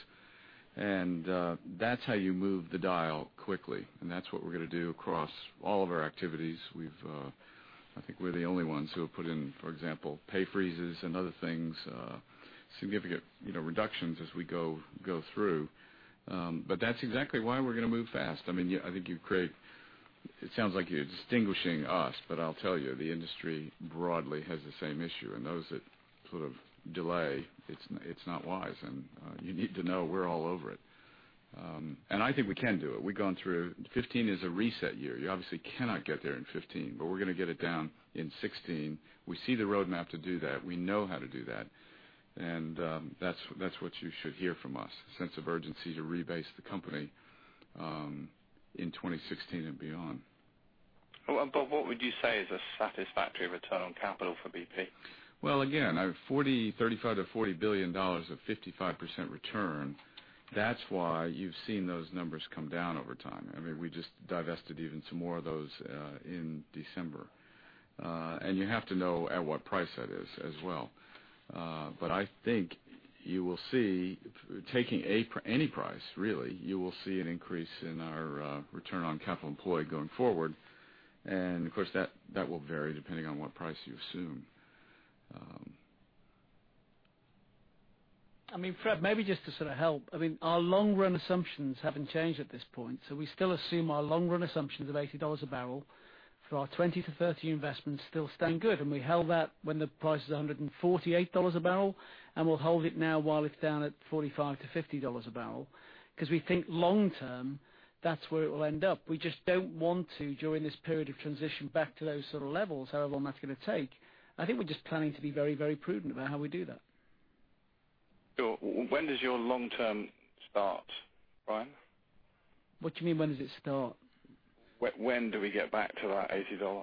That's how you move the dial quickly, and that's what we're going to do across all of our activities. I think we're the only ones who have put in, for example, pay freezes and other things, significant reductions as we go through. That's exactly why we're going to move fast. I think you create It sounds like you're distinguishing us, but I'll tell you, the industry broadly has the same issue. Those that delay, it's not wise, and you need to know we're all over it. I think we can do it. We've gone through, 2015 is a reset year. You obviously cannot get there in 2015, but we're going to get it down in 2016. We see the roadmap to do that. We know how to do that. That's what you should hear from us, a sense of urgency to rebase the company in 2016 and beyond. What would you say is a satisfactory return on capital for BP? Well, again, our GBP 35 billion-GBP 40 billion of 55% return, that's why you've seen those numbers come down over time. We just divested even some more of those in December. You have to know at what price that is as well. I think you will see, taking any price, really, you will see an increase in our return on capital employed going forward. Of course, that will vary depending on what price you assume. Fred, maybe just to sort of help, our long-run assumptions haven't changed at this point. We still assume our long-run assumptions of GBP 80 a barrel for our 20-30 investments still stand good. We held that when the price was GBP 148 a barrel, we'll hold it now while it's down at GBP 45-GBP 50 a barrel, because we think long term, that's where it will end up. We just don't want to, during this period of transition, back to those sort of levels, however long that's going to take. I think we're just planning to be very, very prudent about how we do that. Sure. When does your long term start, Brian? What do you mean, when does it start? When do we get back to that GBP 80?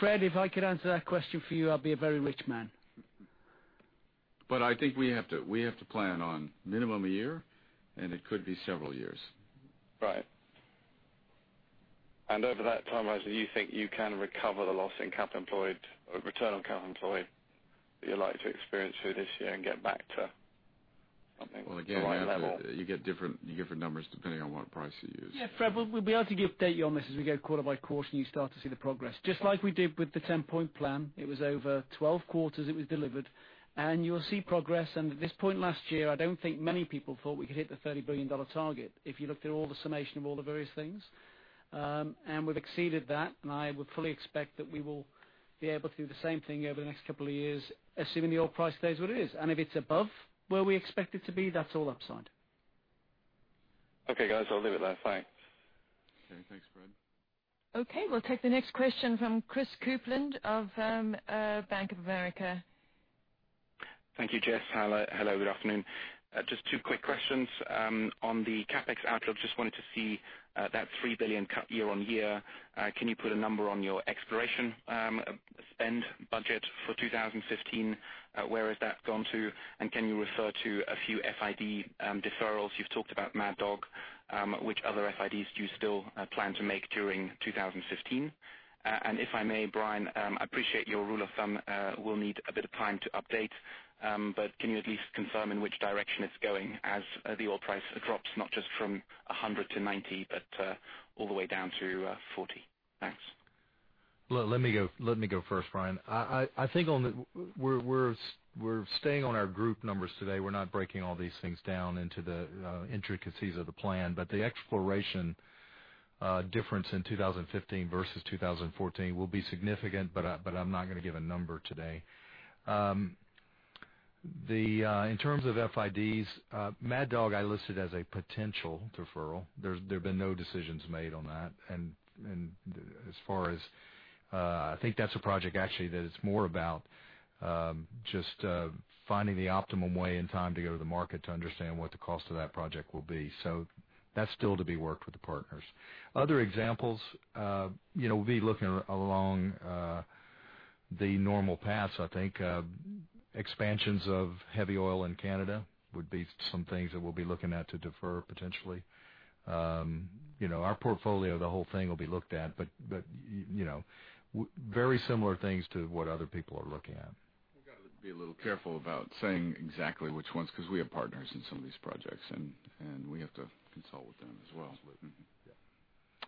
Fred, if I could answer that question for you, I'd be a very rich man. I think we have to plan on minimum a year, and it could be several years. Right. Over that time horizon, you think you can recover the loss in return on capital employed that you're likely to experience through this year and get back to something like the right level? Well, again, you get different numbers depending on what price you use. Fred, we'll be able to give an update you on this as we go quarter by quarter and you start to see the progress. Just like we did with the 10-point plan, it was over 12 quarters it was delivered, you'll see progress. At this point last year, I don't think many people thought we could hit the GBP 30 billion target if you looked at all the summation of all the various things. We've exceeded that, I would fully expect that we will be able to do the same thing over the next couple of years, assuming the oil price stays where it is. If it's above where we expect it to be, that's all upside. Okay, guys, I'll leave it there. Thanks. Okay. Thanks, Fred. Okay, we'll take the next question from Christopher Kuplent of Bank of America. Thank you, Jess. Hello, good afternoon. Just two quick questions. On the CapEx outlook, just wanted to see that 3 billion cut year-on-year. Can you put a number on your exploration spend budget for 2015? Where has that gone to? Can you refer to a few FID deferrals? You've talked about Mad Dog. Which other FIDs do you still plan to make during 2015? If I may, Brian, I appreciate your rule of thumb. We'll need a bit of time to update, but can you at least confirm in which direction it's going as the oil price drops, not just from 100 to 90, but all the way down to 40? Thanks. Let me go first, Brian. I think we're staying on our group numbers today. We're not breaking all these things down into the intricacies of the plan. The exploration difference in 2015 versus 2014 will be significant, I'm not going to give a number today. In terms of FIDs, Mad Dog I listed as a potential deferral. There have been no decisions made on that. I think that's a project, actually, that it's more about just finding the optimum way and time to go to the market to understand what the cost of that project will be. That's still to be worked with the partners. Other examples, we'll be looking along the normal paths, I think. Expansions of heavy oil in Canada would be some things that we'll be looking at to defer potentially. Our portfolio, the whole thing will be looked at, very similar things to what other people are looking at. We've got to be a little careful about saying exactly which ones, because we have partners in some of these projects, we have to consult with them as well. Absolutely.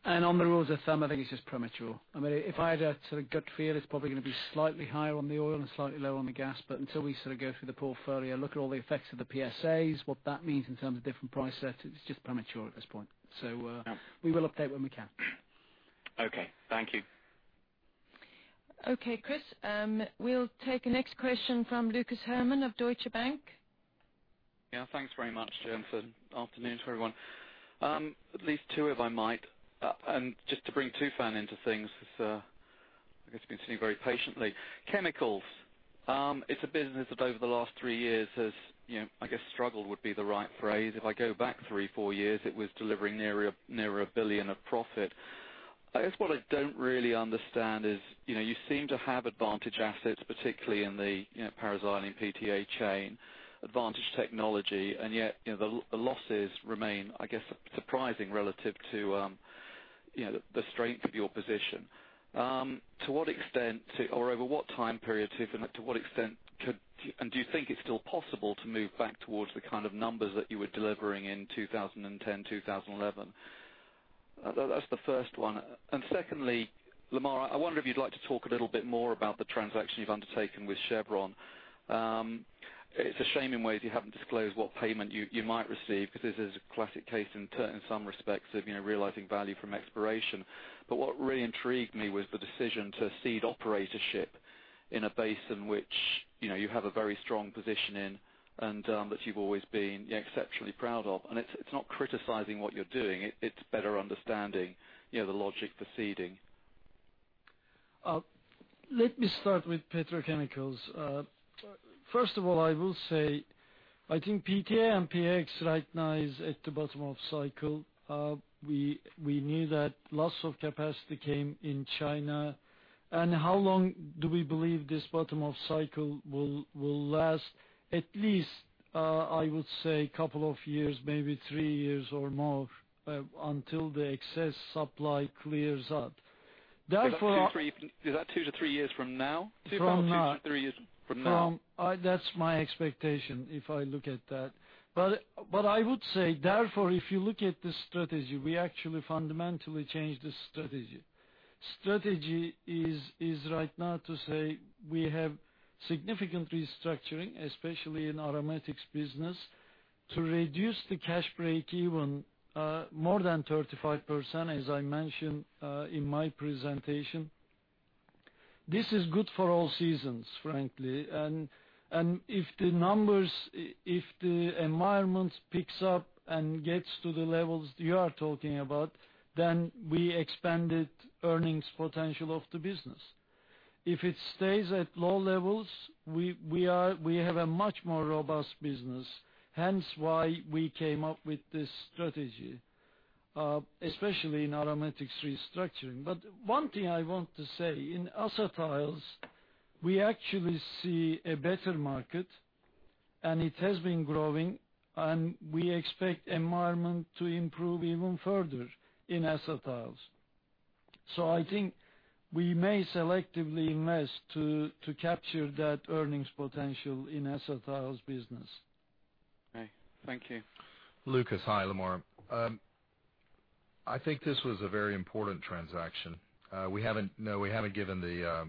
On the rules of thumb, I think it's just premature. If I had a sort of gut feel, it's probably going to be slightly higher on the oil and slightly lower on the gas. Until we sort of go through the portfolio, look at all the effects of the PSAs, what that means in terms of different price sets, it's just premature at this point. We will update when we can. Okay. Thank you. Okay, Chris. We'll take the next question from Lucas Herrmann of Deutsche Bank. Thanks very much, Jess, and afternoon to everyone. At least two, if I might. Just to bring Toufan into things, because I guess he's been sitting very patiently. Chemicals. It's a business that over the last three years has, I guess, struggled would be the right phrase. If I go back three, four years, it was delivering nearer $1 billion of profit. I guess what I don't really understand is you seem to have advantage assets, particularly in the paraxylene PTA chain, advantage technology, and yet the losses remain, I guess, surprising relative to the strength of your position. To what extent, or over what time period, and do you think it's still possible to move back towards the kind of numbers that you were delivering in 2010, 2011? That's the first one. Secondly, Lamar, I wonder if you'd like to talk a little bit more about the transaction you've undertaken with Chevron. It's a shame in ways you haven't disclosed what payment you might receive, because this is a classic case in some respects of realizing value from exploration. What really intrigued me was the decision to cede operatorship in a basin which you have a very strong position in and that you've always been exceptionally proud of. It's not criticizing what you're doing, it's better understanding the logic for ceding. Let me start with petrochemicals. First of all, I will say, I think PTA and PX right now is at the bottom of cycle. We knew that lots of capacity came in China. How long do we believe this bottom of cycle will last? At least, I would say couple of years, maybe three years or more, until the excess supply clears out. Is that two to three years from now? From now. Two to three years from now. That's my expectation if I look at that. I would say, therefore, if you look at the strategy, we actually fundamentally changed the strategy. Strategy is right now to say we have significant restructuring, especially in aromatics business, to reduce the cash break even more than 35%, as I mentioned in my presentation. This is good for all seasons, frankly. If the environment picks up and gets to the levels you are talking about, then we expanded earnings potential of the business. If it stays at low levels, we have a much more robust business, hence why we came up with this strategy, especially in aromatics restructuring. One thing I want to say, in acetyls, we actually see a better market, and it has been growing, and we expect environment to improve even further in acetyls. I think we may selectively invest to capture that earnings potential in acetyls business. Okay. Thank you. Lucas. Hi, Lamar. I think this was a very important transaction. No, we haven't given the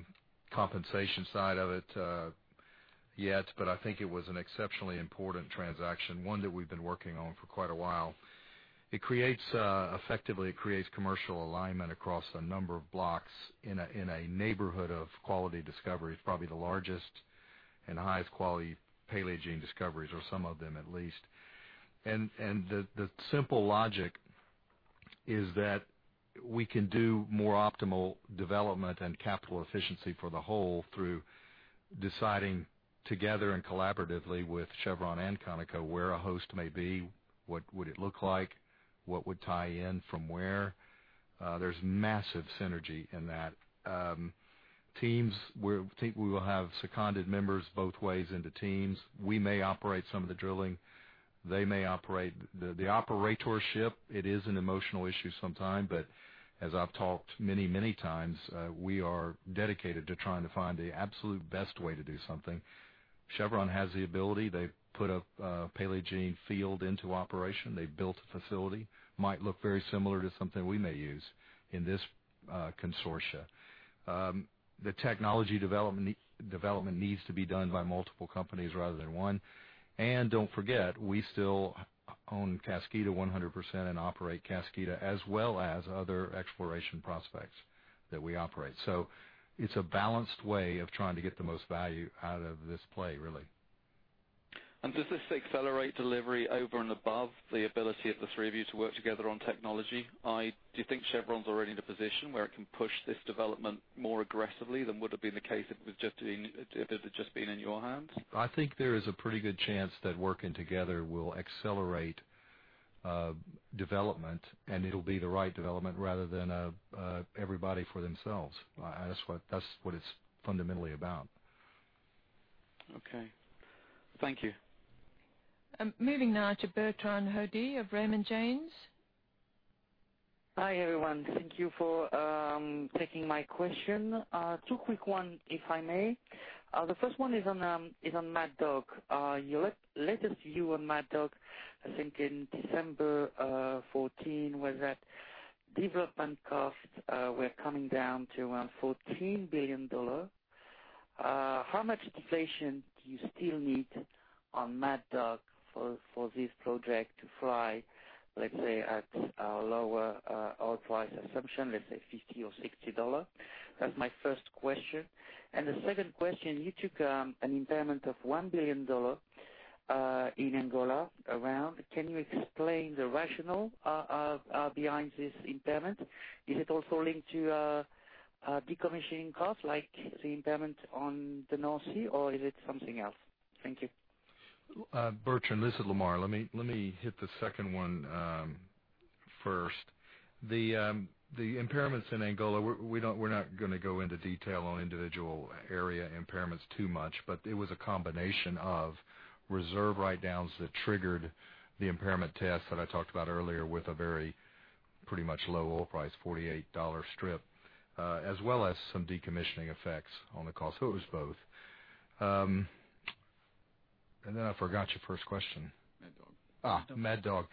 compensation side of it yet, but I think it was an exceptionally important transaction, one that we've been working on for quite a while. Effectively, it creates commercial alignment across a number of blocks in a neighborhood of quality discoveries, probably the largest and highest quality Paleogene discoveries, or some of them at least. The simple logic is that we can do more optimal development and capital efficiency for the whole through deciding together and collaboratively with Chevron and ConocoPhillips where a host may be, what would it look like, what would tie in from where. There's massive synergy in that. Teams, I think we will have seconded members both ways into teams. We may operate some of the drilling. They may operate. The operatorship, it is an emotional issue sometime, but as I've talked many times, we are dedicated to trying to find the absolute best way to do something. Chevron has the ability. They've put a Paleogene field into operation. They've built a facility. Might look very similar to something we may use in this consortia. The technology development needs to be done by multiple companies rather than one. Don't forget, we still own Kaskida 100% and operate Kaskida, as well as other exploration prospects that we operate. It's a balanced way of trying to get the most value out of this play, really. Does this accelerate delivery over and above the ability of the three of you to work together on technology? Do you think Chevron's already in a position where it can push this development more aggressively than would've been the case if it had just been in your hands? I think there is a pretty good chance that working together will accelerate development, and it'll be the right development rather than everybody for themselves. That's what it's fundamentally about. Okay. Thank you. Moving now to Bertrand Hodee of Raymond James. Hi, everyone. Thank you for taking my question. Two quick one, if I may. The first one is on Mad Dog. Your latest view on Mad Dog, I think in December 14, was that development costs were coming down to around $14 billion. How much deflation do you still need on Mad Dog for this project to fly, let's say, at a lower oil price assumption, let's say $50 or $60? That's my first question. The second question, you took an impairment of $1 billion in Angola, around. Can you explain the rationale behind this impairment? Is it also linked to decommissioning costs, like the impairment on the North Sea, or is it something else? Thank you. Bertrand, this is Lamar. Let me hit the second one first. The impairments in Angola, we're not gonna go into detail on individual area impairments too much, but it was a combination of reserve write-downs that triggered the impairment test that I talked about earlier with a very pretty much low oil price, $48 strip, as well as some decommissioning effects on the cost. It was both. Then I forgot your first question. Mad Dog. Mad Dog.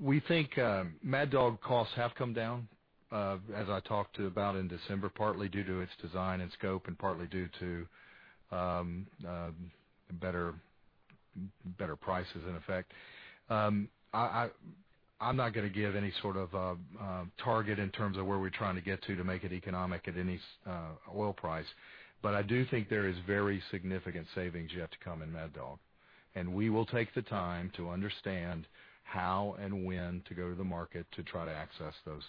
We think Mad Dog costs have come down, as I talked about in December, partly due to its design and scope, and partly due to better prices in effect. I'm not going to give any sort of target in terms of where we're trying to get to make it economic at any oil price. I do think there is very significant savings yet to come in Mad Dog. We will take the time to understand how and when to go to the market to try to access those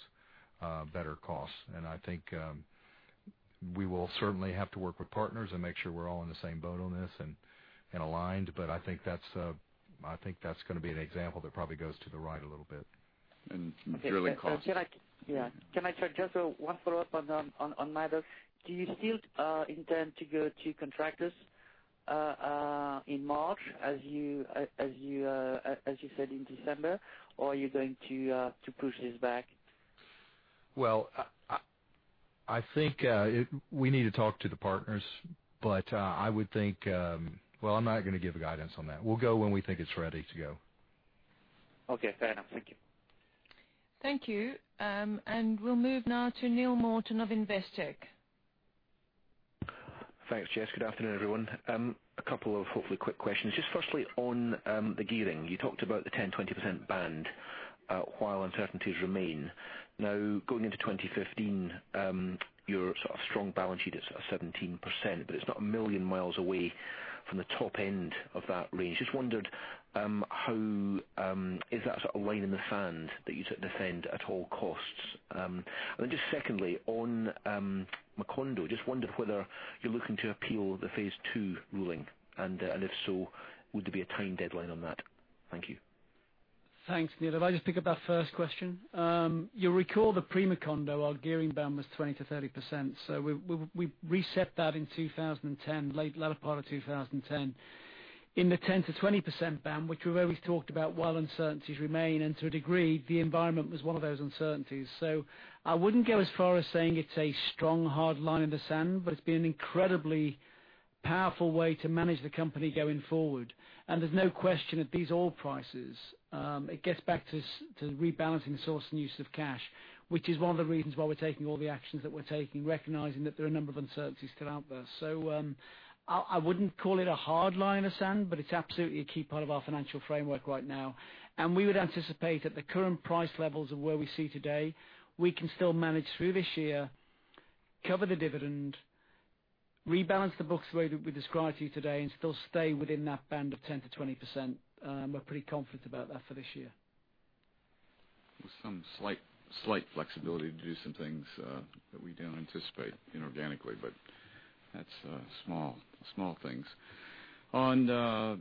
better costs. I think we will certainly have to work with partners and make sure we're all in the same boat on this and aligned. I think that's going to be an example that probably goes to the right a little bit. Drilling costs- Okay. Can I check just one follow-up on Mad Dog. Do you still intend to go to contractors in March, as you said in December? Are you going to push this back? Well, I think we need to talk to the partners. Well, I'm not going to give guidance on that. We'll go when we think it's ready to go. Okay, fair enough. Thank you. Thank you. We'll move now to Neill Morton of Investec. Thanks, Jess. Good afternoon, everyone. A couple of hopefully quick questions. Just firstly on the gearing. You talked about the 10%-20% band while uncertainties remain. Going into 2015, your strong balance sheet is 17%, but it's not a million miles away from the top end of that range. Just wondered is that a line in the sand that you defend at all costs? Then just secondly, on Macondo, just wondered whether you're looking to appeal the phase 2 ruling, and if so, would there be a time deadline on that? Thank you. Thanks, Neill. I just pick up that first question. You'll recall the pre-Macondo, our gearing band was 20%-30%. We reset that in 2010, latter part of 2010. The 10%-20% band, which we've always talked about while uncertainties remain, and to a degree, the environment was one of those uncertainties. I wouldn't go as far as saying it's a strong hard line in the sand, but it's been an incredibly powerful way to manage the company going forward. There's no question at these oil prices, it gets back to rebalancing source and use of cash. Which is one of the reasons why we're taking all the actions that we're taking, recognizing that there are a number of uncertainties still out there. I wouldn't call it a hard line in the sand, but it's absolutely a key part of our financial framework right now. We would anticipate at the current price levels of where we see today, we can still manage through this year, cover the dividend, rebalance the books the way that we described to you today, and still stay within that band of 10%-20%. We're pretty confident about that for this year. With some slight flexibility to do some things that we didn't anticipate inorganically, but that's small things. On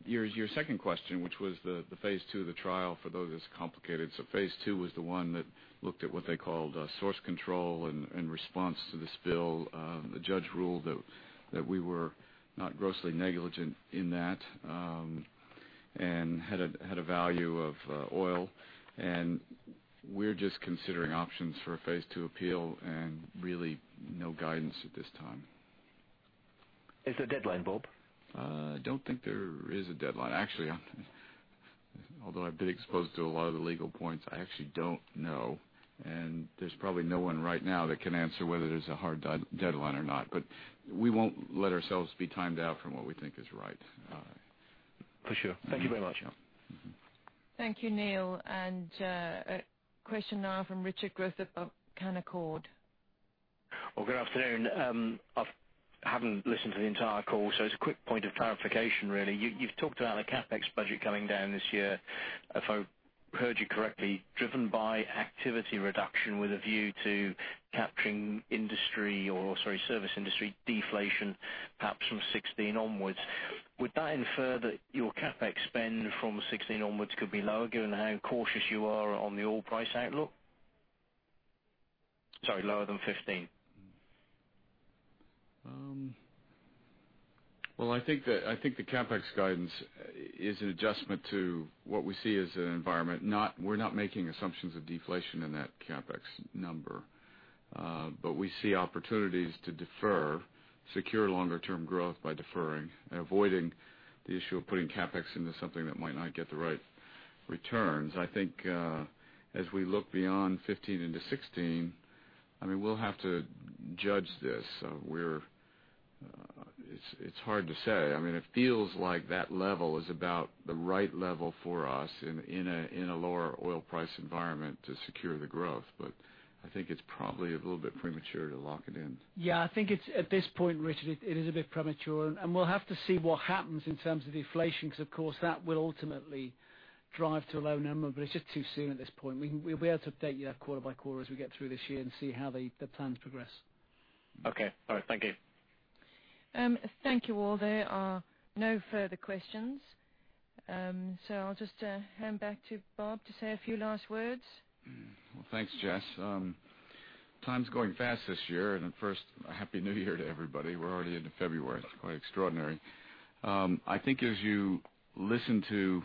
your second question, which was the phase II, the trial for those, it's complicated. Phase II was the one that looked at what they called source control and response to the spill. The judge ruled that we were not grossly negligent in that, and had a value of oil. We're just considering options for a phase II appeal, and really no guidance at this time. Is there a deadline, Bob? I don't think there is a deadline. Actually, although I've been exposed to a lot of the legal points, I actually don't know. There's probably no one right now that can answer whether there's a hard deadline or not. We won't let ourselves be timed out from what we think is right. For sure. Thank you very much. Yeah. Thank you, Neill. A question now from Richard Griffith of Canaccord. Well, good afternoon. I haven't listened to the entire call. It's a quick point of clarification really. You've talked about a CapEx budget coming down this year, if I heard you correctly, driven by activity reduction with a view to capturing industry or, sorry, service industry deflation perhaps from 2016 onwards. Would that infer that your CapEx spend from 2016 onwards could be lower, given how cautious you are on the oil price outlook? Sorry, lower than 2015. Well, I think the CapEx guidance is an adjustment to what we see as an environment. We're not making assumptions of deflation in that CapEx number. We see opportunities to defer, secure longer-term growth by deferring and avoiding the issue of putting CapEx into something that might not get the right returns. I think as we look beyond 2015 into 2016, we'll have to judge this. It's hard to say. It feels like that level is about the right level for us in a lower oil price environment to secure the growth. I think it's probably a little bit premature to lock it in. Yeah, I think it's at this point, Richard, it is a bit premature and we'll have to see what happens in terms of deflation because of course, that will ultimately drive to a low number. It's just too soon at this point. We'll be able to update you quarter by quarter as we get through this year and see how the plans progress. Okay. All right. Thank you. Thank you all. There are no further questions. I'll just hand back to Bob to say a few last words. Well, thanks, Jess. Time's going fast this year. First, happy New Year to everybody. We're already into February. It's quite extraordinary. I think as you listen to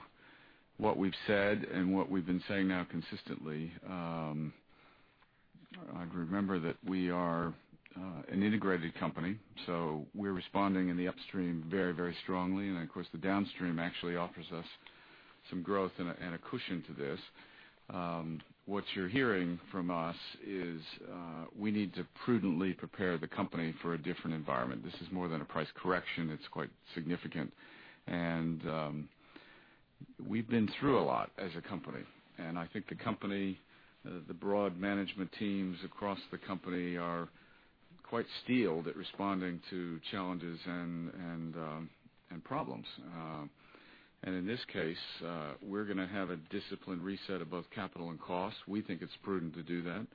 what we've said and what we've been saying now consistently, I'd remember that we are an integrated company, we're responding in the upstream very strongly. Then, of course, the downstream actually offers us some growth and a cushion to this. What you're hearing from us is we need to prudently prepare the company for a different environment. This is more than a price correction. It's quite significant. We've been through a lot as a company. I think the company, the broad management teams across the company are quite steeled at responding to challenges and problems. In this case, we're going to have a disciplined reset of both capital and cost. We think it's prudent to do that.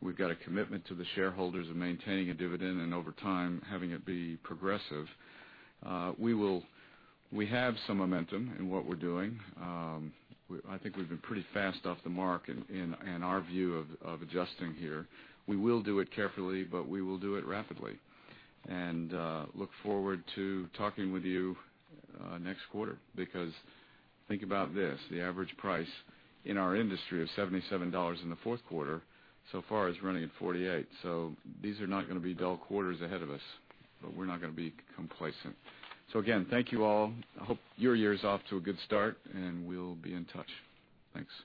We've got a commitment to the shareholders of maintaining a dividend and over time, having it be progressive. We have some momentum in what we're doing. I think we've been pretty fast off the mark in our view of adjusting here. We will do it carefully, but we will do it rapidly. Look forward to talking with you next quarter, because think about this, the average price in our industry of $77 in the fourth quarter so far is running at $48. These are not going to be dull quarters ahead of us, but we're not going to be complacent. Again, thank you all. I hope your year's off to a good start, and we'll be in touch. Thanks.